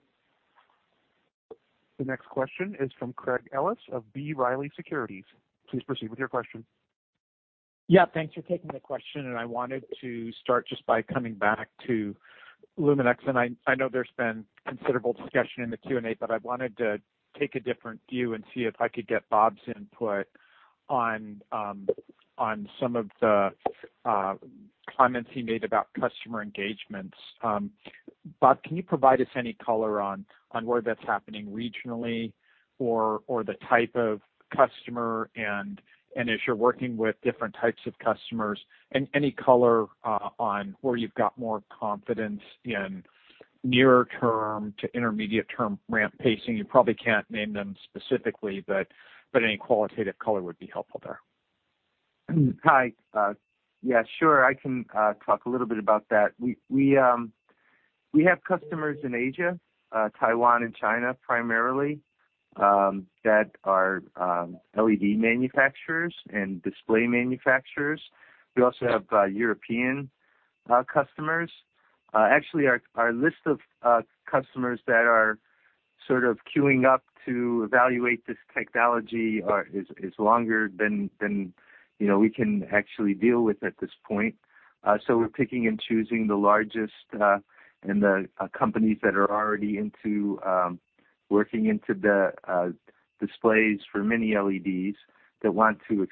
The next question is from Craig Ellis of B. Riley Securities. Please proceed with your question. Yeah, thanks for taking the question, and I wanted to start just by coming back to LumenX, and I know there's been considerable discussion in the Q&A, but I wanted to take a different view and see if I could get Bob's input on some of the comments he made about customer engagements. Bob, can you provide us any color on where that's happening regionally or the type of customer and as you're working with different types of customers, and any color on where you've got more confidence in nearer term to intermediate term ramp pacing? You probably can't name them specifically, but any qualitative color would be helpful there. Hi. Yeah, sure, I can talk a little bit about that. We have customers in Asia, Taiwan, and China primarily, that are LED manufacturers and display manufacturers. We also have European customers. Actually, our list of customers that are sort of queuing up to evaluate this technology is longer than we can actually deal with at this point. We're picking and choosing the largest, and the companies that are already into working into the displays for Mini LEDs that want to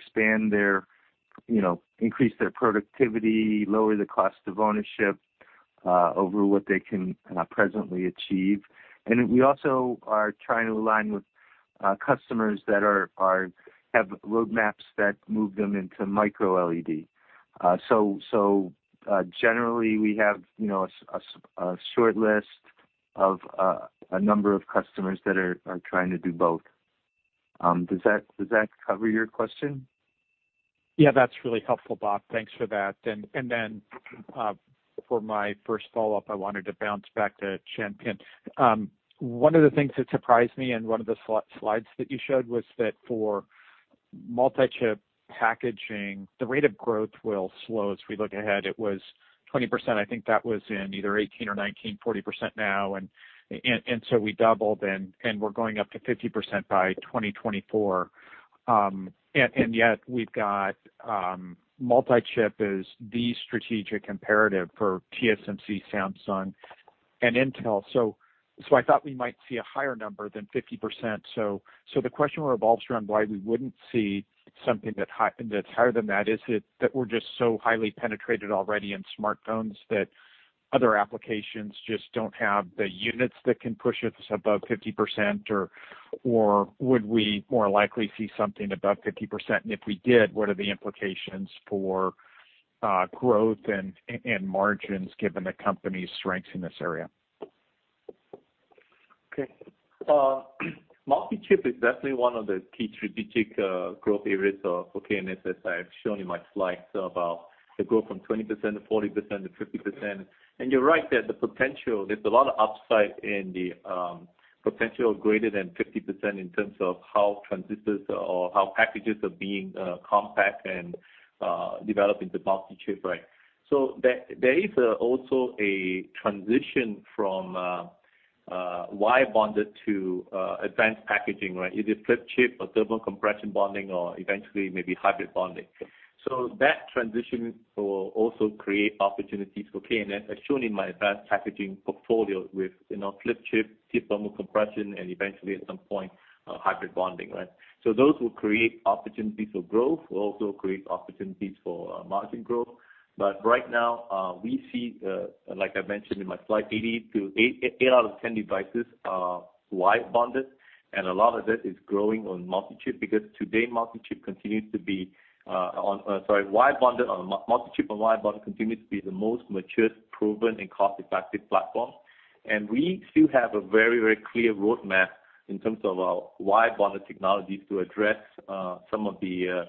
increase their productivity, lower the cost of ownership, over what they can presently achieve. We also are trying to align with customers that have roadmaps that move them into MicroLED. Generally, we have a short list of a number of customers that are trying to do both. Does that cover your question? Yeah, that's really helpful, Bob. Thanks for that. For my first follow-up, I wanted to bounce back to Chan Pin. One of the things that surprised me in one of the slides that you showed was that for multi-chip packaging, the rate of growth will slow as we look ahead. It was 20%, I think that was in either 2018 or 2019, 40% now. We doubled, and we're going up to 50% by 2024. Yet we've got multi-chip as the strategic imperative for TSMC, Samsung, and Intel. I thought we might see a higher number than 50%. The question revolves around why we wouldn't see something that's higher than that. Is it that we're just so highly penetrated already in smartphones that other applications just don't have the units that can push us above 50%, or would we more likely see something above 50%? If we did, what are the implications for growth and margins given the company's strengths in this area? Okay. Multi-chip is definitely one of the key strategic growth areas for K&S, as I have shown in my slides about the growth from 20% to 40% to 50%. You're right there's a potential, there's a lot of upside in the potential greater than 50% in terms of how transistors or how packages are being compact and developing the multi-chip, right? There is also a transition from wire bonded to advanced packaging, right? Either flip chip or thermal compression bonding or eventually maybe hybrid bonding. That transition will also create opportunities for K&S, as shown in my advanced packaging portfolio with flip chip, flip thermal compression, and eventually at some point, hybrid bonding, right? Those will create opportunities for growth, will also create opportunities for margin growth. Right now, we see, like I mentioned in my slide, eight out of 10 devices are wire bonded. A lot of that is growing on multi-chip, because today multi-chip on wire bond continues to be the most mature, proven, and cost-effective platform. We still have a very clear roadmap in terms of our wire bond technologies to address some of the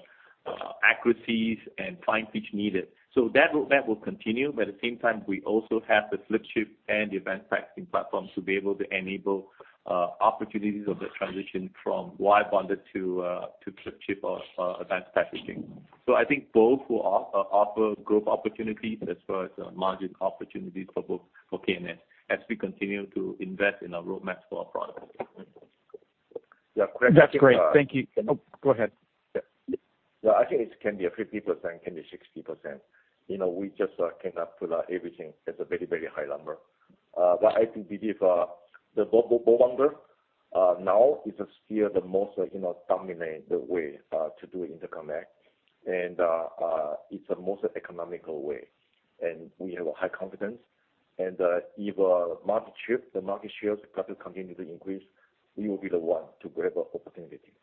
accuracies and fine pitch needed. That roadmap will continue, but at the same time, we also have the flip chip, and the advanced packaging platforms to be able to enable opportunities of that transition from wire bonded to flip chip or advanced packaging. I think both will offer growth opportunities as well as margin opportunities for both, for K&S, as we continue to invest in our roadmap for our products. Yeah, Craig. That's great. Thank you. Go ahead. Yeah. I think it can be a 50%, can be 60%. We just cannot put everything at a very high number. I do believe the ball bond now is still the most dominant way to do interconnect, and it's the most economical way. We have a high confidence. If the market shares got to continue to increase, we will be the one to grab the opportunity.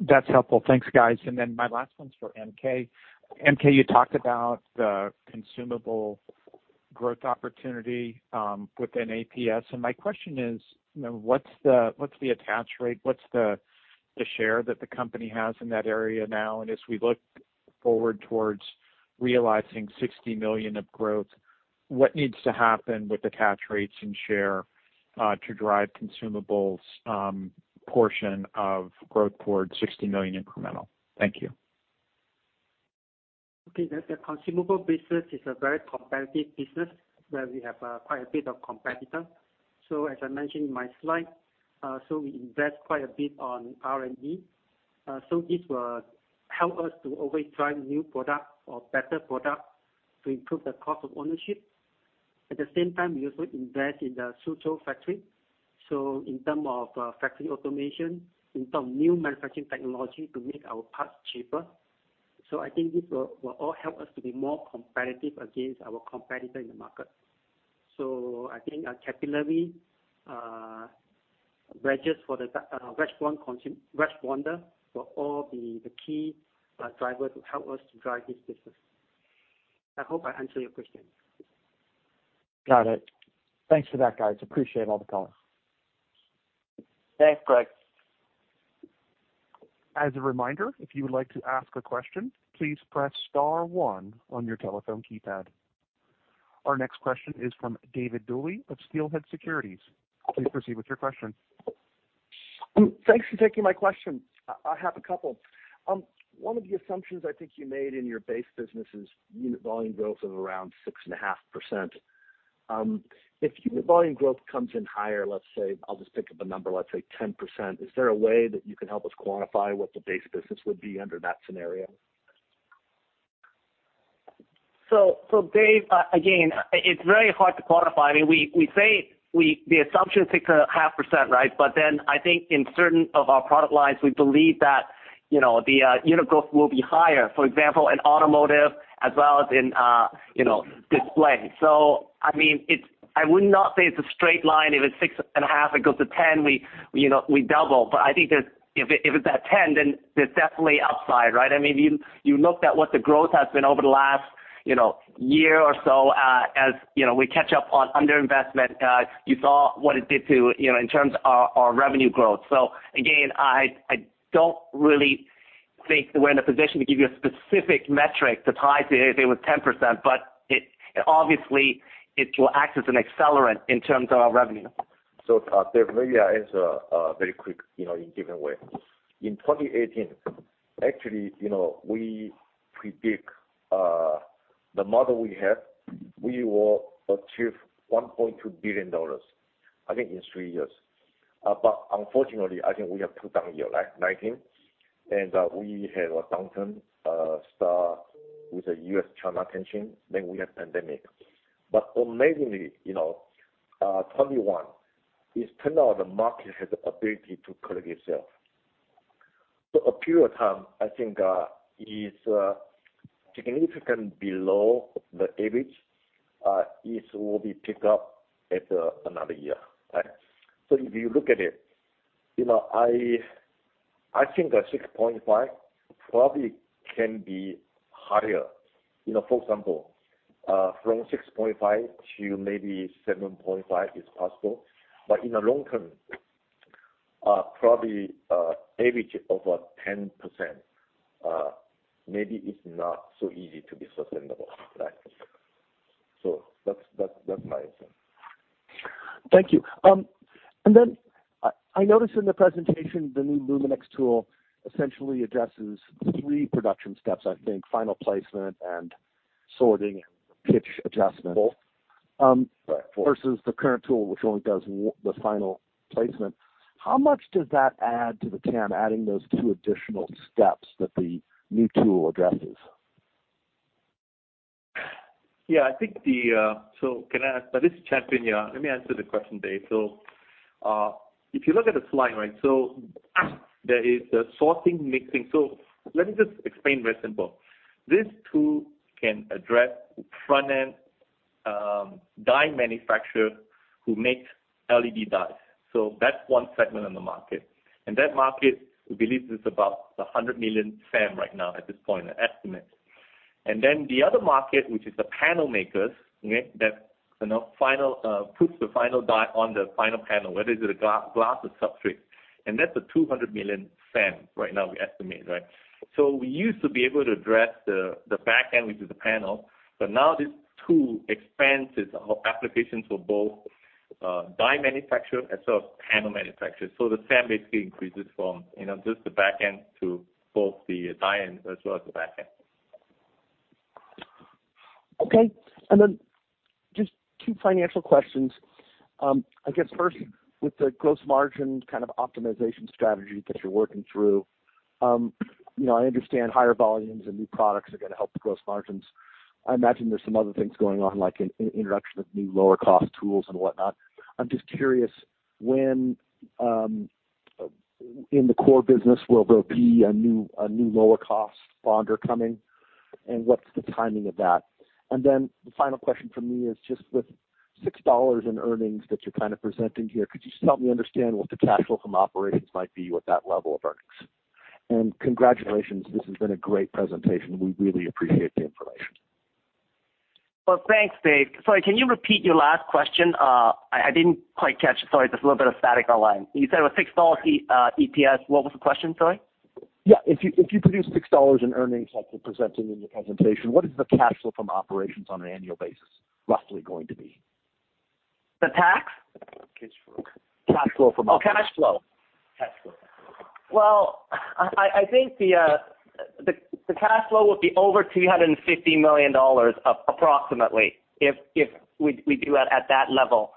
That's helpful, thanks, guys, and my last one's for MK. MK, you talked about the consumable growth opportunity within APS, and my question is, what's the attach rate, what's the share that the company has in that area now? As we look forward towards realizing $60 million of growth, what needs to happen with attach rates and share to drive consumables portion of growth towards $60 million incremental? Thank you. Okay. The consumable business is a very competitive business, where we have quite a bit of competitors. As I mentioned in my slide, we invest quite a bit on R&D. This will help us to always drive new product or better product to improve the cost of ownership. At the same time, we also invest in the Suzhou factory. In terms of factory automation, in terms of new manufacturing technology to make our parts cheaper. I think this will all help us to be more competitive against our competitors in the market. I think our capillaries, wedges for the wire bonder will all be the key driver to help us to drive this business. I hope I answered your question. Got it, thanks for that, guys, appreciate all the color. Thanks, Craig. As a reminder, if you would like to ask a question, please press star one on your telephone keypad. Our next question is from David Duley of Steelhead Securities. Please proceed with your question. Thanks for taking my question. I have a couple. One of the assumptions I think you made in your base business is unit volume growth of around 6.5%. If unit volume growth comes in higher, let's say, I'll just pick up a number, let's say 10%, is there a way that you can help us quantify what the base business would be under that scenario? Dave, again, it's very hard to quantify. I mean, we say the assumption 6.5%, right? I think in certain of our product lines, we believe that the unit growth will be higher, for example, in automotive as well as in display. I mean, I would not say it's a straight line. If it's 6.5, it goes to 10, we double. I think if it's at 10, there's definitely upside, right? I mean, you look at what the growth has been over the last. year or so as we catch up on under-investment, you saw what it did in terms of our revenue growth. Again, I don't really think that we're in a position to give you a specific metric to tie to if it was 10%, obviously, it will act as an accelerant in terms of our revenue. Maybe I answer very quick in given way. In 2018, actually, we predict the model we have, we will achieve $1.2 billion, I think in three years. Unfortunately, I think we have two down year, 2019, and we had a downturn start with the U.S.-China tension, then we had pandemic. Amazingly, 2021, it's turned out the market has the ability to correct itself. For a period of time, I think, is significant below the average. It will be picked up at another year, right? If you look at it, I think that 6.5 probably can be higher. For example, from 6.5 to maybe 7.5 is possible. In the long term, probably average of 10%, maybe it's not so easy to be sustainable, right? That's my answer. Thank you. I noticed in the presentation, the new LumenX tool essentially addresses three production steps, I think, final placement and sorting and pitch adjustment. Four, right four. Versus the current tool, which only does the final placement. How much does that add to the TAM, adding those 2 additional steps that the new tool addresses? This is Chan Pin here. Let me answer the question, David. If you look at the slide, there is the sorting, mixing. Let me just explain very simple. This tool can address front-end die manufacturer who makes LED dies. That's one segment on the market, and that market, we believe, is about $100 million SAM right now at this point, an estimate. And then the other market, which is the panel makers, that puts the final die on the final panel, whether it is a glass or substrate, and that's a $200 million SAM right now, we estimate. We used to be able to address the back end, which is the panel, but now this tool expands its applications for both die manufacturer as well as panel manufacturer. The SAM basically increases from just the back end to both the die end as well as the back end. Okay, and then just two financial questions. First, with the gross margin kind of optimization strategy that you're working through. I understand higher volumes and new products are going to help the gross margins. I imagine there's some other things going on, like an introduction of new lower cost tools and whatnot. I'm just curious when, in the core business, will there be a new lower cost bonder coming, and what's the timing of that? The final question from me is just with $6 in earnings that you're kind of presenting here, could you just help me understand what the cash flow from operations might be with that level of earnings? Congratulations, this has been a great presentation, we really appreciate the information. Well, thanks, Dave. Sorry, can you repeat your last question? I didn't quite catch it. Sorry, just a little bit of static online. You said it was $6 EPS. What was the question? Sorry. Yeah. If you produce $6 in earnings like you're presenting in your presentation, what is the cash flow from operations on an annual basis roughly going to be? The tax? Cash flow from operations. Oh, cash flow. Cash flow. Well, I think the cash flow will be over $350 million, approximately, if we do it at that level.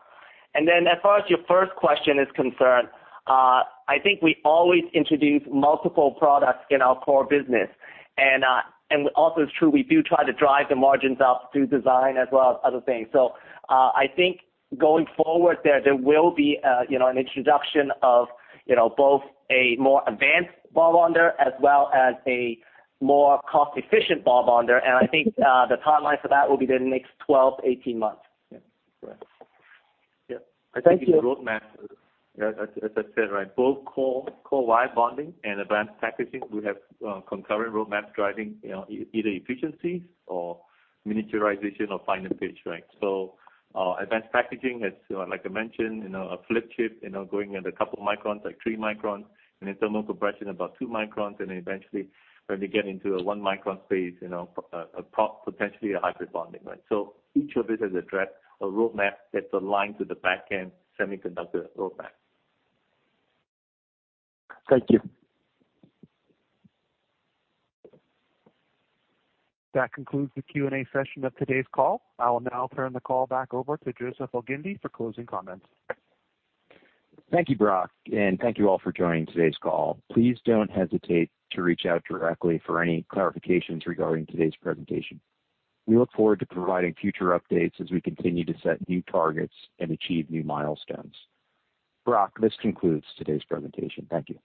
Then as far as your first question is concerned, I think we always introduce multiple products in our core business. Also, it's true, we do try to drive the margins up through design as well as other things. I think going forward there will be an introduction of both a more advanced ball bonder as well as a more cost-efficient ball bonder. I think the timeline for that will be the next 12 months, 18 months. Yeah. Correct. Yeah. Thank you. I think the roadmap, as I said, right, both core wire bonding and advanced packaging, we have concurrent roadmaps driving either efficiency or miniaturization or finer pitch, right? advanced packaging is, like I mentioned, a flip chip going at a couple microns, like three microns, and then thermal compression bonding about two microns. Then eventually when we get into a one micron space, potentially a hybrid bonding, right? Each of these has addressed a roadmap that's aligned to the back-end semiconductor roadmap. Thank you. That concludes the Q&A session of today's call. I will now turn the call back over to Joseph Elgindy for closing comments. Thank you, Brock, and thank you all for joining today's call. Please don't hesitate to reach out directly for any clarifications regarding today's presentation. We look forward to providing future updates as we continue to set new targets and achieve new milestones. Brock, this concludes today's presentation. Thank you.